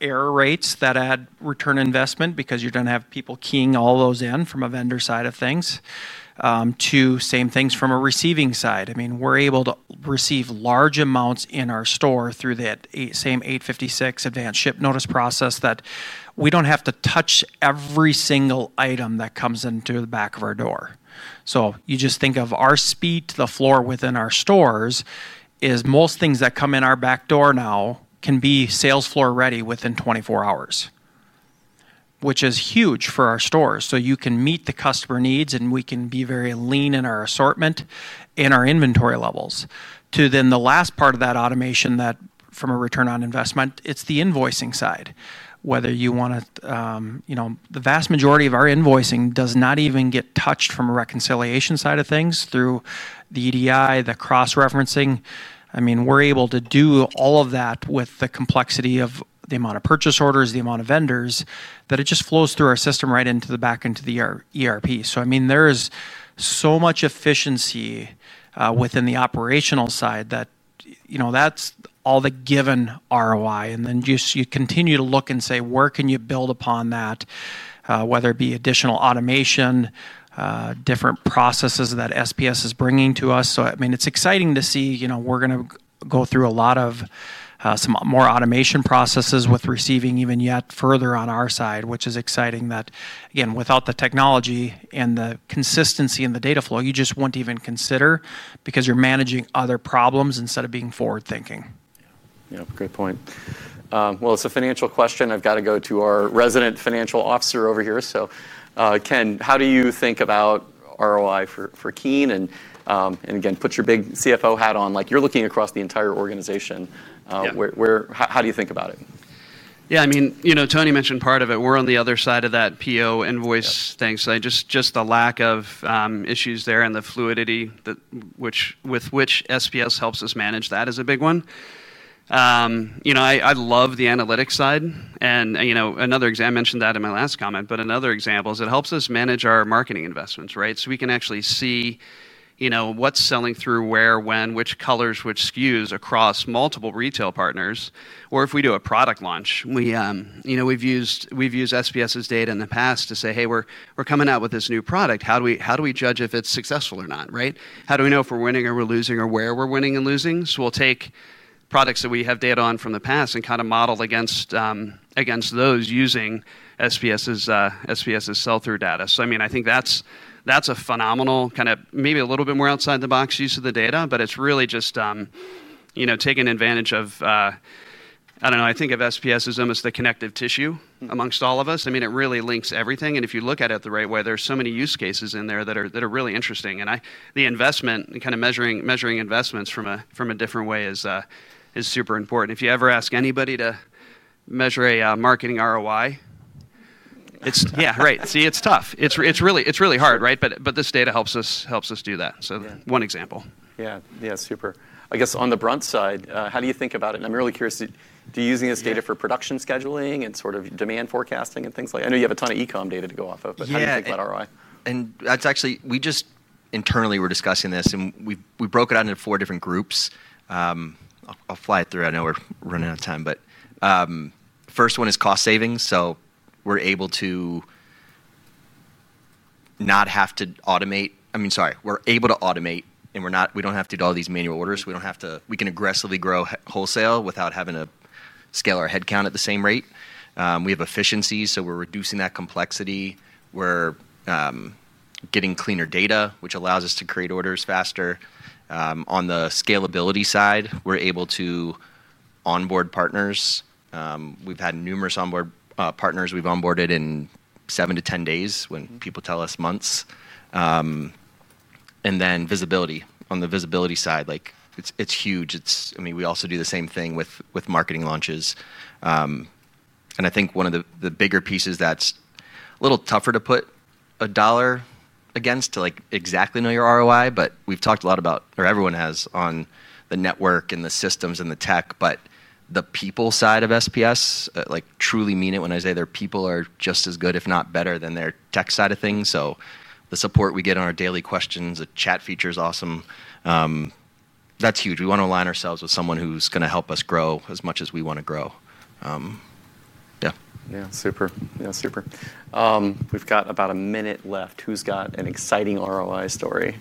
error rates that add return investment because you're going to have people keying all those in from a vendor side of things to same things from a receiving side. We're able to receive large amounts in our store through that same 856 advanced ship notice process. We don't have to touch every single item that comes into the back of our door. You just think of our speed. The floor within our stores is most things that come in our back door now can be sales floor ready within 24 hours, which is huge for our stores. You can meet the customer needs and we can be very lean in our assortment, in our inventory levels to then the last part of that automation that from a return on investment, it's the invoicing side, whether you want to, you know, the vast majority of our invoicing does not even get touched from a reconciliation side of things through the EDI, the cross referencing. We're able to do all of that with the complexity of the amount of purchase orders, the amount of vendors that it just flows through our system right into the back into the ERP. There is so much efficiency within the operational side that, you know, that's all the given ROI and then just you continue to look and say where can you build upon that, whether it be additional automation, different processes that SPS is bringing to us. It's exciting to see, you know, we're going to go through a lot of some more automation processes with receiving even yet further on our side, which is exciting that again, without the technology and the consistency in the data flow, you just won't even consider because you're managing other problems instead of being forward thinking. Yeah, great point. It's a financial question. I've got to go to our resident financial officer over here. So KEN, how do you think about ROI for KEEN? Again, put your big CFO hat on like you're looking across the entire organization. How do you think about it? Yeah, I mean, Tony mentioned part of it. We're on the other side of that PO invoice thing, so just a lack of issues there and the fluidity with which SPS helps us manage that is a big one. I love the analytics side, and another example is it helps us manage our marketing investments. Right. We can actually see what's selling through where, when, which colors, which SKUs across multiple retail partners. If we do a product launch, we've used SPS's data in the past to say, hey, we're coming out with this new product. How do we judge if it's successful or not? How do we know if we're winning or we're losing or where we're winning and losing? We'll take products that we have data on from the past and kind of model against those using SPS sell-through data. I think that's a phenomenal, maybe a little bit more outside-the-box use of the data, but it's really just taking advantage of, I don't know, I think of SPS as almost the connective technology tissue amongst all of us. It really links everything, and if you look at it the right way, there are so many use cases in there that are really interesting. The investment and kind of measuring investments from a different way is super important. If you ever ask anybody to measure a marketing ROI, it's. Yeah, right. See, it's tough. It's really hard. Right? This data helps us do that. One example. Yeah, super. I guess on the BRUNT side, how do you think about it? I'm really, really curious to using this data for production scheduling and sort of demand forecasting and things like, I know you have a ton of e-com data to go off of, but how do you take that ROI? Actually, we just internally were discussing this and we broke it out into four different groups. I'll fly through. I know we're running out of time, but first one is cost savings. We're able to not have to automate. I mean, sorry, we're able to automate and we don't have to do all these manual orders. We don't have to. We can aggressively grow wholesale without having to scale our headcount at the same rate. We have efficiencies, so we're reducing that complexity. We're getting cleaner data, which allows us to create orders faster. On the scalability side, we're able to onboard partners. We've had numerous onboard partners. We've onboarded in seven to 10 days when people tell us months. On the visibility side, like it's huge. It's. I mean, we also do the same thing with marketing launches. I think one of the bigger pieces that's a little tougher to put a dollar against to, like, exactly know your ROI. We've talked a lot about, or everyone has, on the network and the systems and the tech. The people side of SPS, like, truly mean it when I say their people are just as good, if not better, than their tech side of things. The support we get on our daily questions, the chat feature is awesome. That's huge. We want to align ourselves with someone who's going to help us grow as much as we want to grow. Yeah, super. We've got about a minute left. Who's got an exciting ROI story?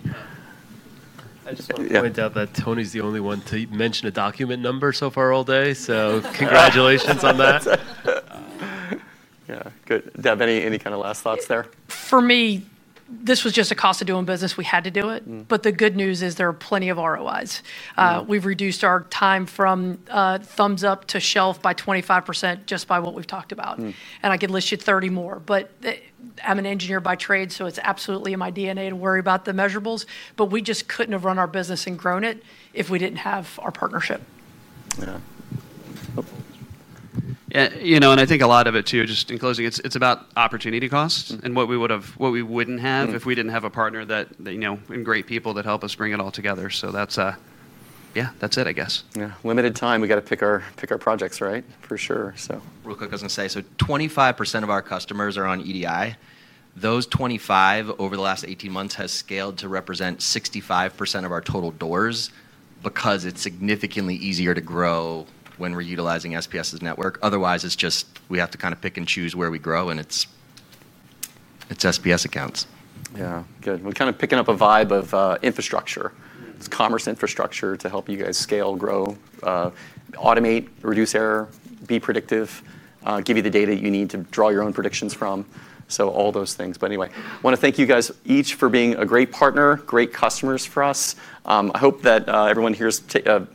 I just want to point out that Tony's the only one to mention a document number so far all day, so congratulations on that. Yeah, good. Deb, any last thoughts there? First, me. This was just a cost of doing business. We had to do it. The good news is there are plenty of ROIs. We've reduced our time from thumbs up to shelf by 25% just by what we've talked about. I could list you 30 more, but I'm an engineer by trade, so it's absolutely in my DNA to worry about the measurables. We just couldn't have run our business and grown it if we didn't have our partnership. I think a lot of it, too, just in closing, is about opportunity costs and what we wouldn't have if we didn't have a problem partner that, you know, and great people that help us bring it all together. That's it, I guess. Yeah. Limited time. We got to pick our projects, right? For sure. 25% of our customers are on EDI. Those 25% over the last 18 months have scaled to represent 65% of our total doors because it's significantly easier to grow when we're utilizing SPS's network. Otherwise, we have to kind of pick and choose where we grow. And it's. It's SPS accounts. Yeah. Good. We're kind of picking up a vibe of infrastructure. It's commerce infrastructure to help you guys scale, grow, automate, reduce error, be predictive, give you the data you need to draw your own predictions from. All those things. I want to thank you guys each for being a great partner, great customers for us. I hope that everyone here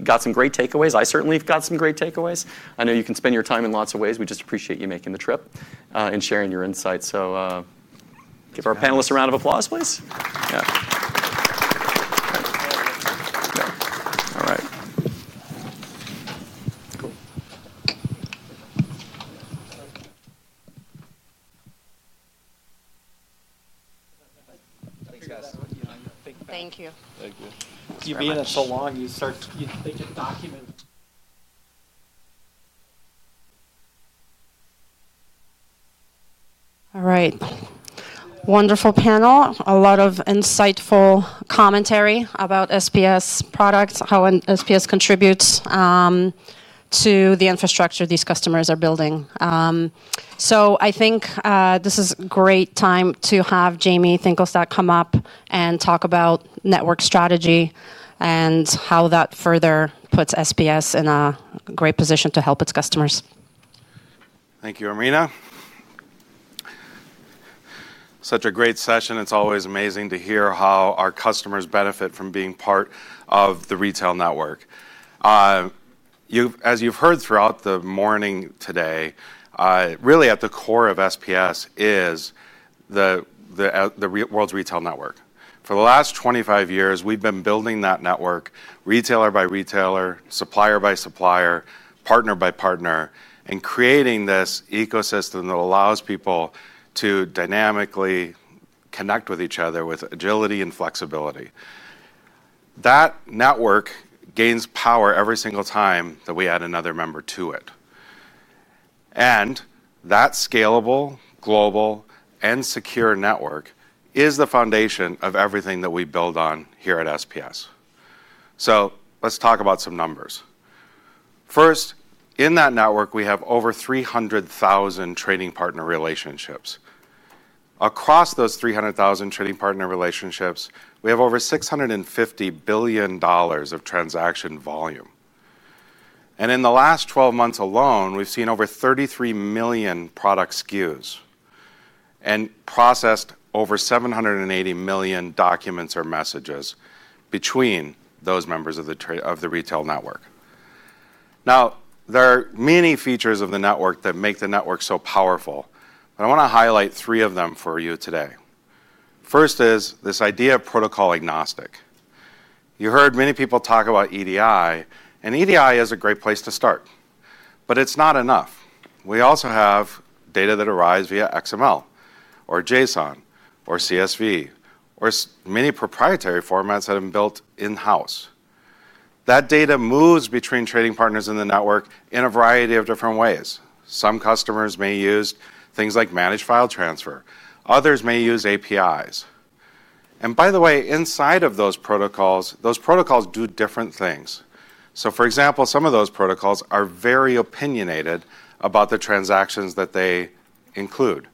got some great takeaways. I certainly have got some great takeaways. I know you can spend your time in lots of ways. We just appreciate you, man, making the trip and sharing your insight. Give our panelists a round of applause, please. Yeah. Thank you. Thank you. You're being so long. You start, you think of documents, move. All right, wonderful panel. A lot of insightful commentary about SPS products, how SPS contributes to the infrastructure these customers are building. I think this is a great time to have Jamie Thingelstad come up and talk about network strategy and how that further puts SPS in a great position to help its customers. Thank you, Irmina. Such a great session. It's always amazing to hear how our customers benefit from being part of the retail network. As you've heard throughout the morning today, really at the core of SPS is the world's retail network. For the last 25 years, we've been building that network retailer by retailer, supplier by supplier, partner by partner, and creating this ecosystem that allows people to dynamically connect with each other with agility and flexibility. That network gains power every single time that we add another member to it. That scalable, global, and secure network is the foundation of everything that we build on here at SPS. Let's talk about some numbers first. In that network, we have over 300,000 trading partner relationships. Across those 300,000 trading partner relationships, we have over $650 billion of transaction volume. In the last 12 months alone, we've seen over 33 million product SKUs and processed over 780 million documents or messages between those members of the retail network. There are many features of the network that make the network so powerful, but I want to highlight three of them for you today. First is this idea of protocol-agnostic. You heard many people talk about EDI, and EDI is a great place to start, but it's not enough. We also have data that arrives via XML or JSON or CSV or many proprietary formats that have been built in-house. That data moves between trading partners in the network in a variety of different ways. Some customers may use things like managed file transfer. Others may use APIs. By the way, inside of those protocols, those protocols do different things. For example, some of those protocols are very opinionated about the transactions that they include.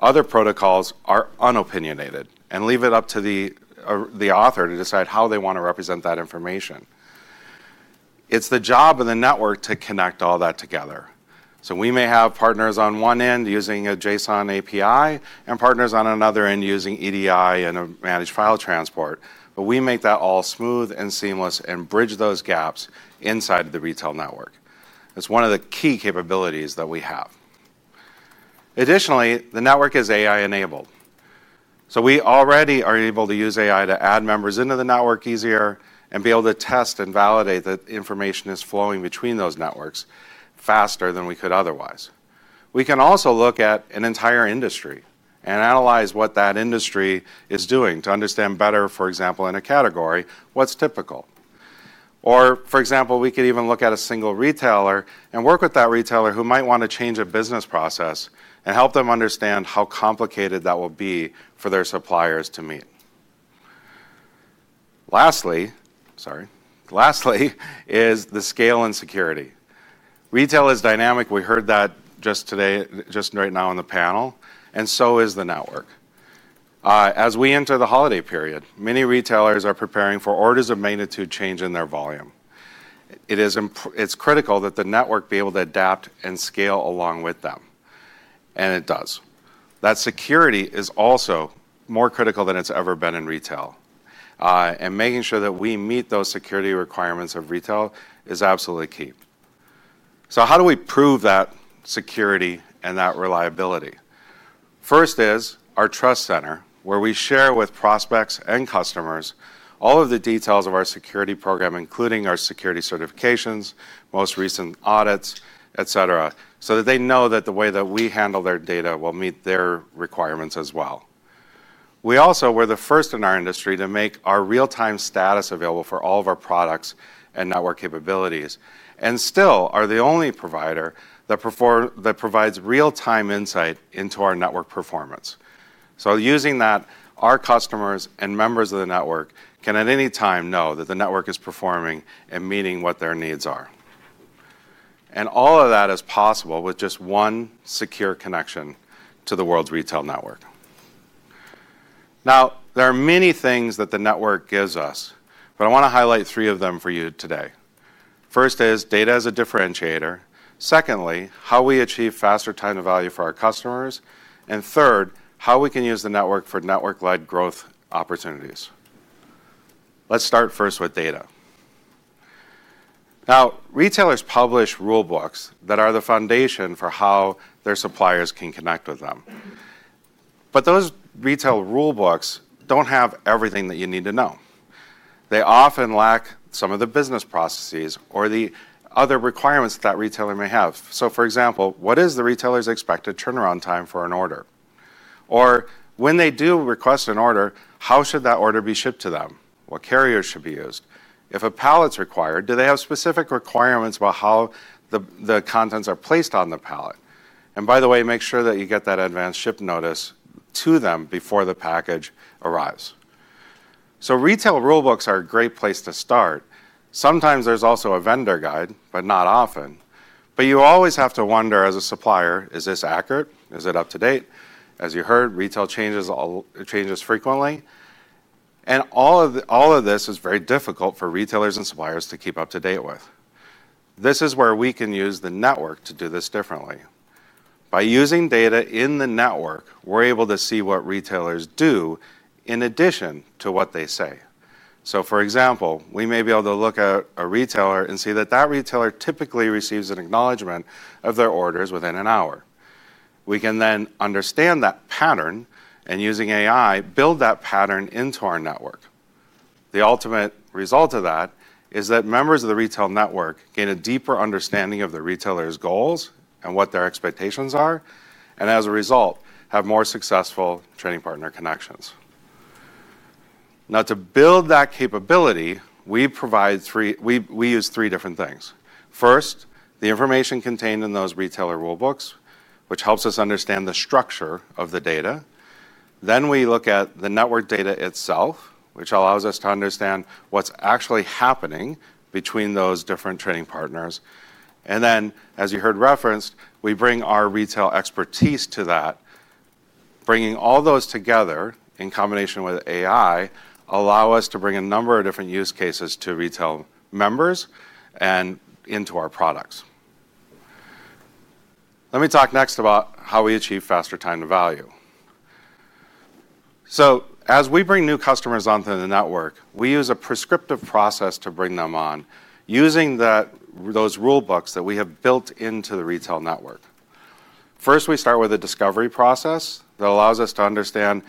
Other protocols are unopinionated and leave it up to the author to decide how they want to represent that information. It's the job of the network to connect all that data together. We may have partners on one end using a JSON API and partners on another end using EDI and a managed file transport, but we make that all smooth and seamless and bridge those gaps inside the retail network. It's one of the key capabilities that we have. Additionally, the network is AI-enabled. We already are able to use AI to add members into the network easier and be able to test and validate that information is flowing between those data networks faster than we could otherwise. We can also look at an entire industry and analyze what that industry is doing to understand better, for example in a category what's typical. For example, we could even look at a single retailer and work with that retailer who might want to change a business process and help them understand how complicated that will be for their suppliers to meet. Last. Lastly is the scale and security. Retail is dynamic. We heard that just today, just right now on the panel, and so is the network. As we enter the holiday period, many retailers are preparing for orders of magnitude change in their volume. It's critical that the network be able to adapt and scale along with them. It does that. Security is also more critical than it's ever been in retail. Making sure that we meet those security requirements of retail is absolutely key. How do we prove that security and that reliability? First is our trust center, where we share with prospects and customers all of the details of our security program, including our security certifications, most recent audits, etc., so that they know that the way that we handle their data will meet their requirements. We also were the first in our industry to make our real-time status available for all of our products and network capabilities and still are the only provider that provides real-time insight into our network performance. Using that, our customers and members of the network can at any time know that the network is performing and meeting what their needs are. All of that is possible with just one secure connection to the world's retail network. There are many things that the network gives us, but I want to highlight three of them for you today. First is data as a differentiator. Secondly, how we achieve faster time to value for our customers. Third, how we can use the network for network-led growth opportunities. Let's start first with data. Retailers publish rules, rulebooks that are the foundation for how their suppliers can connect with them. Those retail rule books don't have everything that you need to know. They often lack some of the business processes or the other requirements that a retailer may have. For example, what is the retailer's expected turnaround time for an order, or when they do request an order, how should that order be shipped to them? What carriers should be used? If a pallet's required, do they have specific requirements about how the contents are placed on the pallet? By the way, make sure that you get that advanced ship notice to them before the package arrives. Retail rule books are a great place to start sometimes. There's also a vendor guide, but not often. You always have to wonder as a supplier, is this accurate? Is it up to date? As you heard, retail changes frequently. All of this is very difficult for retailers and suppliers to keep up to date with. This is where we can use the network to do this differently. By using data in the network, we're able to see what retailers do in addition to what they say. For example, we may be able to look at a retailer and see that that retailer typically receives an acknowledgement of their orders within an hour. We can then understand that pattern, and using AI, build that pattern into our network. The ultimate result of that is that members of the retail network gain a deeper understanding of the retailer's goals and what their expectations are, and as a result, have more successful trading partner connections. To build that capability, we use three different things. First, the information contained in those retailer rulebooks, which helps us understand the structure of the data. Then we look at the network data itself, which allows us to understand what's actually happening between those different trading partners. As you heard referenced, we bring our retail expertise to that. Bringing all those together in combination with AI allows us to bring a number of different use cases to retail members and into our products. Let me talk next about how we achieve faster time to value. As we bring new customers onto the network, we use a prescriptive process to bring them on using those rulebooks that we have built into the retail network. First, we start with a discovery process that allows us to understand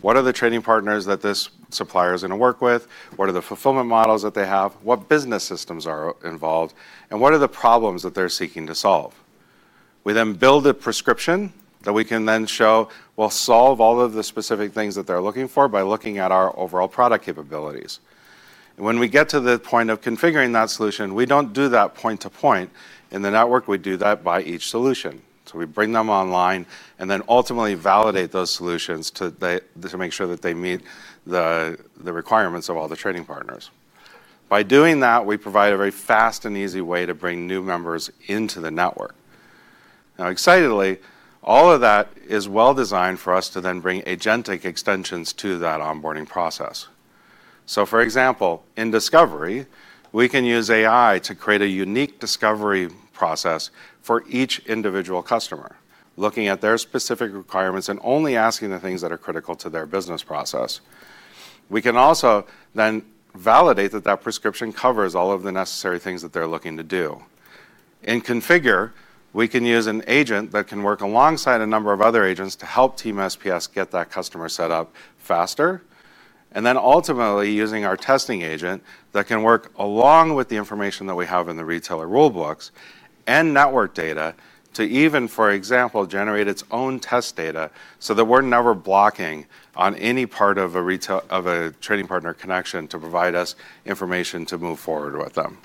what are the trading partners that this supplier is going to work with, what are the fulfillment models that they have, what business systems are involved, and what are the problems that they're seeking to solve. We then build a prescription that we can then show will solve all of the specific things that they're looking for by looking at our overall product capabilities. When we get to the point of configuring that solution, we don't do that point to point in the network, we do that by each solution. We bring them online and then ultimately validate those solutions to make sure that they meet the requirements of all the trading partners. By doing that, we provide a very fast and easy way to bring new members into the network. All of that is well designed for us to then bring agentic extensions to that onboarding process. For example, in discovery we can use AI to create a unique discovery process for each individual customer, looking at their specific requirements and only asking the things that are critical to their business process. We can also then validate that that prescription covers all of the necessary things that they're looking to do. In configure, we can use an agent that can work alongside a number of other agents to help team SPS get that customer set up faster. Ultimately, using our testing agent that can work along with the information that we have in the retailer rule books and network data to even, for example, generate its own test data so that we're never blocked on any part of a trading partner connection to provide us information to move forward with them.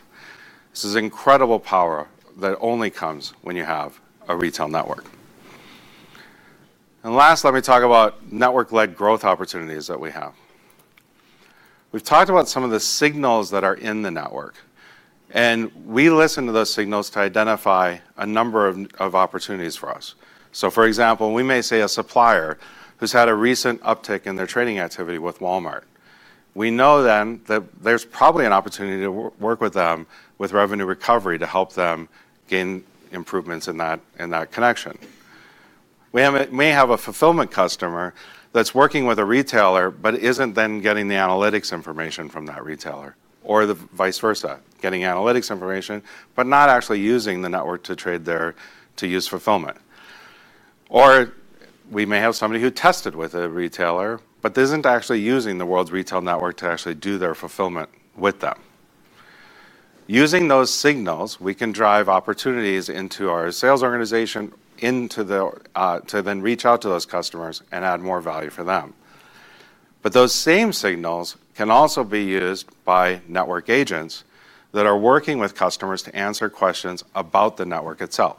This is incredible power that only comes when you have a retail network. Last, let me talk about network-led growth opportunities that we have. We've talked about some of the signals that are in the network, and we listen to those signals to identify a number of opportunities for us. For example, we may see a supplier who's had a recent uptick in their training activity with Walmart. We know then that there's probably an opportunity to work with them with revenue recovery to help them gain improvements in that connection. We may have a fulfillment customer that's working with a retailer but isn't then getting the analytics information from that retailer, or the vice versa, getting analytics information but not actually using the network to trade them there to use fulfillment. We may have somebody who tested with a retailer but isn't actually using the world's retail network to actually do their fulfillment with them. Using those signals, we can drive opportunities into our sales organization to then reach out to those customers and add more value for them. Those same signals can also be used by network agents that are working with customers to answer questions about the network itself.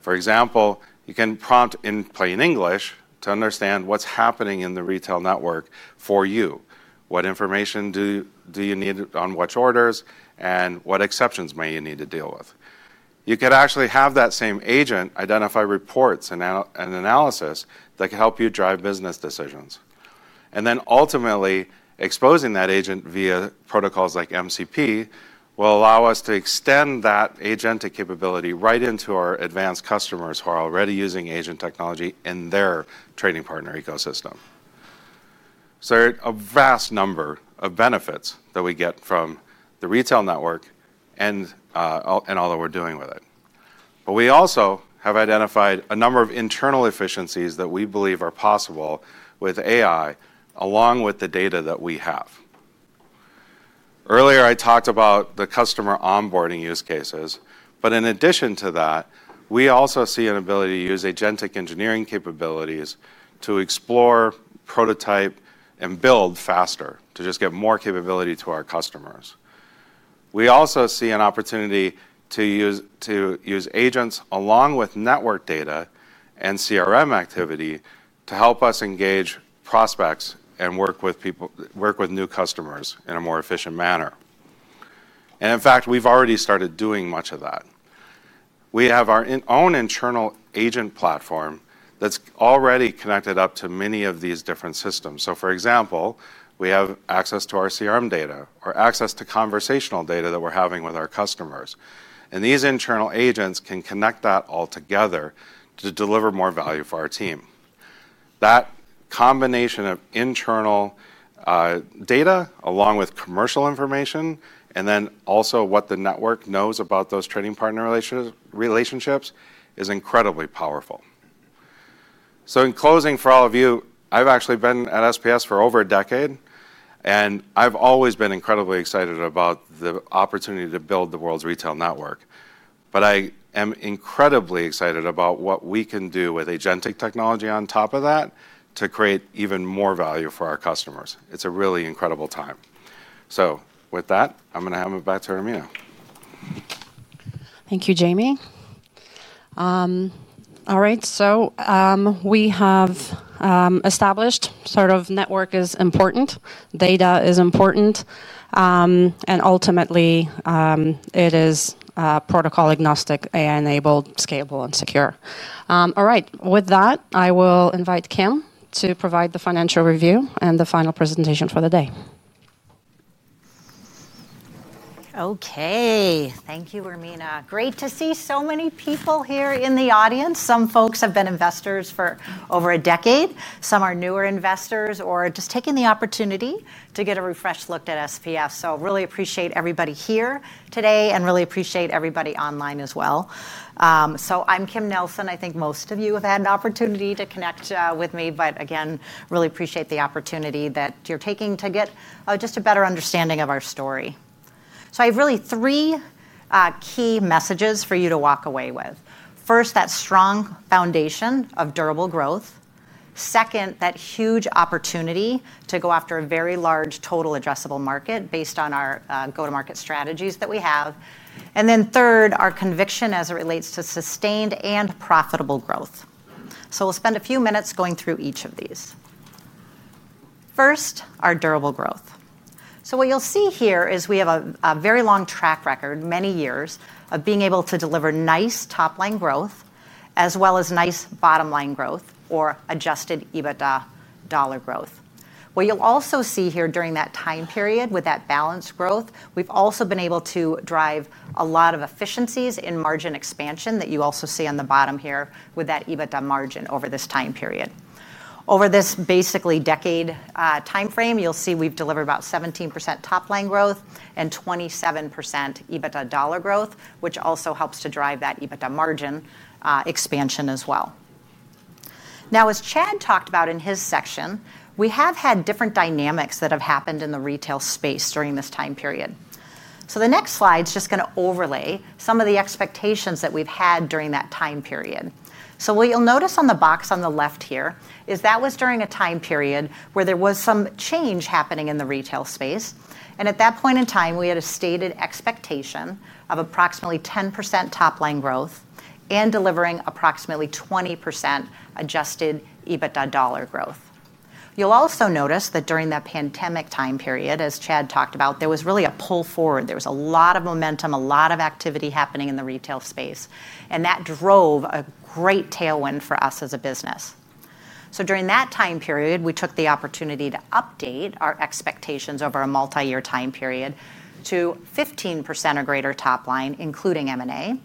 For example, you can prompt in plain English to understand what's happening in the retail network for you, what information you need on which orders, and what exceptions you may need to deal with. You could actually have that same agent identify reports and analysis that can help you drive business decisions. Ultimately, exposing that agent via protocols like MCP will allow us to extend that agentic capability right into our advanced customers who are already using agent technology in their trading partner ecosystem. There are a vast number of benefits that we get from the retail network and all that we're doing with it. We have also identified a number of internal efficiencies that we believe are possible with AI along with the data that we have. Earlier, I talked about the customer onboarding use cases. In addition to that, we also see an ability to use agentic engineering capabilities to explore, prototype, and build faster to just get more capability to our customers. We also see an opportunity to use agents along with networking data and CRM activity to help us engage prospects and work with new customers in a more efficient manner. In fact, we've already started doing much of that. We have our own internal agent platform that's already connected up to many of these different systems. For example, we have access to our CRM data or access to conversational data that we're having with our customers. These internal agents can connect that all together to deliver more value for our team. That combination of internal data along with commercial information and then also what the network knows about those trading partner relationships is incredibly powerful. In closing for all of you, I've actually been at SPS for over a decade and I've always been incredibly excited about the opportunity to build the world's retail network. I am incredibly excited about what we can do with agentic technology on top of that to create even more value for our customers. It's a really incredible time. With that, I'm going to hand it back to Irmina. Thank you, Jamie. All right, so we have established sort of network is important, data is important, and ultimately it is protocol-agnostic, AI-enabled, scalable, and secure. All right, with that I will invite Kim to provide the financial review and the final presentation for the day. Okay, thank you, Irmina. Great to see so many people here in the audience. Some folks have been investors for over a decade, some are newer investors or just taking the opportunity to get a refreshed look at SPS. Really appreciate everybody here today and really appreciate everybody online as well. I'm Kim Nelson. I think most of you have had an opportunity to connect with me, but again, really appreciate the opportunity that you're taking to get just a better understanding of our story. I have really three key messages for you to walk away with. First, that strong foundation of durable growth. Second, that huge opportunity to go after a very large total addressable market based on our go-to-market strategies that we have. Third, our conviction as it relates to sustained and profitable growth. We'll spend a few minutes going through each of these. First, our durable growth. What you'll see here is we have a very long track record, many years of being able to deliver nice top line growth as well as nice bottom line growth or adjusted EBITDA dollar growth. What you'll also see here during that time period with that balanced growth, we've also been able to drive a lot of efficiencies in margin expansion that you also see on the bottom here. With that EBITDA margin over this time period, over this basically decade timeframe, you'll see we've delivered about 17% top line growth and 27% EBITDA dollar growth, which also helps to drive that EBITDA margin expansion as well. As Chad talked about in his section, we have had different dynamics that have happened in the retail space during this time period. The next slide is just going to overlay some of the expectations that we've had during that time period. What you'll notice on the box on the left here is that was during a time period where there was some change happening in the retail space. At that point in time we had a stated expectation of approximately 10% top line growth and delivering approximately 20% adjusted EBITDA dollar growth. You'll also notice that during that pandemic time period, as Chad talked about, there was really a pull forward, there was a lot of momentum, a lot of activity happening in the retail space and that drove a great tailwind for us as a business. During that time period, we took the opportunity to update our expectations over a multi-year time period to 15% or greater top line, including M&A.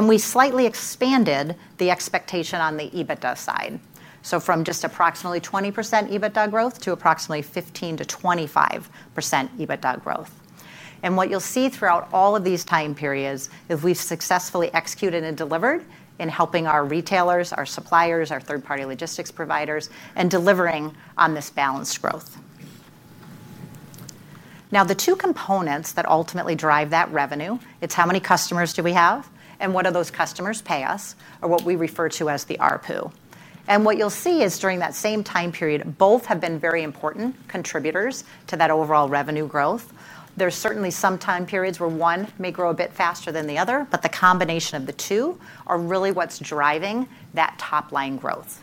We slightly expanded the expectation on the EBITDA side, from just approximately 20% EBITDA growth to approximately 15%-25% EBITDA growth. What you'll see throughout all of these time periods is we've successfully executed and delivered in helping our retailers, our suppliers, our third party logistics providers, and delivering on this balanced growth. The two components that ultimately drive that revenue are how many customers we have and what those customers pay us, or what we refer to as the ARPU. What you'll see is during that same time period, both have been very important contributors to that overall revenue growth. There are certainly some time periods where one may grow a bit faster than the other, but the combination of the two is really what's driving that top level growth.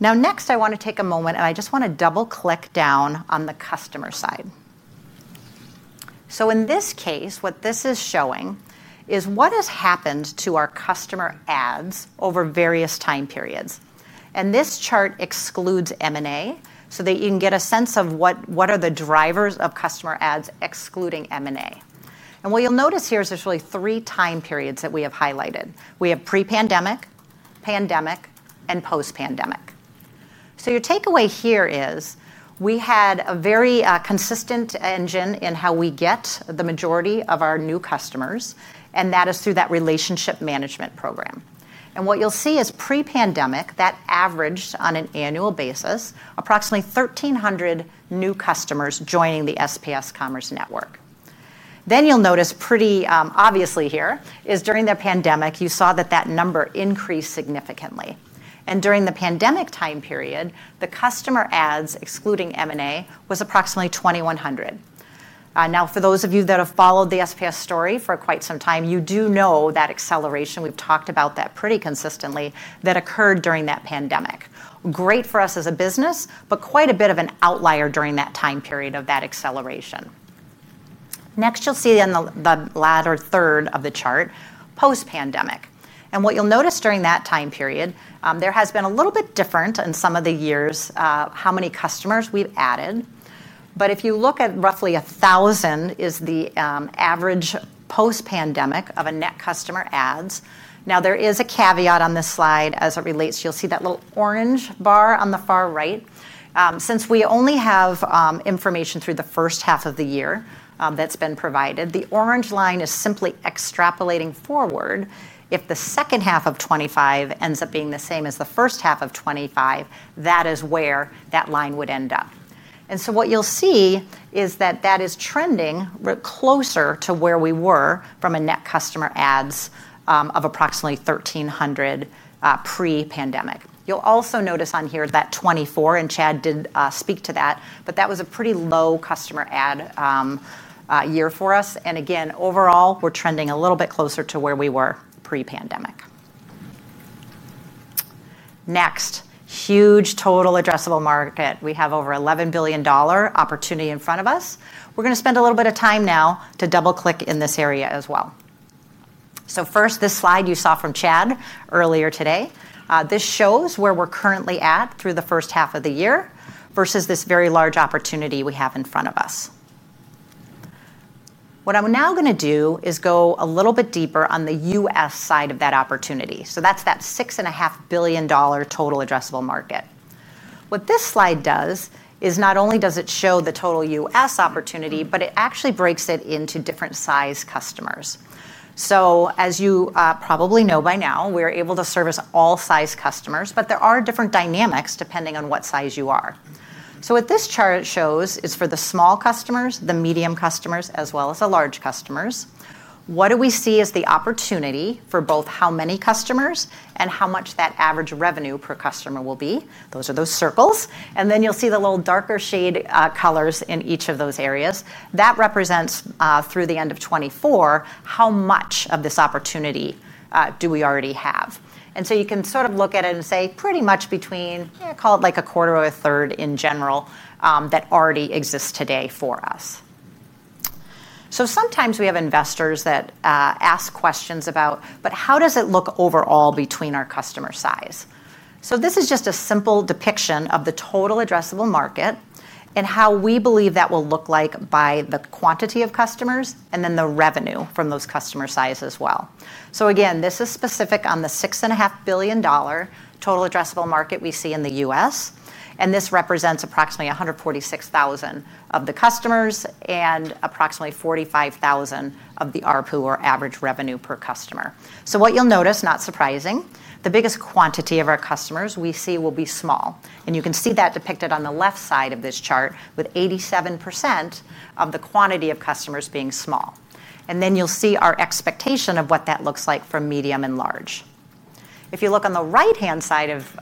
Next, I want to take a moment and double click down on the customer side. In this case, what this is showing is what has happened to our customer adds over various time periods. This chart excludes M&A so that you can get a sense of what are the drivers of customer adds excluding M&A. What you'll notice here is there are really three time periods that we have highlighted: pre-pandemic, pandemic, and post-pandemic. Your takeaway here is we had a very consistent engine in how we get the majority of our new customers, and that is through that relationship management program. What you'll see is pre-pandemic, that averaged on an annual basis approximately 1,300 new customers joining the SPS Commerce network. Then you'll notice pretty obviously here is during the pandemic you saw that number increased significantly. During the pandemic time period, the customer adds excluding M&A was approximately 2,100. For those of you that have followed the SPS story for quite some time, you do know that acceleration. We've talked about that pretty consistently, that occurred during that pandemic. Great for us as a business, but quite a bit of an outlier during that time period of that acceleration. Next, you'll see on the latter third of the chart, post-pandemic. What you'll notice during that time period is there has been a little bit different in some of the years how many customers we've added, but if you look at roughly 1,000 as the average post-pandemic of net customer adds. There is a caveat on this slide as it relates; you'll see that little orange bar on the far right. Since we only have information through the first half of the year that's been provided, the orange line is simply extrapolating forward. If the second half of 2025 ends up being the same as the first half of 2025, that is where that line would end up. What you'll see is that is trending closer to where we were from a net customer adds of approximately 1,300 pre-pandemic. You'll also notice on here that 2024, and Chad did speak to that, but that was a pretty low customer add year for us. Again, overall we're trending a little bit closer to where we were pre-pandemic. Next, huge total addressable market. We have over $11 billion opportunity in front of us. We're going to spend a little bit of time now to double click in this area as well. First, this slide you saw from Chad earlier today, this shows where we're currently at through the first half of the year versus this very large opportunity we have in front of us. What I'm now going to do is go a little bit deeper on the U.S. side of that opportunity. That's that $6.5 billion total addressable market. What this slide does is not only does it show the total U.S. opportunity, but it actually breaks it into different size customers. As you probably know by now, we are able to service all size customers, but there are different dynamics depending on what size as you are. What this chart shows is for the small customers, the medium customers, as well as the large customers, what do we see is the opportunity for both how many customers and how much that average revenue per customer will be. Those are those circles and then you'll see the little darker shade colors in each of those areas. That represents through the end of 2024 how much of this opportunity do we already have. You can sort of look at it and say pretty much between, call it like a quarter or a third in general, that already exists today for us. Sometimes we have investors that ask questions about how does it look overall between our customer size. This is just a simple depiction of the total addressable market and how we believe that will look like by the quantity of customers and then the revenue from those customer size as well. Again, this is specific on the $6.5 billion total addressable market we see in the U.S. This represents approximately 146,000 of the customers and approximately 45,000 of the ARPU, or average revenue per customer. What you'll notice, not surprising, the biggest quantity of our customers we see will be small. You can see that depicted on the left side of this chart with 87% of the quantity of customers being small. You'll see our expectation of what that looks like for medium and large. Large. If you look on the right hand side of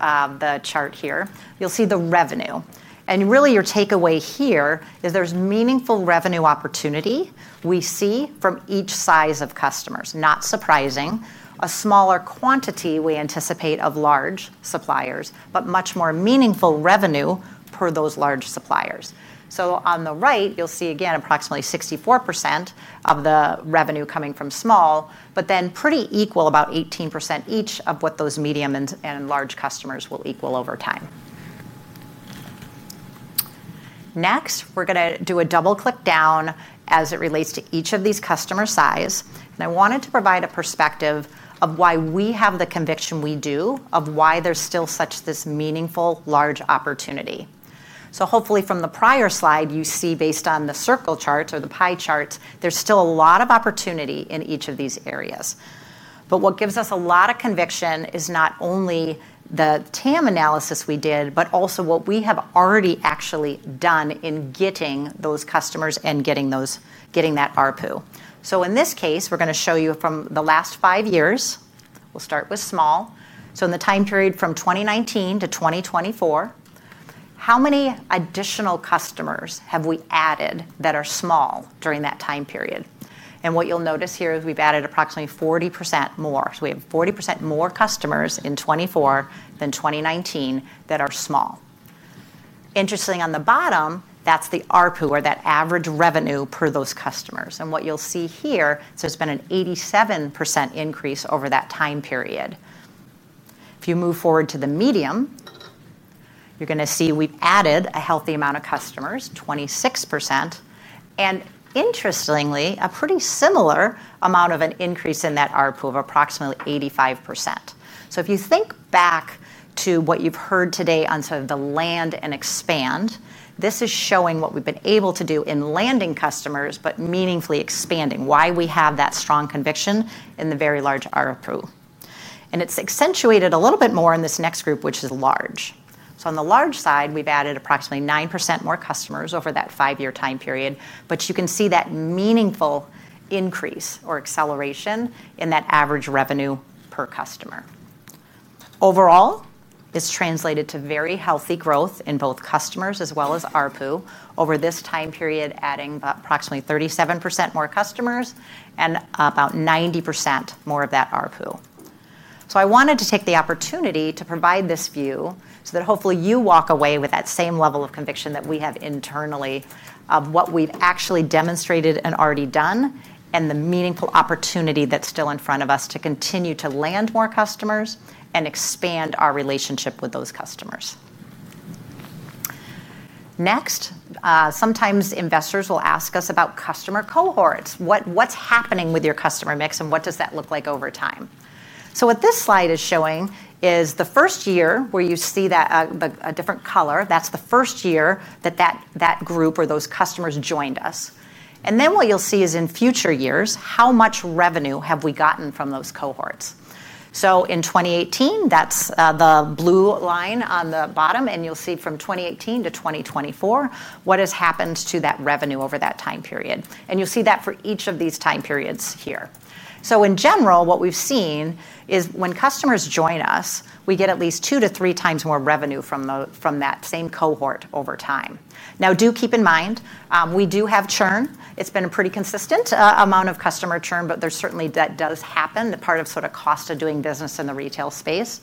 the chart here, you'll see the revenue. Your takeaway here is there's meaningful revenue opportunity we see from each size of customers. Not surprising, a smaller quantity we anticipate of large suppliers, but much more meaningful revenue per those large suppliers. On the right you'll see again, approximately 64% of the revenue coming from small, but then pretty equal, about 18% each of what those medium and large customers will equal over time. Next we're going to do a double click down as it relates to each of these customer size. I wanted to provide a perspective of why we have the conviction we do of why there's still such this meaningful large opportunity. Hopefully from the prior slide you see based on the circle charts or the pie chart charts, there's still a lot of opportunity in each of these areas. What gives us a lot of conviction is not only the TAM analysis we did, but also what we have already actually done in getting those customers and getting that ARPU. In this case, we're going to show you from the last five years. We'll start with small. In the time period from 2019-2024, how many additional customers have we added that are small? Small during that time period? What you'll notice here is we've added approximately 40% more. We have 40% more customers in 2024 than 2019 that are small. Interestingly, on the bottom, that's the ARPU or that average revenue per those customers. What you'll see here, it's been an 87% increase over that time period. If you move forward to the medium, you're going to see we've added a healthy amount of customers, 26%, and interestingly, a pretty similar amount of an increase in that ARPU of approximately 85%. If you think back to what you've heard today on sort of the land and expand, this is showing what we've been able to do in landing customers, but meaningfully expanding. Why we have that strong conviction in the very large ARPU and it's accentuated a little bit more in this next group, which is large. On the large side, we've added approximately 9% more customers over that five year time period. You can see that meaningful increase or acceleration in that average revenue per customer. Overall, this translated to very healthy growth in both customers as well as ARPU over this time period, adding approximately 37% more customers and about 90% more of that ARPU. I wanted to take the opportunity to provide this view so that hopefully you walk away with that same level of conviction that we have internally, internally of what we've actually demonstrated and already done and the meaningful opportunity that's still in front of us to continue to land more customers and expand our relationship with those customers. Sometimes investors will ask us about customer cohorts, what's happening with your customer mix and what does that look like over time. What this slide is showing is the first year where you see a different color. That's the first year that that group or those customers joined us. What you'll see is in future years, how much revenue have we gotten from those cohorts. In 2018, that's the blue line on the bottom. You'll see from 2018-2024 what has happened to that revenue over that time period. You'll see that for each of these time periods here. In general what we've seen is when customers join us, we get at least two to three times more revenue from that same cohort over time. Now do keep in mind we do have churn. It's been a pretty consistent amount of customer churn. That does happen, the part of sort of cost of doing business in the retail space.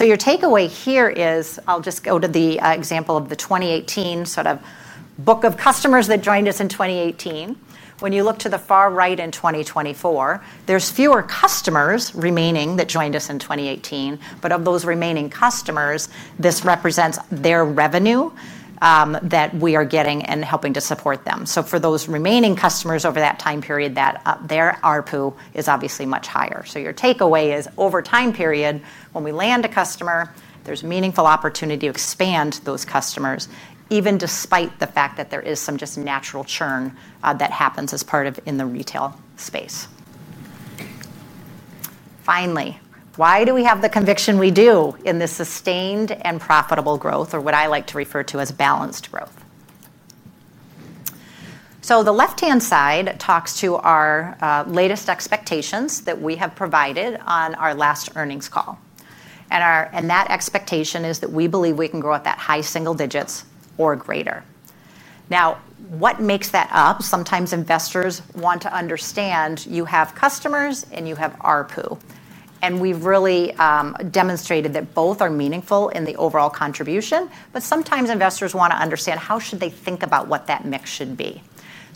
Your takeaway here is I'll just go to the example of the 2018 sort of book of customers that joined us in 2018. When you look to the far right in 2024, there's fewer customers remaining that joined us in 2018. Of those remaining customers, this represents their revenue that we are getting and helping to support them. For those remaining customers over that time period, their ARPU is obviously much higher. Your takeaway is over time period, when we land a customer, there's meaningful opportunity to expand those customers even despite the fact that there is some just natural churn that happens as part of in the retail space. Finally, why do we have the conviction we do in this sustained and profitable growth or what I like to refer to as balanced growth. The left hand side talks to our latest expectations that we have provided on our last earnings call. That expectation is that we believe we can grow at that high single digits or greater. What makes that up? Sometimes investors want to understand you have customers and you have our ARPU. We've really demonstrated that both are meaningful in the overall contribution. Sometimes investors want to understand how should they think about what that mix should be.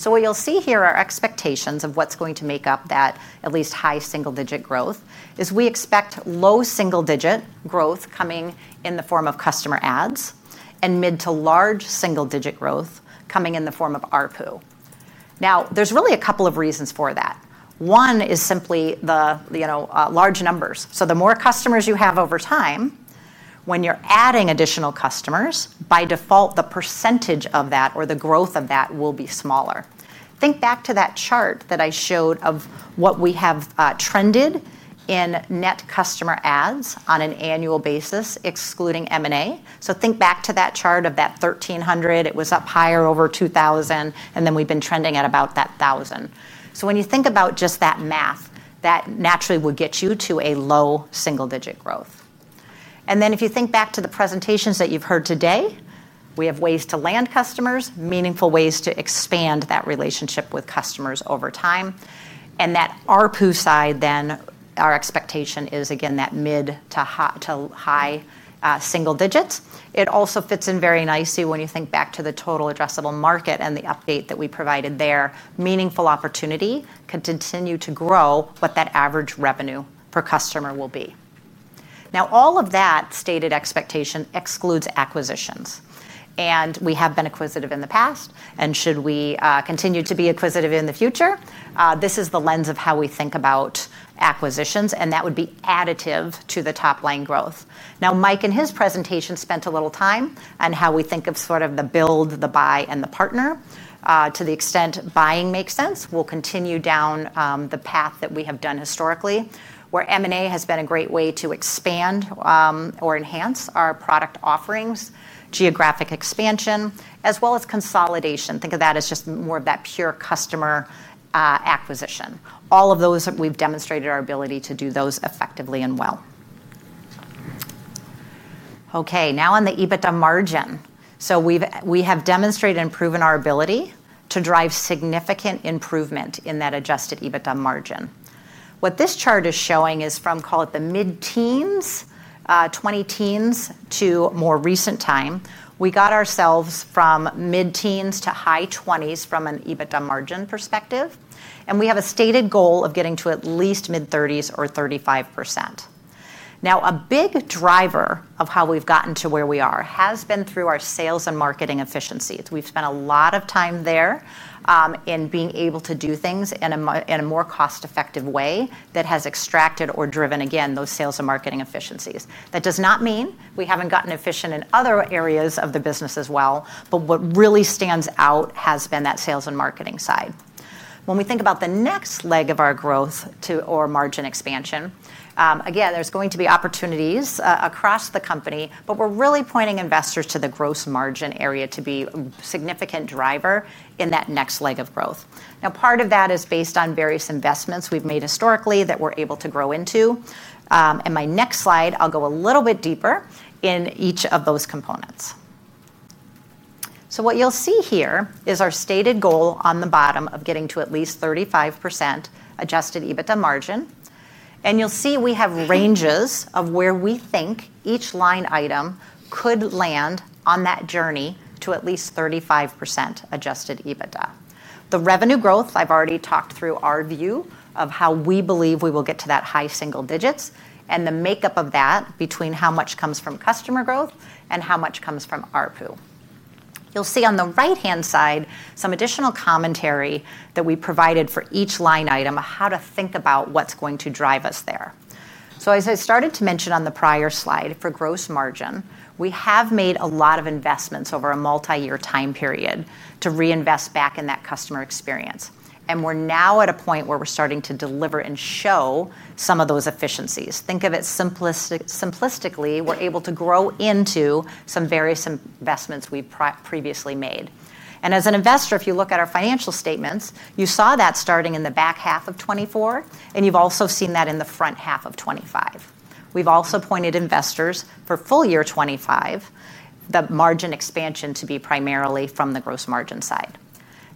What you'll see here are expectations of what's going to make up that at least high single digit growth. We expect low single digit growth coming in the form of customer adds and mid to large single digit growth coming in the form of ARPU. Now there's really a couple of reasons for that. One is simply the large numbers. The more customers you have over time, when you're adding additional customers, by default, the percentage of that or the growth of that will be smaller. Think back to that chart that I showed of what we have trended in net customer adds on an annual basis excluding M&A. Think back to that chart of that 1,300, it was up higher over 2,000, and then we've been trending at about that. When you think about just that math, that naturally would get you to a low single digit growth. If you think back to the presentations that you've heard today, we have ways to land customers, meaningful ways to expand that relationship with customers over time, and that ARPU side, then our expectation is again that mid to high single digits. It also fits in very nicely. When you think back to the total addressable market and the update that we provided, that their meaningful opportunity can continue to grow what that average revenue per customer will be. All of that stated expectation excludes acquisitions, and we have been acquisitive in the past. Should we continue to be acquisitive in the future, this is the lens of how we think about acquisitions, and that would be additive to the top line growth. Mike in his presentation spent a little time on how we think of sort of the build, the buy, and the partner. To the extent buying makes sense, we'll continue down the path that we have done historically where M&A has been a great way to expand or enhance our product offerings, geographic expansion, as well as consolidation. Think of that as just more of that pure customer acquisition. All of those, we've demonstrated our ability to do those effectively and well. Now on the EBITDA margin, we have demonstrated and proven our ability to drive significant improvement in that adjusted EBITDA margin. What this chart is showing is from, call it, the mid-teens, 2010s to more recent time, we got ourselves from mid-teens to high 20s from an EBITDA margin perspective. We have a stated goal of getting to at least mid-30s or 35%. A big driver of how we've gotten to where we are has been through our sales and marketing efficiencies. We've spent a lot of time there in being able to do things in a more cost-effective way that has extracted or driven again those sales and marketing efficiencies. That does not mean we haven't gotten efficient in other areas of the business as well. What really stands out has been that sales and marketing side. When we think about the next leg of our growth or margin expansion, there are going to be opportunities across the company, but we're really pointing investors to the gross margin area to be a significant driver in that next leg of growth. Part of that is based on various investments we've made historically that we're able to grow into. In my next slide, I'll go a little bit deeper in each of those components, so what you'll see here is our stated goal on the bottom of getting to at least 35% adjusted EBITDA margin. You'll see we have ranges of where we think each line item could land on that journey to at least 35% adjusted EBITDA. The revenue growth, I've already talked through our view of how we believe we will get to that high single digits and the makeup of that between how much comes from customer growth and how much comes from ARPU. You'll see on the right-hand side some additional commentary that we provided for each line item, how to think about what's going to drive us there. As I started to mention on the prior slide for gross margin, we have made a lot of investments over a multi-year time period to reinvest back in that customer experience. We're now at a point where we're starting to deliver and show some of those efficiencies. Think of it simplistically, we're able to grow into some various investments we previously made. As an investor, if you look at our financial statements, you saw that starting in the back half of 2024 and you've also seen that in the front half of 2025. We've also pointed investors for full year 2025, the margin expansion to be primarily from the gross margin side.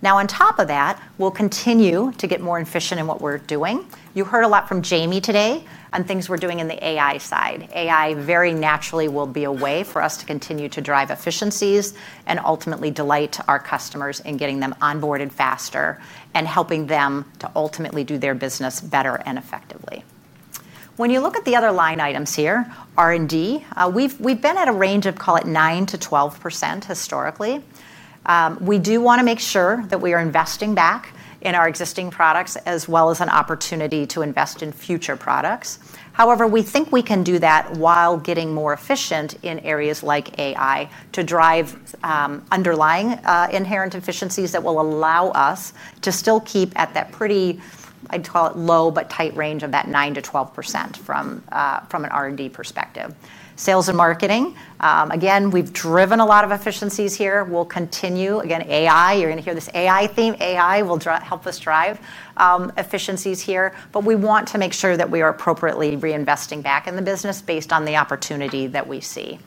On top of that, we'll continue to get more efficient in what we're doing. You heard a lot from Jamie today on things we're doing in the AI side. AI very naturally will be a way for us to continue to drive efficiencies and ultimately delight our customers in getting them onboarded faster and helping them to ultimately do their business better and efficiently, effectively. When you look at the other line items here, R&D, we've been at a range of, call it 9%-12% historically. We do want to make sure that we are investing back in our existing products as well as an opportunity to invest in future products. However, we think we can do that while getting more efficient in areas like AI to drive underlying inherent efficiencies that will allow us to still keep at that pretty, I'd call it low but tight range of that 9%-12% from an R&D perspective. Sales and marketing, again, we've driven a lot of efficiencies here. We'll continue, again, AI. You're going to hear this AI theme. AI will help us drive efficiencies here, but we want to make sure that we are appropriately reinvesting back in the business based on the opportunity that we see.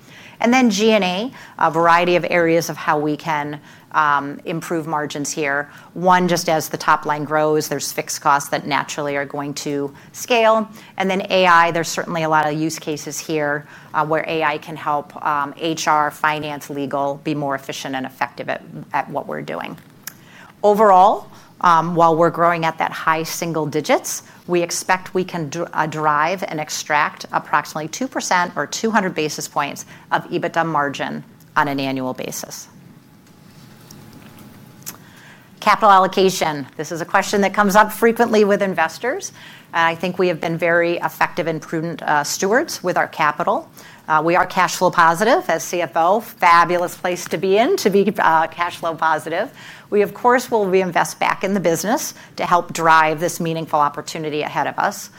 Then G&A, a variety of areas of how we can improve margins here. One, just as the top line grows, there's fixed costs that naturally are going to scale, and then AI. There's certainly a lot of use cases here where AI can help HR, finance, legal be more efficient and effective at what we're doing overall. While we're growing at that high single digits, we expect we can derive and extract approximately 2% or 200 basis points of EBITDA margin on an annual basis. Capital allocation, this is a question that comes up frequently with investors. I think we have been very effective and prudent stewards with our capital. We are cash flow positive. As CFO, fabulous place to be in to be cash flow positive. We of course will reinvest back in the business to help drive this meaningful opportunity ahead of us.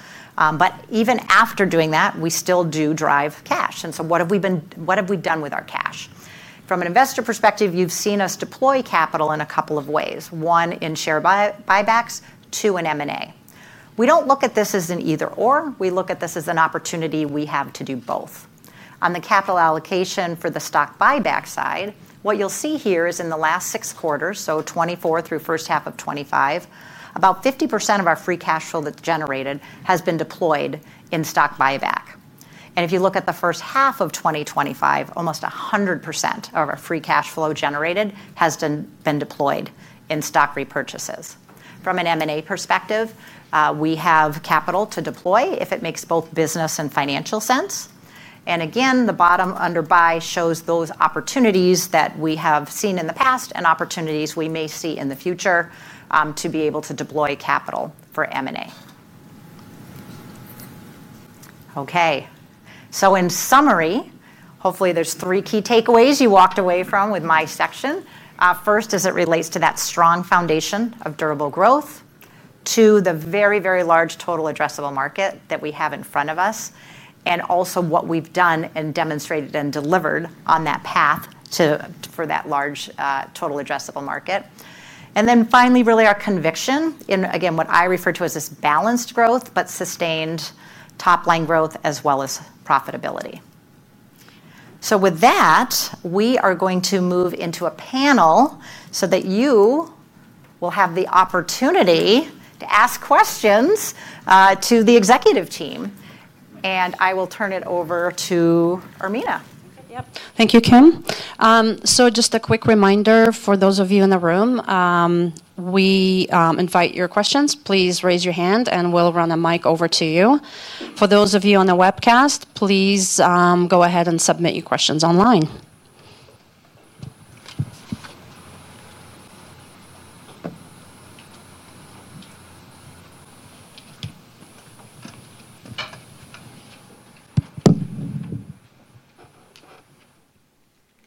Even after doing that, we still do drive cash. What have we done with our cash? From an investor perspective, you've seen us deploy capital in a couple of ways: 1 in share buybacks, 2 in M&A. We don't look at this as an either or. We look at this as an opportunity. We have to do both. On the capital allocation for the stock buyback side, what you'll see here is in the last six quarters, so 2024 through first half of 2025, about 50% of our free cash flow that's generated has been deployed in stock buyback. If you look at the first half of 2025, almost 100% of our free cash flow generated has been deployed in stock repurchases. From an M&A perspective, we have capital to deploy if it makes both business and financial sense. The bottom under buy shows those opportunities that we have seen in the past and opportunities we may see in the future to be able to deploy capital for M&A. In summary, hopefully there's three key takeaways you walked away from with my section. First, as it relates to that strong foundation of durable growth to the very, very large total addressable market that we have in front of us and also what we've done and demonstrated and delivered on that path for that large total addressable market. Finally, really our conviction in again what I refer to as this balanced growth but sustained top line growth as well as profitability. With that, we are going to move into a panel so that you will have the opportunity to ask questions to the executive team and I will turn it over to Irmina. Thank you, Kim. Just a quick reminder for those of you in the room, we invite your questions. Please raise your hand and we'll run a mic over to you. For those of you on the webcast, please go ahead and submit your questions online.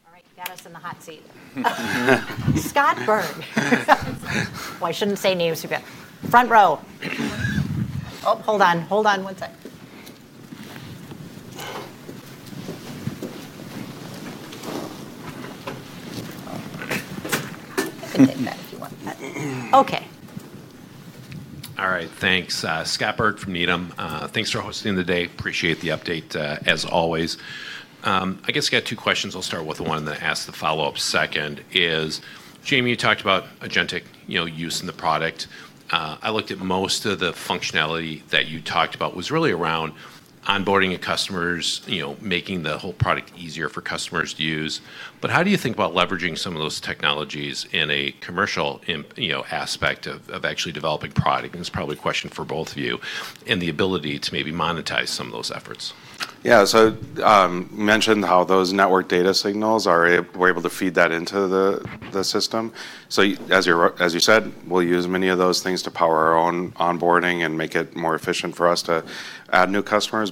All right, got us in the hot seat. We've got front row. Hold on, hold on one second. Okay. All right, thanks. Scott Berg from Needham. Thanks for hosting the day. Appreciate the update as always. I guess I got two questions. I'll start with the one that asks the follow up. Second is Jamie, you talked about agentic. Use in the product. I looked at most of the functionality that you talked about was really around onboarding your customers, making the whole product easier for customers to use. How do you think about leveraging some of those technologies in a commercial aspect of actually developing product? It's probably a question for both of you, and the ability to maybe monetize some of those efforts. Yeah, so mentioned how those network data signals are, we're able to feed that into the system. As you said, we'll use many of those things to power our own onboarding and make it more efficient for us to add new customers.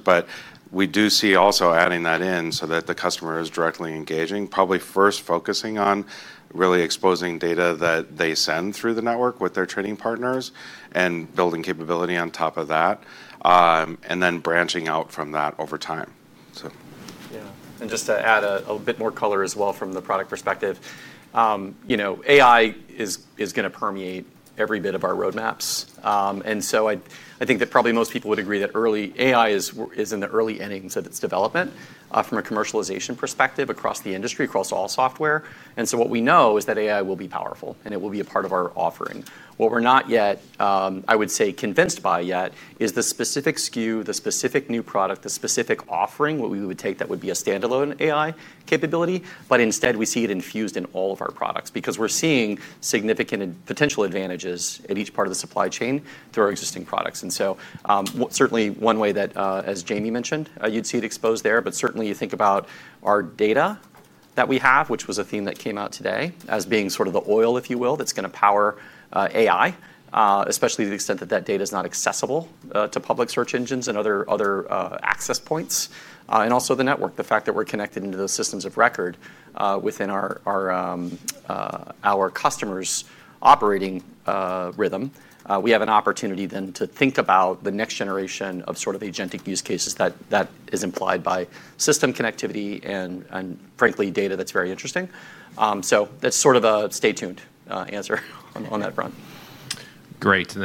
We do see also adding that in so that the customer is directly engaging. Probably first focusing on really exposing data that they send through the network with their training partners and building capability on top of those, and then branching out from that over time. Yeah, and just to add a bit more color as well, from the product perspective, you know, AI is going to permeate every bit of our roadmaps. I think that probably most people would agree that AI is in the early innings of its development from a commercialization perspective across the industry, across all software. What we know is that AI will be powerful and it will be a part of our offering. What we're not yet, I would say, convinced by is the specific SKU, the specific new product, the specific offering. What we would take that would be a standalone AI capability, but instead we see it infused in all of our products because we're seeing significant potential advantages at each part of the supply chain through our existing products. Certainly one way that, as Jamie mentioned, you'd see it exposed there. Certainly you think about our data that we have, which was a theme that came out today as being sort of the oil, if you will, that's going to power AI, especially to the extent that data is not accessible to public search engines and other access points and also the network. The fact that we're connected into the systems of record within our customers' operating rhythm, we have an opportunity then to think about the next generation of sort of agentic use cases that is implied by system connectivity and, frankly, data. That's very interesting. That's sort of a stay tuned answer on that front. Great.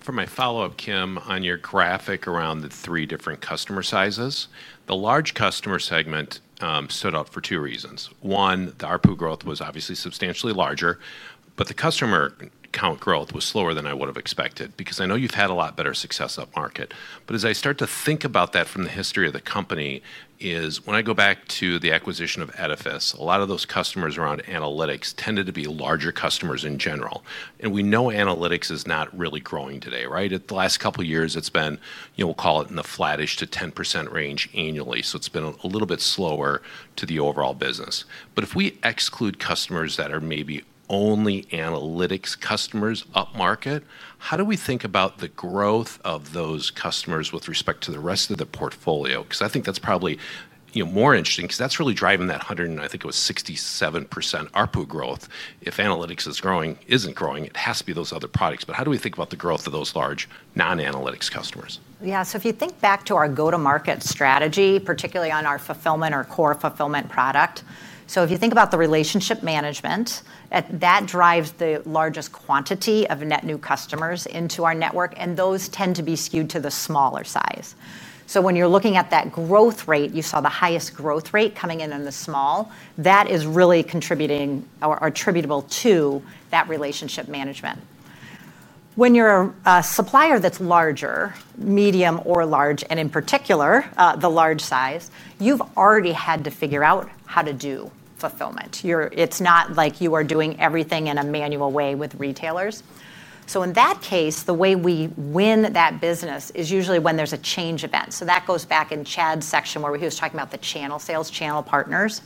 For my follow up, Kim, on your graphic around the three different customer sizes, the large customer segment stood. Out for two reasons. One, the ARPU growth was obviously substantially larger, but the customer count growth was slower than I would have expected. I know you've had a lot better success upmarket. As I start to think about that from the history of the company, when I go back to the acquisition of Edifice, a lot of those customers around analytics tended to be larger customers in general. We know analytics is not really growing today. Right. The last couple years it's been, you know, we'll call it in the flattish to 10% range annually. It has been a little bit slower. To the overall business. If we exclude customers that are maybe only analytics customers upmarket, how do we think about the growth of those? Customers with respect to the rest of the portfolio? Because I think that's probably, you know. More interesting because that's really driving that 167% ARPU growth. If analytics isn't growing, it. Has to be those other products. How do we think about the. Growth of those large non-analytics customers? If you think back to our go to market strategy, particularly on our fulfillment or core fulfillment product, if you think about the relationship management that drives the largest quantity of net new customers into our network, those tend to be skewed to the smaller size. When you're looking at that growth rate, you saw the highest growth rate coming in in the small that is really contributing or attributable to that relationship management. When you're a supplier that's larger, medium or large, and in particular the large size, you've already had to figure out how to do fulfillment. It's not like you are doing everything in a manual way with retailers. In that case, the way we win that business is usually when there's a change event. That goes back in Chad's section where he was talking about the channel sales, channel partners.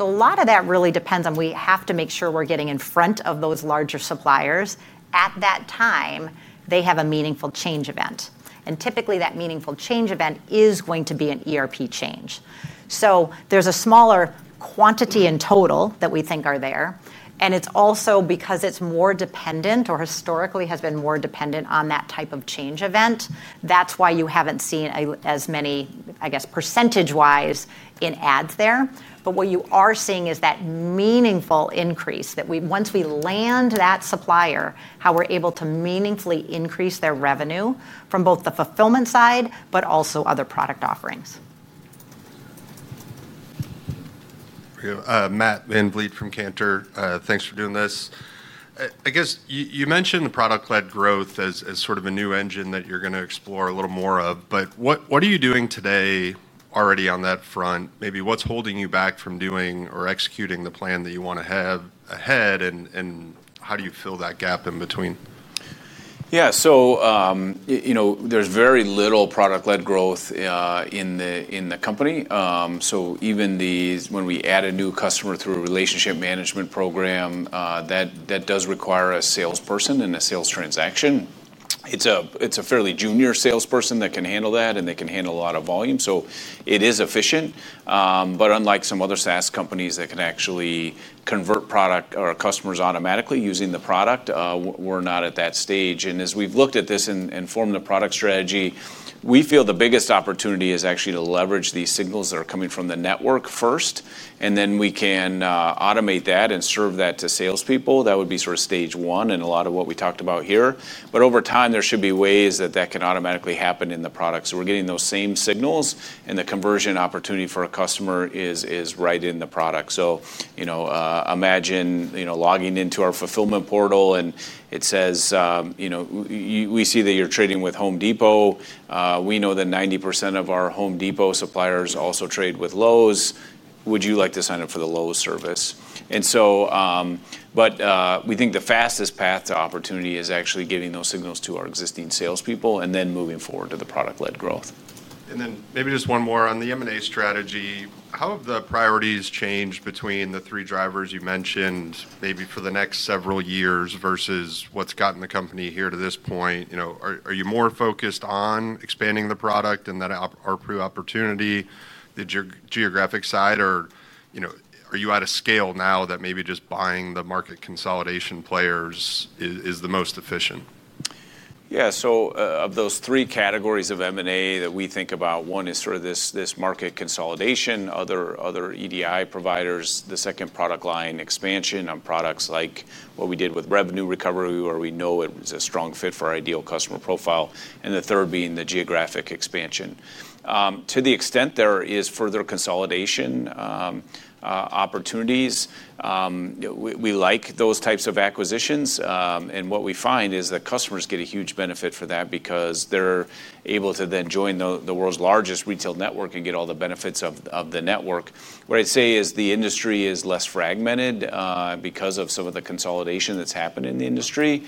A lot of that really depends on we have to make sure we're getting in front of those larger suppliers at that time they have a meaningful change event and typically that meaningful change event is going to be an ERP change. There's a smaller quantity in total that we think are there and it's also because it's more dependent or historically has been more dependent on that type of change event. That's why you haven't seen as many, I guess percentage wise in ads there. What you are seeing is that meaningful increase that once we land that supplier, how we're able to meaningfully increase their revenue from both the fulfillment side, but also other product offerings. Matt VanVliet from Cantor, thanks for doing this. I guess you mentioned the product led. Growth as sort of a new engine that you're going to explore a little more of. What are you doing today already on that front? Maybe what's holding you back from doing or executing the plan that you want to have ahead, and how do you fill that gap in between? Yeah, so you know, there's very little product led growth in the company. Even when we add a new customer through a relationship management program, that does require a salesperson and a sales transaction. It's a fairly junior salesperson that can handle that, and they can handle a lot of volume, so it is efficient. Unlike some other SaaS companies that can actually convert customers automatically using the product, we're not at that stage. As we've looked at this and formed the product strategy, we feel the biggest opportunity is actually to leverage these signals that are coming from the network first, and then we can automate that and serve that to salespeople. That would be sort of stage one and a lot of what we talked about here. Over time, there should be ways that can automatically happen in the product. We're getting those same signals, and the conversion opportunity for a customer is right in the product. Imagine logging into our fulfillment portal and it says, you know, we see that you're trading with Home Depot. We know that 90% of our Home Depot suppliers also trade with Lowe's. Would you like to sign up for the Lowe's service? We think the fastest path to opportunity is actually giving those signals to our existing salespeople and then moving forward to the product led growth. Maybe just one more on. The M&A strategy. How have the priorities changed between the three drivers you mentioned? Maybe for the next several years versus what's gotten the company here to this point? Are you more focused on expanding the product and that ARPU opportunity, the geographic side, or are you at a scale now that maybe just buying the market consolidation players is the most efficient? Of those three categories of M&A that we think about, one is sort of this market consolidation, other EDI providers. The second, product line expansion on products like what we did with revenue recovery, where we know it's a strong fit for ideal customer profile. The third being the geographic expansion. To the extent there is further consolidation opportunities, we like those types of acquisitions and what we find is that customers get a huge benefit because they're able to then join the world's largest retail network and get all the benefits of the network. What I'd say is the industry is less fragmented because of some of the consolidation that's happened in the industry.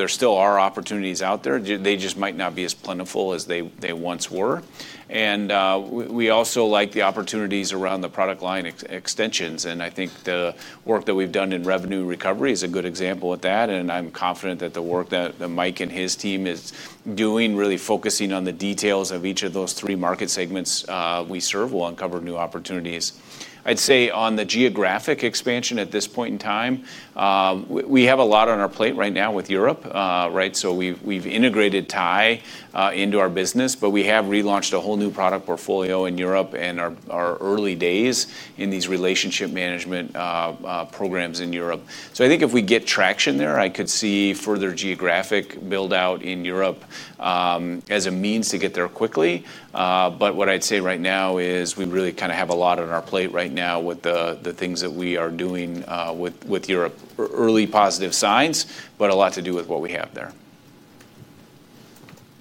There still are opportunities out there. They just might not be as plentiful as they once were. We also like the opportunities around the product line extensions and I think the work that we've done in revenue recovery is a good example of that. I'm confident that the work that Mike and his team is doing, really focusing on the details of each of those three market segments we serve, will uncover new opportunities. I'd say on the geographic expansion at this point in time, we have a lot on our plate right now with Europe. We've integrated TIE into our business but we have relaunched a whole new product portfolio in Europe and our early days in these relationship management programs in Europe. I think if we get traction there, I could see further geographic build out in Europe as a means to get there quickly. What I'd say right now is we really kind of have a lot on our plate right now with the things that we are doing with Europe. Early positive signs, but a lot to do with what we have there.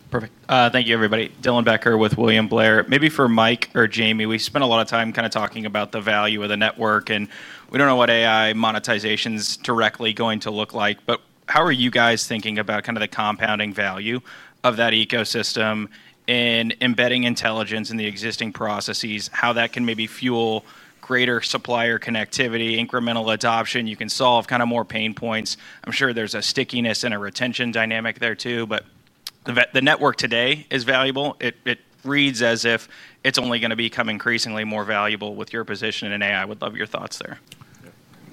Perfect. Thank you, everybody. Dylan Becker with William Blair. Maybe for Mike or Jamie. We spent a lot of time. Talking about the value of the network, we don't know what AI monetization is directly going to look like. How are you guys thinking about it? Kind of the compounding value of that ecosystem in embedding intelligence in the. Existing processes, how that can maybe fuel greater supplier connectivity, incremental adoption. You can solve kind of more pain points. I'm sure there's a stickiness and a. Retention dynamic there too. The network today is valuable. It reads as if it's only going to become increasingly more valuable with your position in AI. Would love your thoughts there?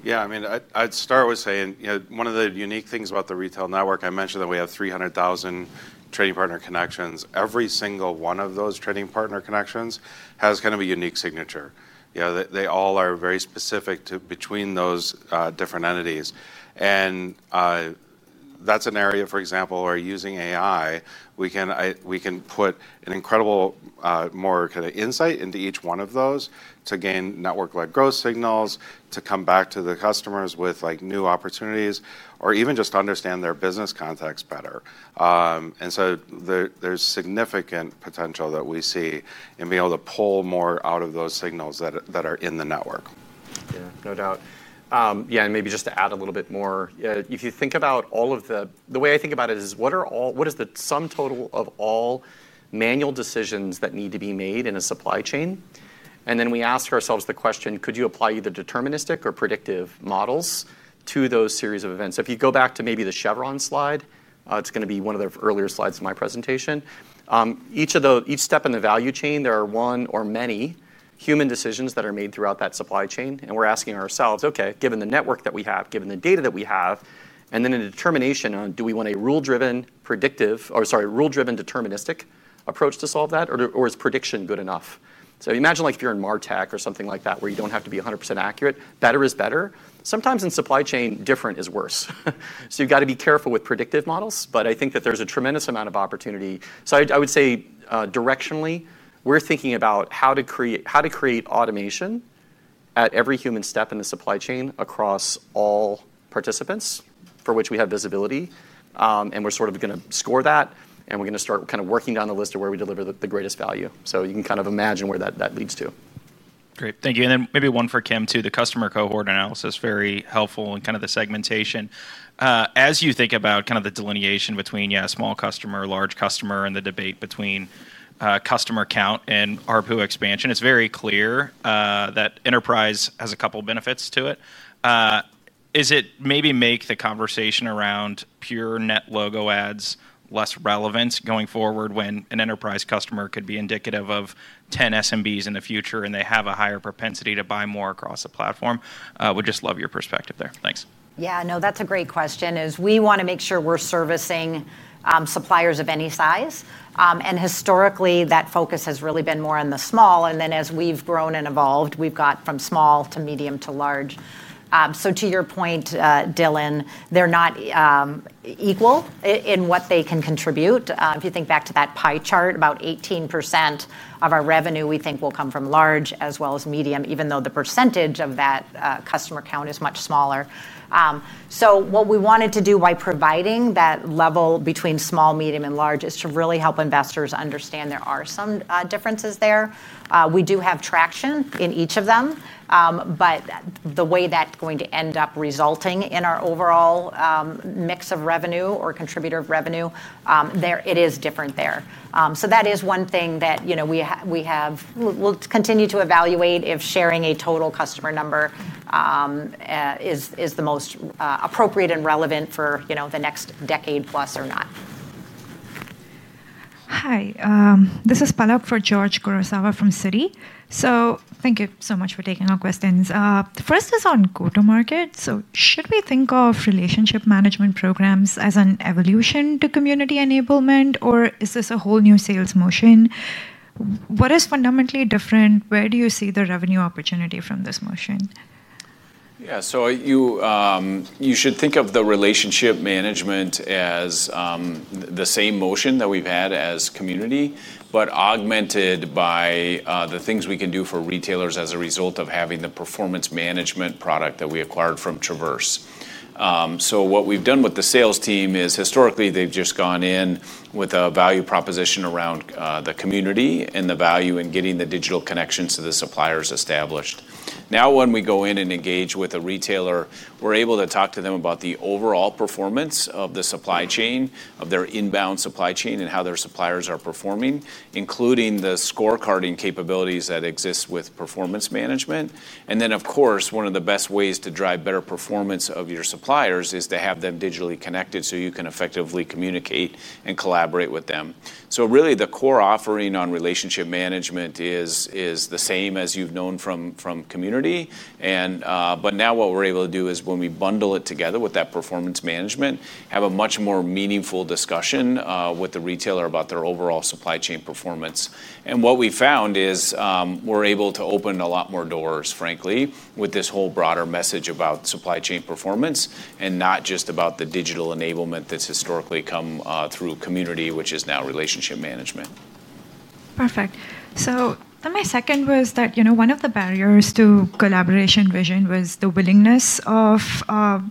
Yeah, I mean, I'd start with saying one of the unique things about the retail network. I mentioned that we have 300,000 trading partner connections. Every single one of those trading partner connections has kind of a unique signature. They all are very specific to between those different entities. That's an area, for example, where using AI we can put an incredible more kind of insight into each one of those to gain network-like growth signals to come back to the customers with new opportunities or even just understand their business context better. There's significant potential that we see in being able to pull more out of those signals that are in the network. Yeah, no doubt. Maybe just to add a little bit more, if you think about all of the, the way I think about it is what are all, what is the sum total of all manual decisions that need to be made in a supply chain? We ask ourselves the question, could you apply either deterministic or predictive models to those series of events? If you go back to maybe the chevron slide, it's going to be one of the earlier slides in my presentation. Each step in the value chain, there are one or many human decisions that are made throughout that supply chain. We're asking ourselves, okay, given the network that we have, given the data that we have, and then a determination on do we want a rule-driven, deterministic approach to solve that or is prediction good enough? Imagine like if you're in MarTech or something like that where you don't have to be 100% accurate, better is better. Sometimes in supply chain different is worse. You've got to be careful with predictive models. I think that there's a tremendous amount of opportunity. I would say directionally we're thinking about how to create automation at every human step in the supply chain across all participants for which we have visibility. We're sort of going to score that and we're going to start kind of working down the list of where we deliver the greatest value. You can kind of imagine where that leads to. Great, thank you. Maybe one for Kim too. The customer cohort analysis, very helpful. Kind of the segmentation as you think. About the delineation between small customer, large customer, and the debate. Between customer count and ARPU expansion, it's very clear that enterprise has a. Couple benefits to it. Is it maybe make the conversation around pure net logo ads less relevant? Going forward, when an enterprise customer could. Be indicative of 10 SMBs in the future, and they have a higher. Propensity to buy more across the platform. We'd just love your perspective there. Thanks. Yeah, no, that's a great question. We want to make sure we're servicing suppliers of any size, and historically that focus has really been more on the small, and then as we've grown and evolved, we've got from small to medium to large. To your point, Dylan, they're not equal in what they can contribute. If you think back to that pie chart, about 18% of our revenue we think will come from large as well as medium, even though the percentage of that customer count is much smaller. What we wanted to do by providing that level between small, medium, and large is to really help investors understand there are some differences there. We do have traction in each of them, but the way that's going to end up resulting in our overall mix of revenue or contributor of revenue, it is different there. That is one thing that we will continue to evaluate if sharing a total customer number is the most appropriate and relevant for the next decade plus or not. Hi, this is Palak for George Kurosawa from Citi. Thank you so much for taking our questions. The first is on go to market. Should we think of retail relationship management programs as an evolution to community enablement, or is this a whole new sales? What is fundamentally different? Where do you see the revenue opportunity from this motion? You should think of the relationship management as the same motion that we've had as community, but augmented by the things we can do for retailers as a result of having the Performance Management product that we acquired from Traverse. What we've done with the sales team is historically they've just gone in with a value proposition around the community and the value in getting the digital connections to the suppliers established. Now, when we go in and engage with a retailer, we're able to talk to them about the overall performance of the supply chain, of their inbound supply chain and how their suppliers are performing, including the scorecarding capabilities that exist with Performance Management. Of course, one of the best ways to drive better performance of your suppliers is to have them digitally connected so you can effectively communicate and collaborate with them. The core offering on relationship management is the same as you've known from community, but now what we're able to do is when we bundle it together with that Performance Management, have a much more meaningful discussion with the retailer about their overall supply chain performance. What we found is we're able to open a lot more doors, frankly, with this whole broader message about supply chain performance and not just about the digital enablement that's historically come through community, which is now relationship management. Perfect. My second was that one of the barriers to collaboration vision was the willingness of,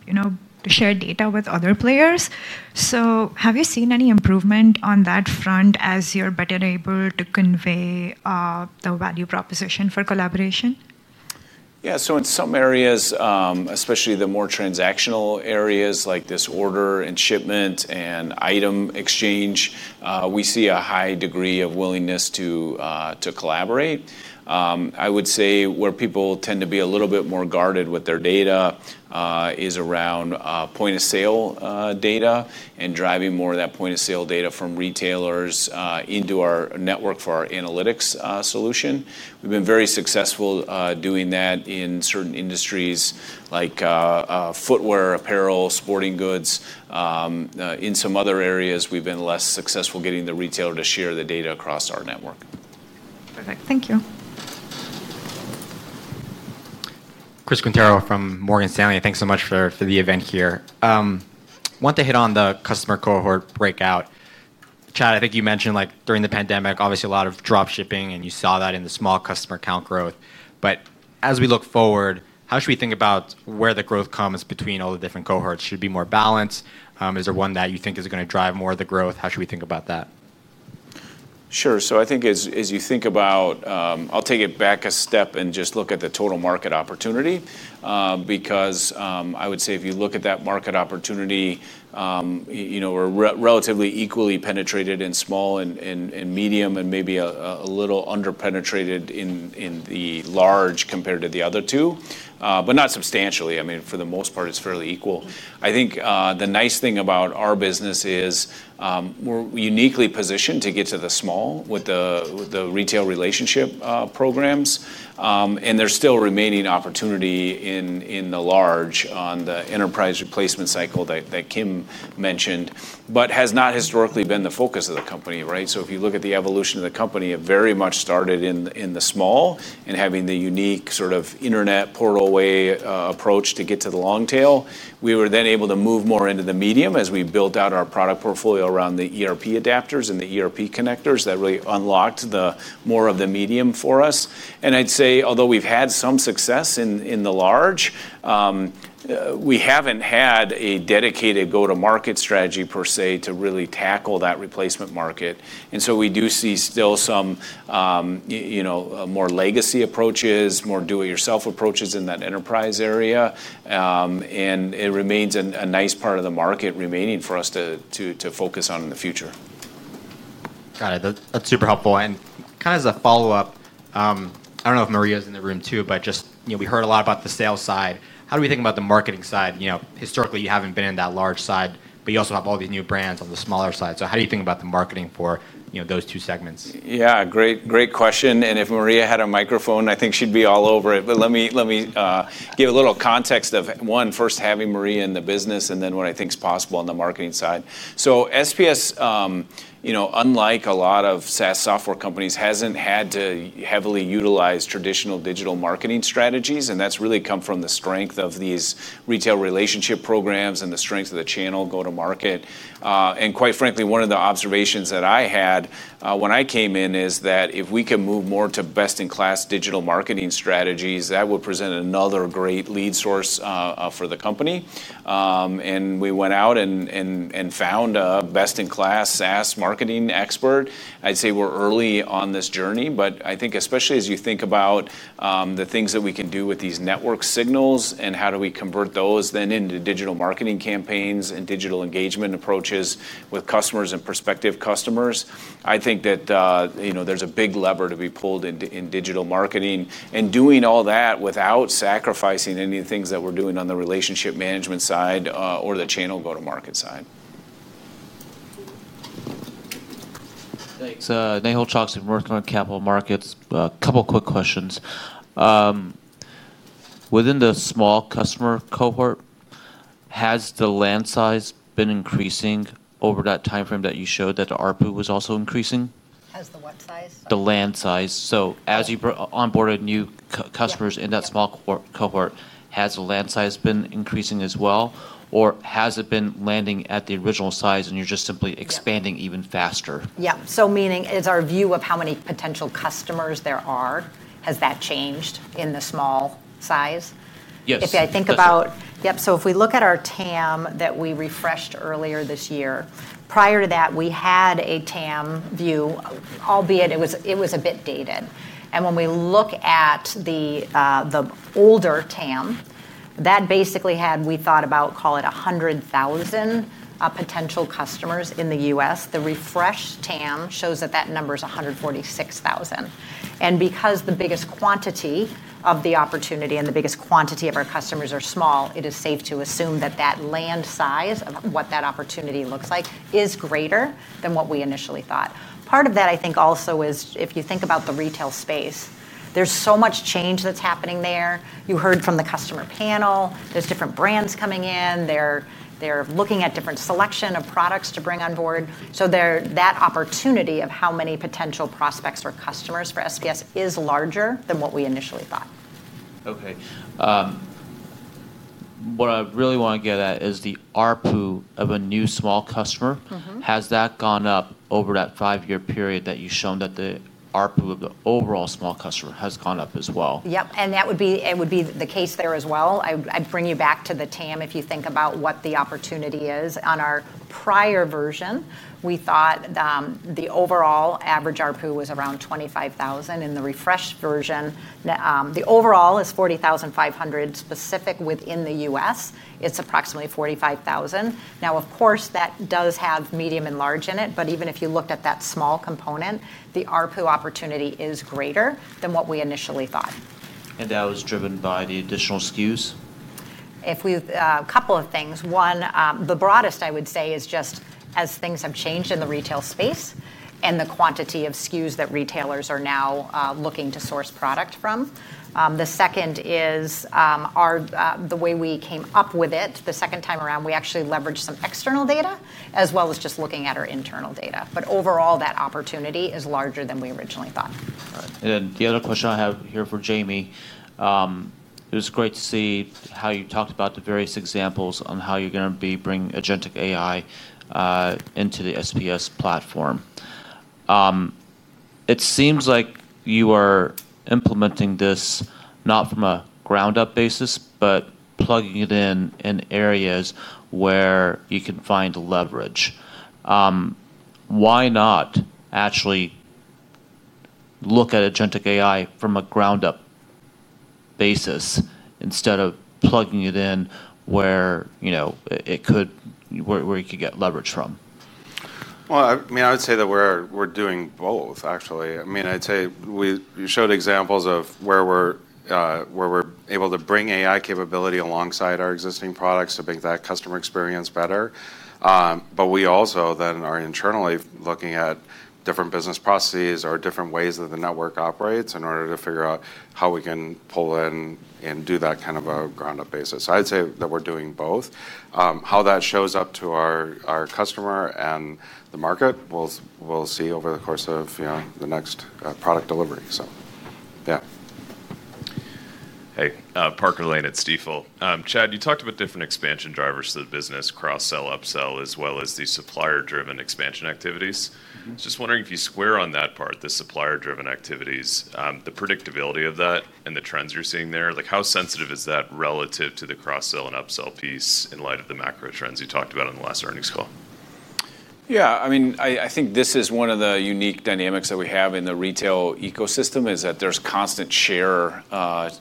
you know, to. Share data with other players. Have you seen any improvement on that front as you're better able to convey the value proposition for collaboration? Collaboration, yeah. In some areas, especially the more transactional areas like this order and shipment and item exchange, we see a high degree of willingness to collaborate. I would say where people tend to be a little bit more guarded with their data is around point of sale data and driving more of that point of sale data from retailers into our network. For our analytics solution, we've been very successful doing that in certain industries like footwear, apparel, sporting goods. In some other areas we've been less successful getting the retailer to share the data across our network. Perfect. Thank you. Chris Quintero from Morgan Stanley, thanks too. very much for the event here. Want to hit on the customer cohort breakout. Chad, I think you mentioned like during the pandemic, obviously a lot of drop. Shipping and you saw that in the. Small customer count growth. As we look forward, how should we think about where the growth comes between all the different cohorts? Should it be more balanced? Is there one that you think is going to drive more of the growth? How should we think about that? Sure. I think as you think about it, I'll take it back a step and just look at the total market opportunity. I would say if you look at that market opportunity, we are relatively equally penetrated in small and medium and maybe a little underpenetrated in the large compared to the other two, but not substantially. For the most part, it's fairly equal. I think the nice thing about our business is we're uniquely positioned to get to the small with the retail relationship management programs, and there's still remaining opportunity in the small and large. On the enterprise replacement cycle that Kim mentioned, it has not historically been the focus of the company. If you look at the evolution of the company, it very much started in the small and having the unique sort of Internet portal way approach to get to the long tail. We were then able to move more into the medium as we built out our product portfolio around the ERP adapters and the ERP connectors that really unlocked more of the medium for us. I'd say although we've had some success in the large, we haven't had a dedicated go-to-market strategy per se to really tackle that replacement market. We do see still some more legacy approaches, more do-it-yourself approaches in that enterprise area. It remains a nice part of the market remaining for us to focus on in the future. Got it. That's super helpful and kind of a follow up. I don't know if Maria's in the room too, but just, you know, we heard a lot about the sales side. How do we think about the marketing side? You know, historically you haven't been in that large side, but you also have all these new brands on the smaller side. How do you think about the marketing for, you know, those two segments? Great question. If Maria had a microphone, I think she'd be all over it. Let me give a little context of one, first having Maria in the business and then what I think is possible on the marketing side. SPS, unlike a lot of SaaS software companies, hasn't had to heavily utilize traditional digital marketing strategies. That's really come from the strength of these retail relationship management programs and the strength of the channel go to market. Quite frankly, one of the observations that I had when I came in is that if we can move more to best-in-class digital marketing strategies, that would present another great lead source for the company. We went out and found best-in-class SaaS marketing expert. I'd say we're early on this journey, but I think especially as you think about the things that we can do with these network signals and how we convert those into digital marketing campaigns and digital engagement approaches with customers and prospective customers. I think that there's a big lever to be pulled in digital marketing and doing all that without sacrificing anything that we're doing on the relationship management side or the channel go to market side. Nehal Chokshi working on Capital Markets. A couple of quick questions. Within the small customer cohort, has the land size been increasing over that timeframe that you showed that the ARPU was also increasing as the what the land size. As you onboarded new customers in. That small cohort, has the land size been increasing as well, or has it been landing at the original size and you're just simply expanding even faster? So meaning is our view of how many potential customers there are, has that changed in the small size? If I think about. So if we look at our TAM that we refreshed earlier this year. Prior to that we had a TAM view, albeit it was, it was a bit dated. When we look at the older TAM that basically had, we thought about, call it 100,000 potential customers in the U.S. The refreshed TAM shows that that number is 146,000. Because the biggest quantity of the opportunity and the biggest quantity of our customers are small, it is safe to assume that that land size of what that opportunity looks like is greater than what we initially thought. Part of that I think also is if you think about the retail space, there's so much change that's happening there. You heard from the customer panel, there's different brands coming in, they're looking at different selection of products to bring on board. So that opportunity of how many potential prospects or customers for SPS is larger than what we initially thought. Okay, what I really want to get at is the ARPU of a new small customer. Has that gone up over that five year period that you've shown that the ARPU of the overall small customer has? Gone up as well? Yep. That would be the case there as well. I bring you back to the total addressable market. If you think about what the opportunity is, on our prior version we thought the overall average ARPU was around $25,000. In the refreshed version, the overall is $40,500. Within the U.S. it's approximately $45,000. Now, of course, that does have medium and large in it, but even if you looked at that small component, the ARPU opportunity is greater than what we. Initially thought. And that was driven by the additional SKUs? A couple of things. One, the broadest I would say is just as things have changed in the retail space and the quantity of SKUs that retailers are now looking to source product from. The second is the way we came up with it the second time around. We actually leveraged some external data as well as just looking at our internal data. Overall, that opportunity is larger than we originally thought. The other question I have here. For Jamie, it was great to. See how you talked about the various examples on how you're going to be bringing agentic AI into the SPS platform. It seems like you are implementing this not from a ground up basis, but plugging it in in areas where you can find leverage. Why not actually look at agentic AI from a ground up basis instead of plugging it in where you know it could, where you could get leverage from? I would say that we're doing both. I mean, I'd say we showed examples of where we're able to bring AI capability alongside our existing products to make that customer experience better. We also then are internally looking at different business processes or different ways that the network operates in order to figure out how we can pull in and do that kind of a ground up basis. I'd say that we're doing both. How that shows up to our customer and the market we'll see over the course of the next product delivery. Hey, Parker Lane at Stifel. Chad, you talked about different expansion drivers to the business, cross sell, upsell, as well as the supplier driven expansion activities. Just wondering if you square on that part. The supplier driven activities, the predictability of that, and the trends you're seeing there. How sensitive is that relative to the cross sell and upsell piece in light of the macro trends you talked. About on the last earnings call? Yeah, I mean, I think this is one of the unique dynamics that we have in the retail ecosystem, that there's constant share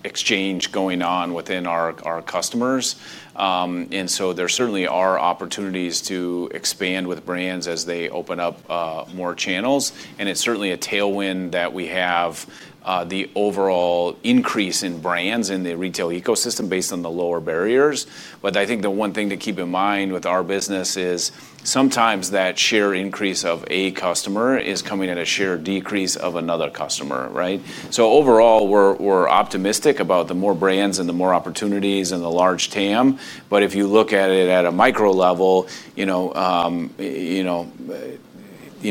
exchange going on within our customers. There certainly are opportunities to expand with brands as they open up more channels. It's certainly a tailwind that we have the overall increase in brands in the retail ecosystem based on the lower barriers. I think the one thing to keep in mind with our business is sometimes that share increase of a customer is coming at a share decrease of another customer. Right. Overall, we're optimistic about the more brands and the more opportunities and the large TAM. If you look at it at a micro level,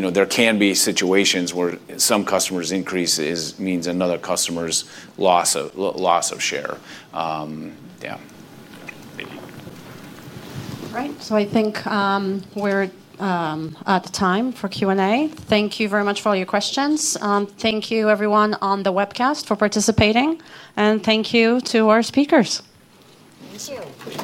there can be situations where some customer's increase means another customer's loss of share. Damn. Right. I think we're at the time for Q&A. Thank you very much for all your questions. Thank you everyone on the webcast for participating, and thank you to our speakers.